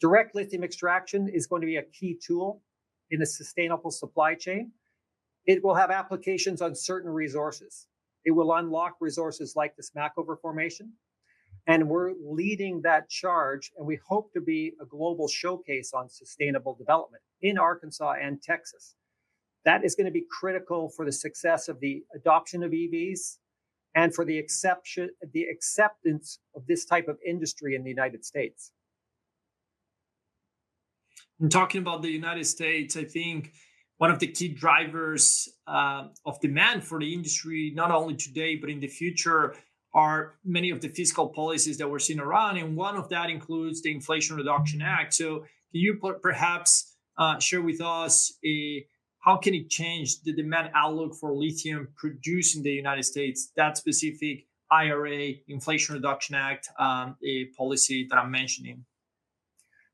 Direct lithium extraction is going to be a key tool in a sustainable supply chain. It will have applications on certain resources. It will unlock resources like the Smackover Formation, and we're leading that charge, and we hope to be a global showcase on sustainable development in Arkansas and Texas. That is gonna be critical for the success of the adoption of EVs, and for the acceptance of this type of industry in the United States. Talking about the United States, I think one of the key drivers of demand for the industry, not only today, but in the future, are many of the fiscal policies that we're seeing around, and one of that includes the Inflation Reduction Act. Can you perhaps share with us how can it change the demand outlook for lithium produced in the United States, that specific IRA, Inflation Reduction Act, a policy that I'm mentioning?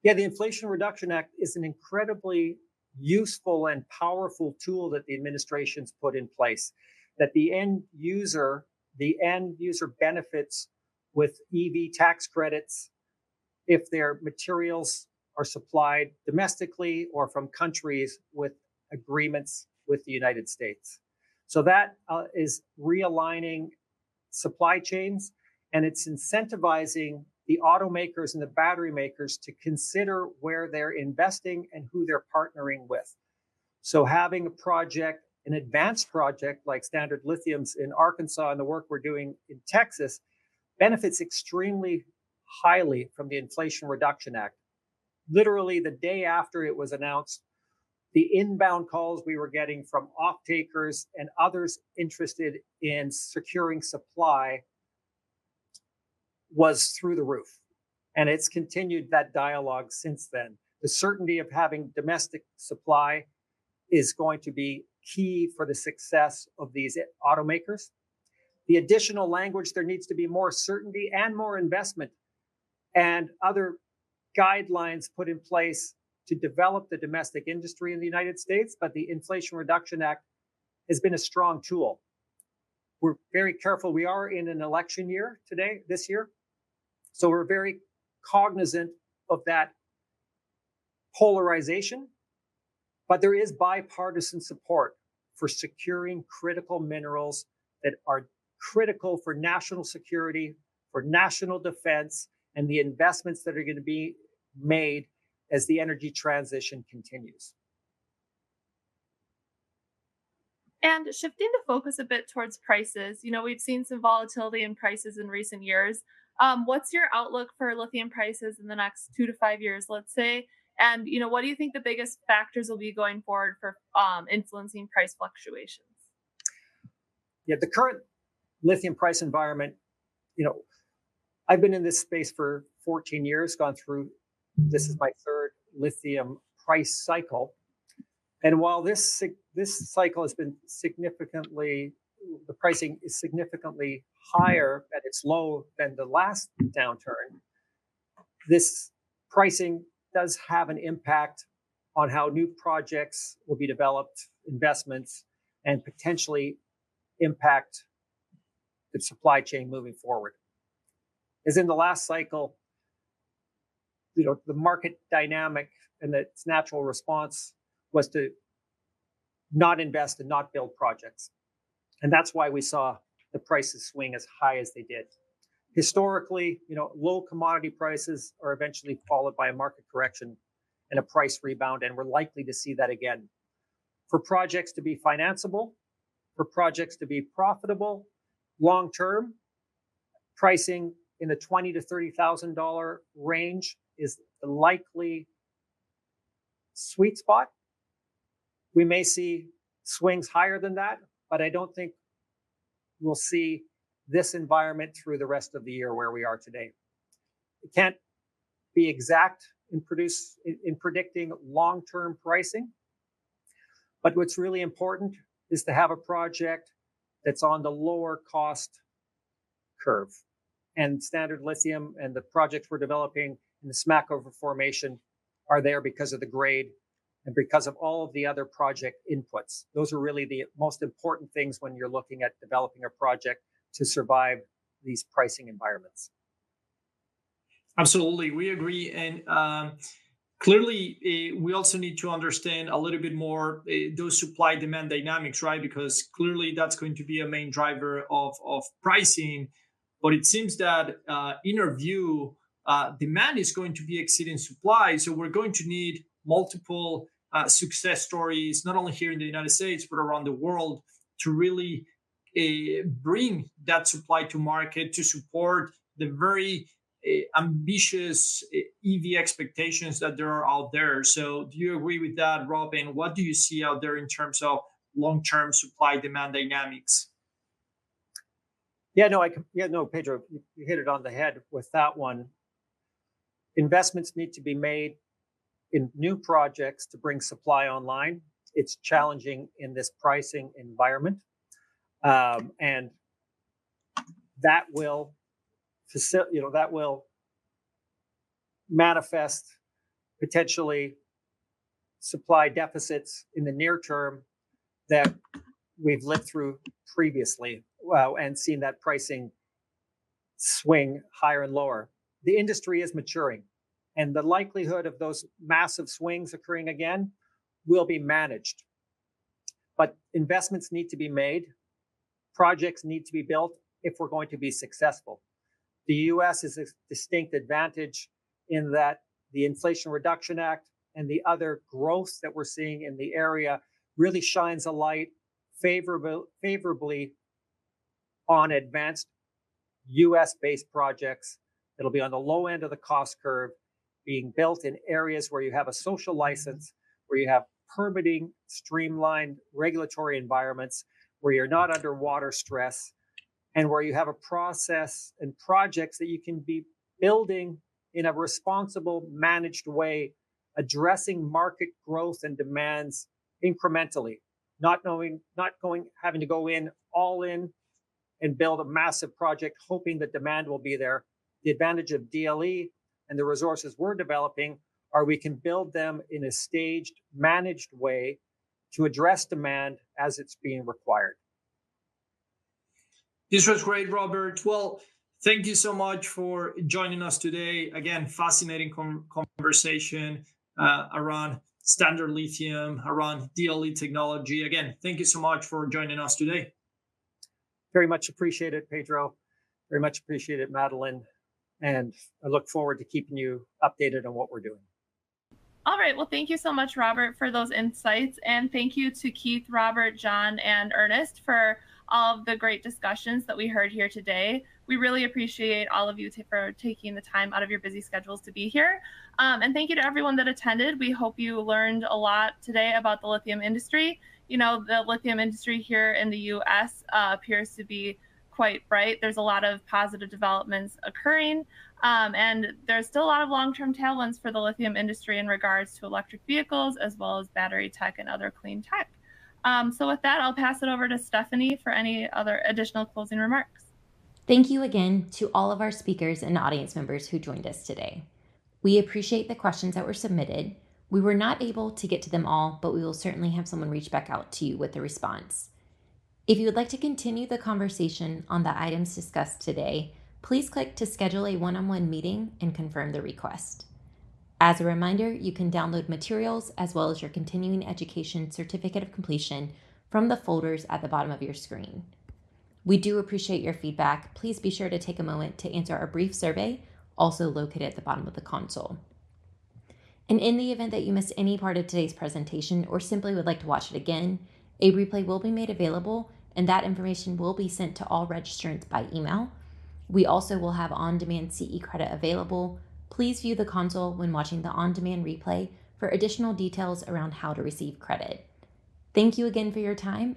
Yeah, the Inflation Reduction Act is an incredibly useful and powerful tool that the administration's put in place, that the end user, the end user benefits with EV tax credits if their materials are supplied domestically or from countries with agreements with the United States. So that is realigning supply chains, and it's incentivizing the automakers and the battery makers to consider where they're investing, and who they're partnering with. So having a project, an advanced project, like Standard Lithium's in Arkansas, and the work we're doing in Texas, benefits extremely highly from the Inflation Reduction Act. Literally, the day after it was announced, the inbound calls we were getting from off-takers and others interested in securing supply was through the roof, and it's continued that dialogue since then. The certainty of having domestic supply is going to be key for the success of these automakers. The additional language, there needs to be more certainty and more investment, and other guidelines put in place to develop the domestic industry in the United States, but the Inflation Reduction Act has been a strong tool. We're very careful. We are in an election year today, this year, so we're very cognizant of that polarization, but there is bipartisan support for securing critical minerals that are critical for national security, for national defense, and the investments that are gonna be made as the energy transition continues. Shifting the focus a bit towards prices, you know, we've seen some volatility in prices in recent years. What's your outlook for lithium prices in the next two to five years, let's say, and, you know, what do you think the biggest factors will be going forward for influencing price fluctuations? Yeah, the current lithium price environment... You know, I've been in this space for 14 years, gone through; this is my third lithium price cycle, and while this cycle has been significantly... The pricing is significantly higher, and it's lower than the last downturn; this pricing does have an impact on how new projects will be developed, investments, and potentially impact the supply chain moving forward. As in the last cycle... you know, the market dynamic and its natural response was to not invest and not build projects, and that's why we saw the prices swing as high as they did. Historically, you know, low commodity prices are eventually followed by a market correction and a price rebound, and we're likely to see that again. For projects to be financeable, for projects to be profitable long term, pricing in the $20,000-$30,000 range is the likely sweet spot. We may see swings higher than that, but I don't think we'll see this environment through the rest of the year where we are today. It can't be exact in predicting long-term pricing, but what's really important is to have a project that's on the lower cost curve, and Standard Lithium and the projects we're developing in the Smackover Formation are there because of the grade and because of all of the other project inputs. Those are really the most important things when you're looking at developing a project to survive these pricing environments. Absolutely, we agree, and clearly, we also need to understand a little bit more those supply-demand dynamics, right? Because clearly that's going to be a main driver of pricing. But it seems that, in our view, demand is going to be exceeding supply, so we're going to need multiple success stories, not only here in the United States, but around the world, to really bring that supply to market to support the very ambitious EV expectations that are out there. So do you agree with that, Rob, and what do you see out there in terms of long-term supply-demand dynamics? Yeah, no, Pedro, you hit it on the head with that one. Investments need to be made in new projects to bring supply online. It's challenging in this pricing environment. And that will manifest potentially supply deficits in the near term that we've lived through previously, and seen that pricing swing higher and lower. The industry is maturing, and the likelihood of those massive swings occurring again will be managed. But investments need to be made, projects need to be built if we're going to be successful. The U.S. has a distinct advantage in that the Inflation Reduction Act and the other growth that we're seeing in the area really shines a light favorable, favorably on advanced U.S.-based projects. It'll be on the low end of the cost curve, being built in areas where you have a social license, where you have permitting, streamlined regulatory environments, where you're not under water stress, and where you have a process and projects that you can be building in a responsible, managed way, addressing market growth and demands incrementally, not knowing, not going... having to go in all in and build a massive project, hoping that demand will be there. The advantage of DLE and the resources we're developing are we can build them in a staged, managed way to address demand as it's being required. This was great, Robert. Well, thank you so much for joining us today. Again, fascinating conversation around Standard Lithium, around DLE technology. Again, thank you so much for joining us today. Very much appreciate it, Pedro. Very much appreciate it, Madeline, and I look forward to keeping you updated on what we're doing. All right. Well, thank you so much, Robert, for those insights, and thank you to Keith, Robert, Jon, and Ernest for all of the great discussions that we heard here today. We really appreciate all of you for taking the time out of your busy schedules to be here. And thank you to everyone that attended. We hope you learned a lot today about the lithium industry. You know, the lithium industry here in the U.S. appears to be quite bright. There's a lot of positive developments occurring, and there's still a lot of long-term tailwinds for the lithium industry in regards to electric vehicles, as well as battery tech and other clean tech. So with that, I'll pass it over to Stephanie for any other additional closing remarks. Thank you again to all of our speakers and audience members who joined us today. We appreciate the questions that were submitted. We were not able to get to them all, but we will certainly have someone reach back out to you with a response. If you would like to continue the conversation on the items discussed today, please click to schedule a one-on-one meeting and confirm the request. As a reminder, you can download materials as well as your continuing education certificate of completion from the folders at the bottom of your screen. We do appreciate your feedback. Please be sure to take a moment to answer our brief survey, also located at the bottom of the console. In the event that you missed any part of today's presentation or simply would like to watch it again, a replay will be made available, and that information will be sent to all registrants by email. We also will have on-demand CE credit available. Please view the console when watching the on-demand replay for additional details around how to receive credit. Thank you again for your time.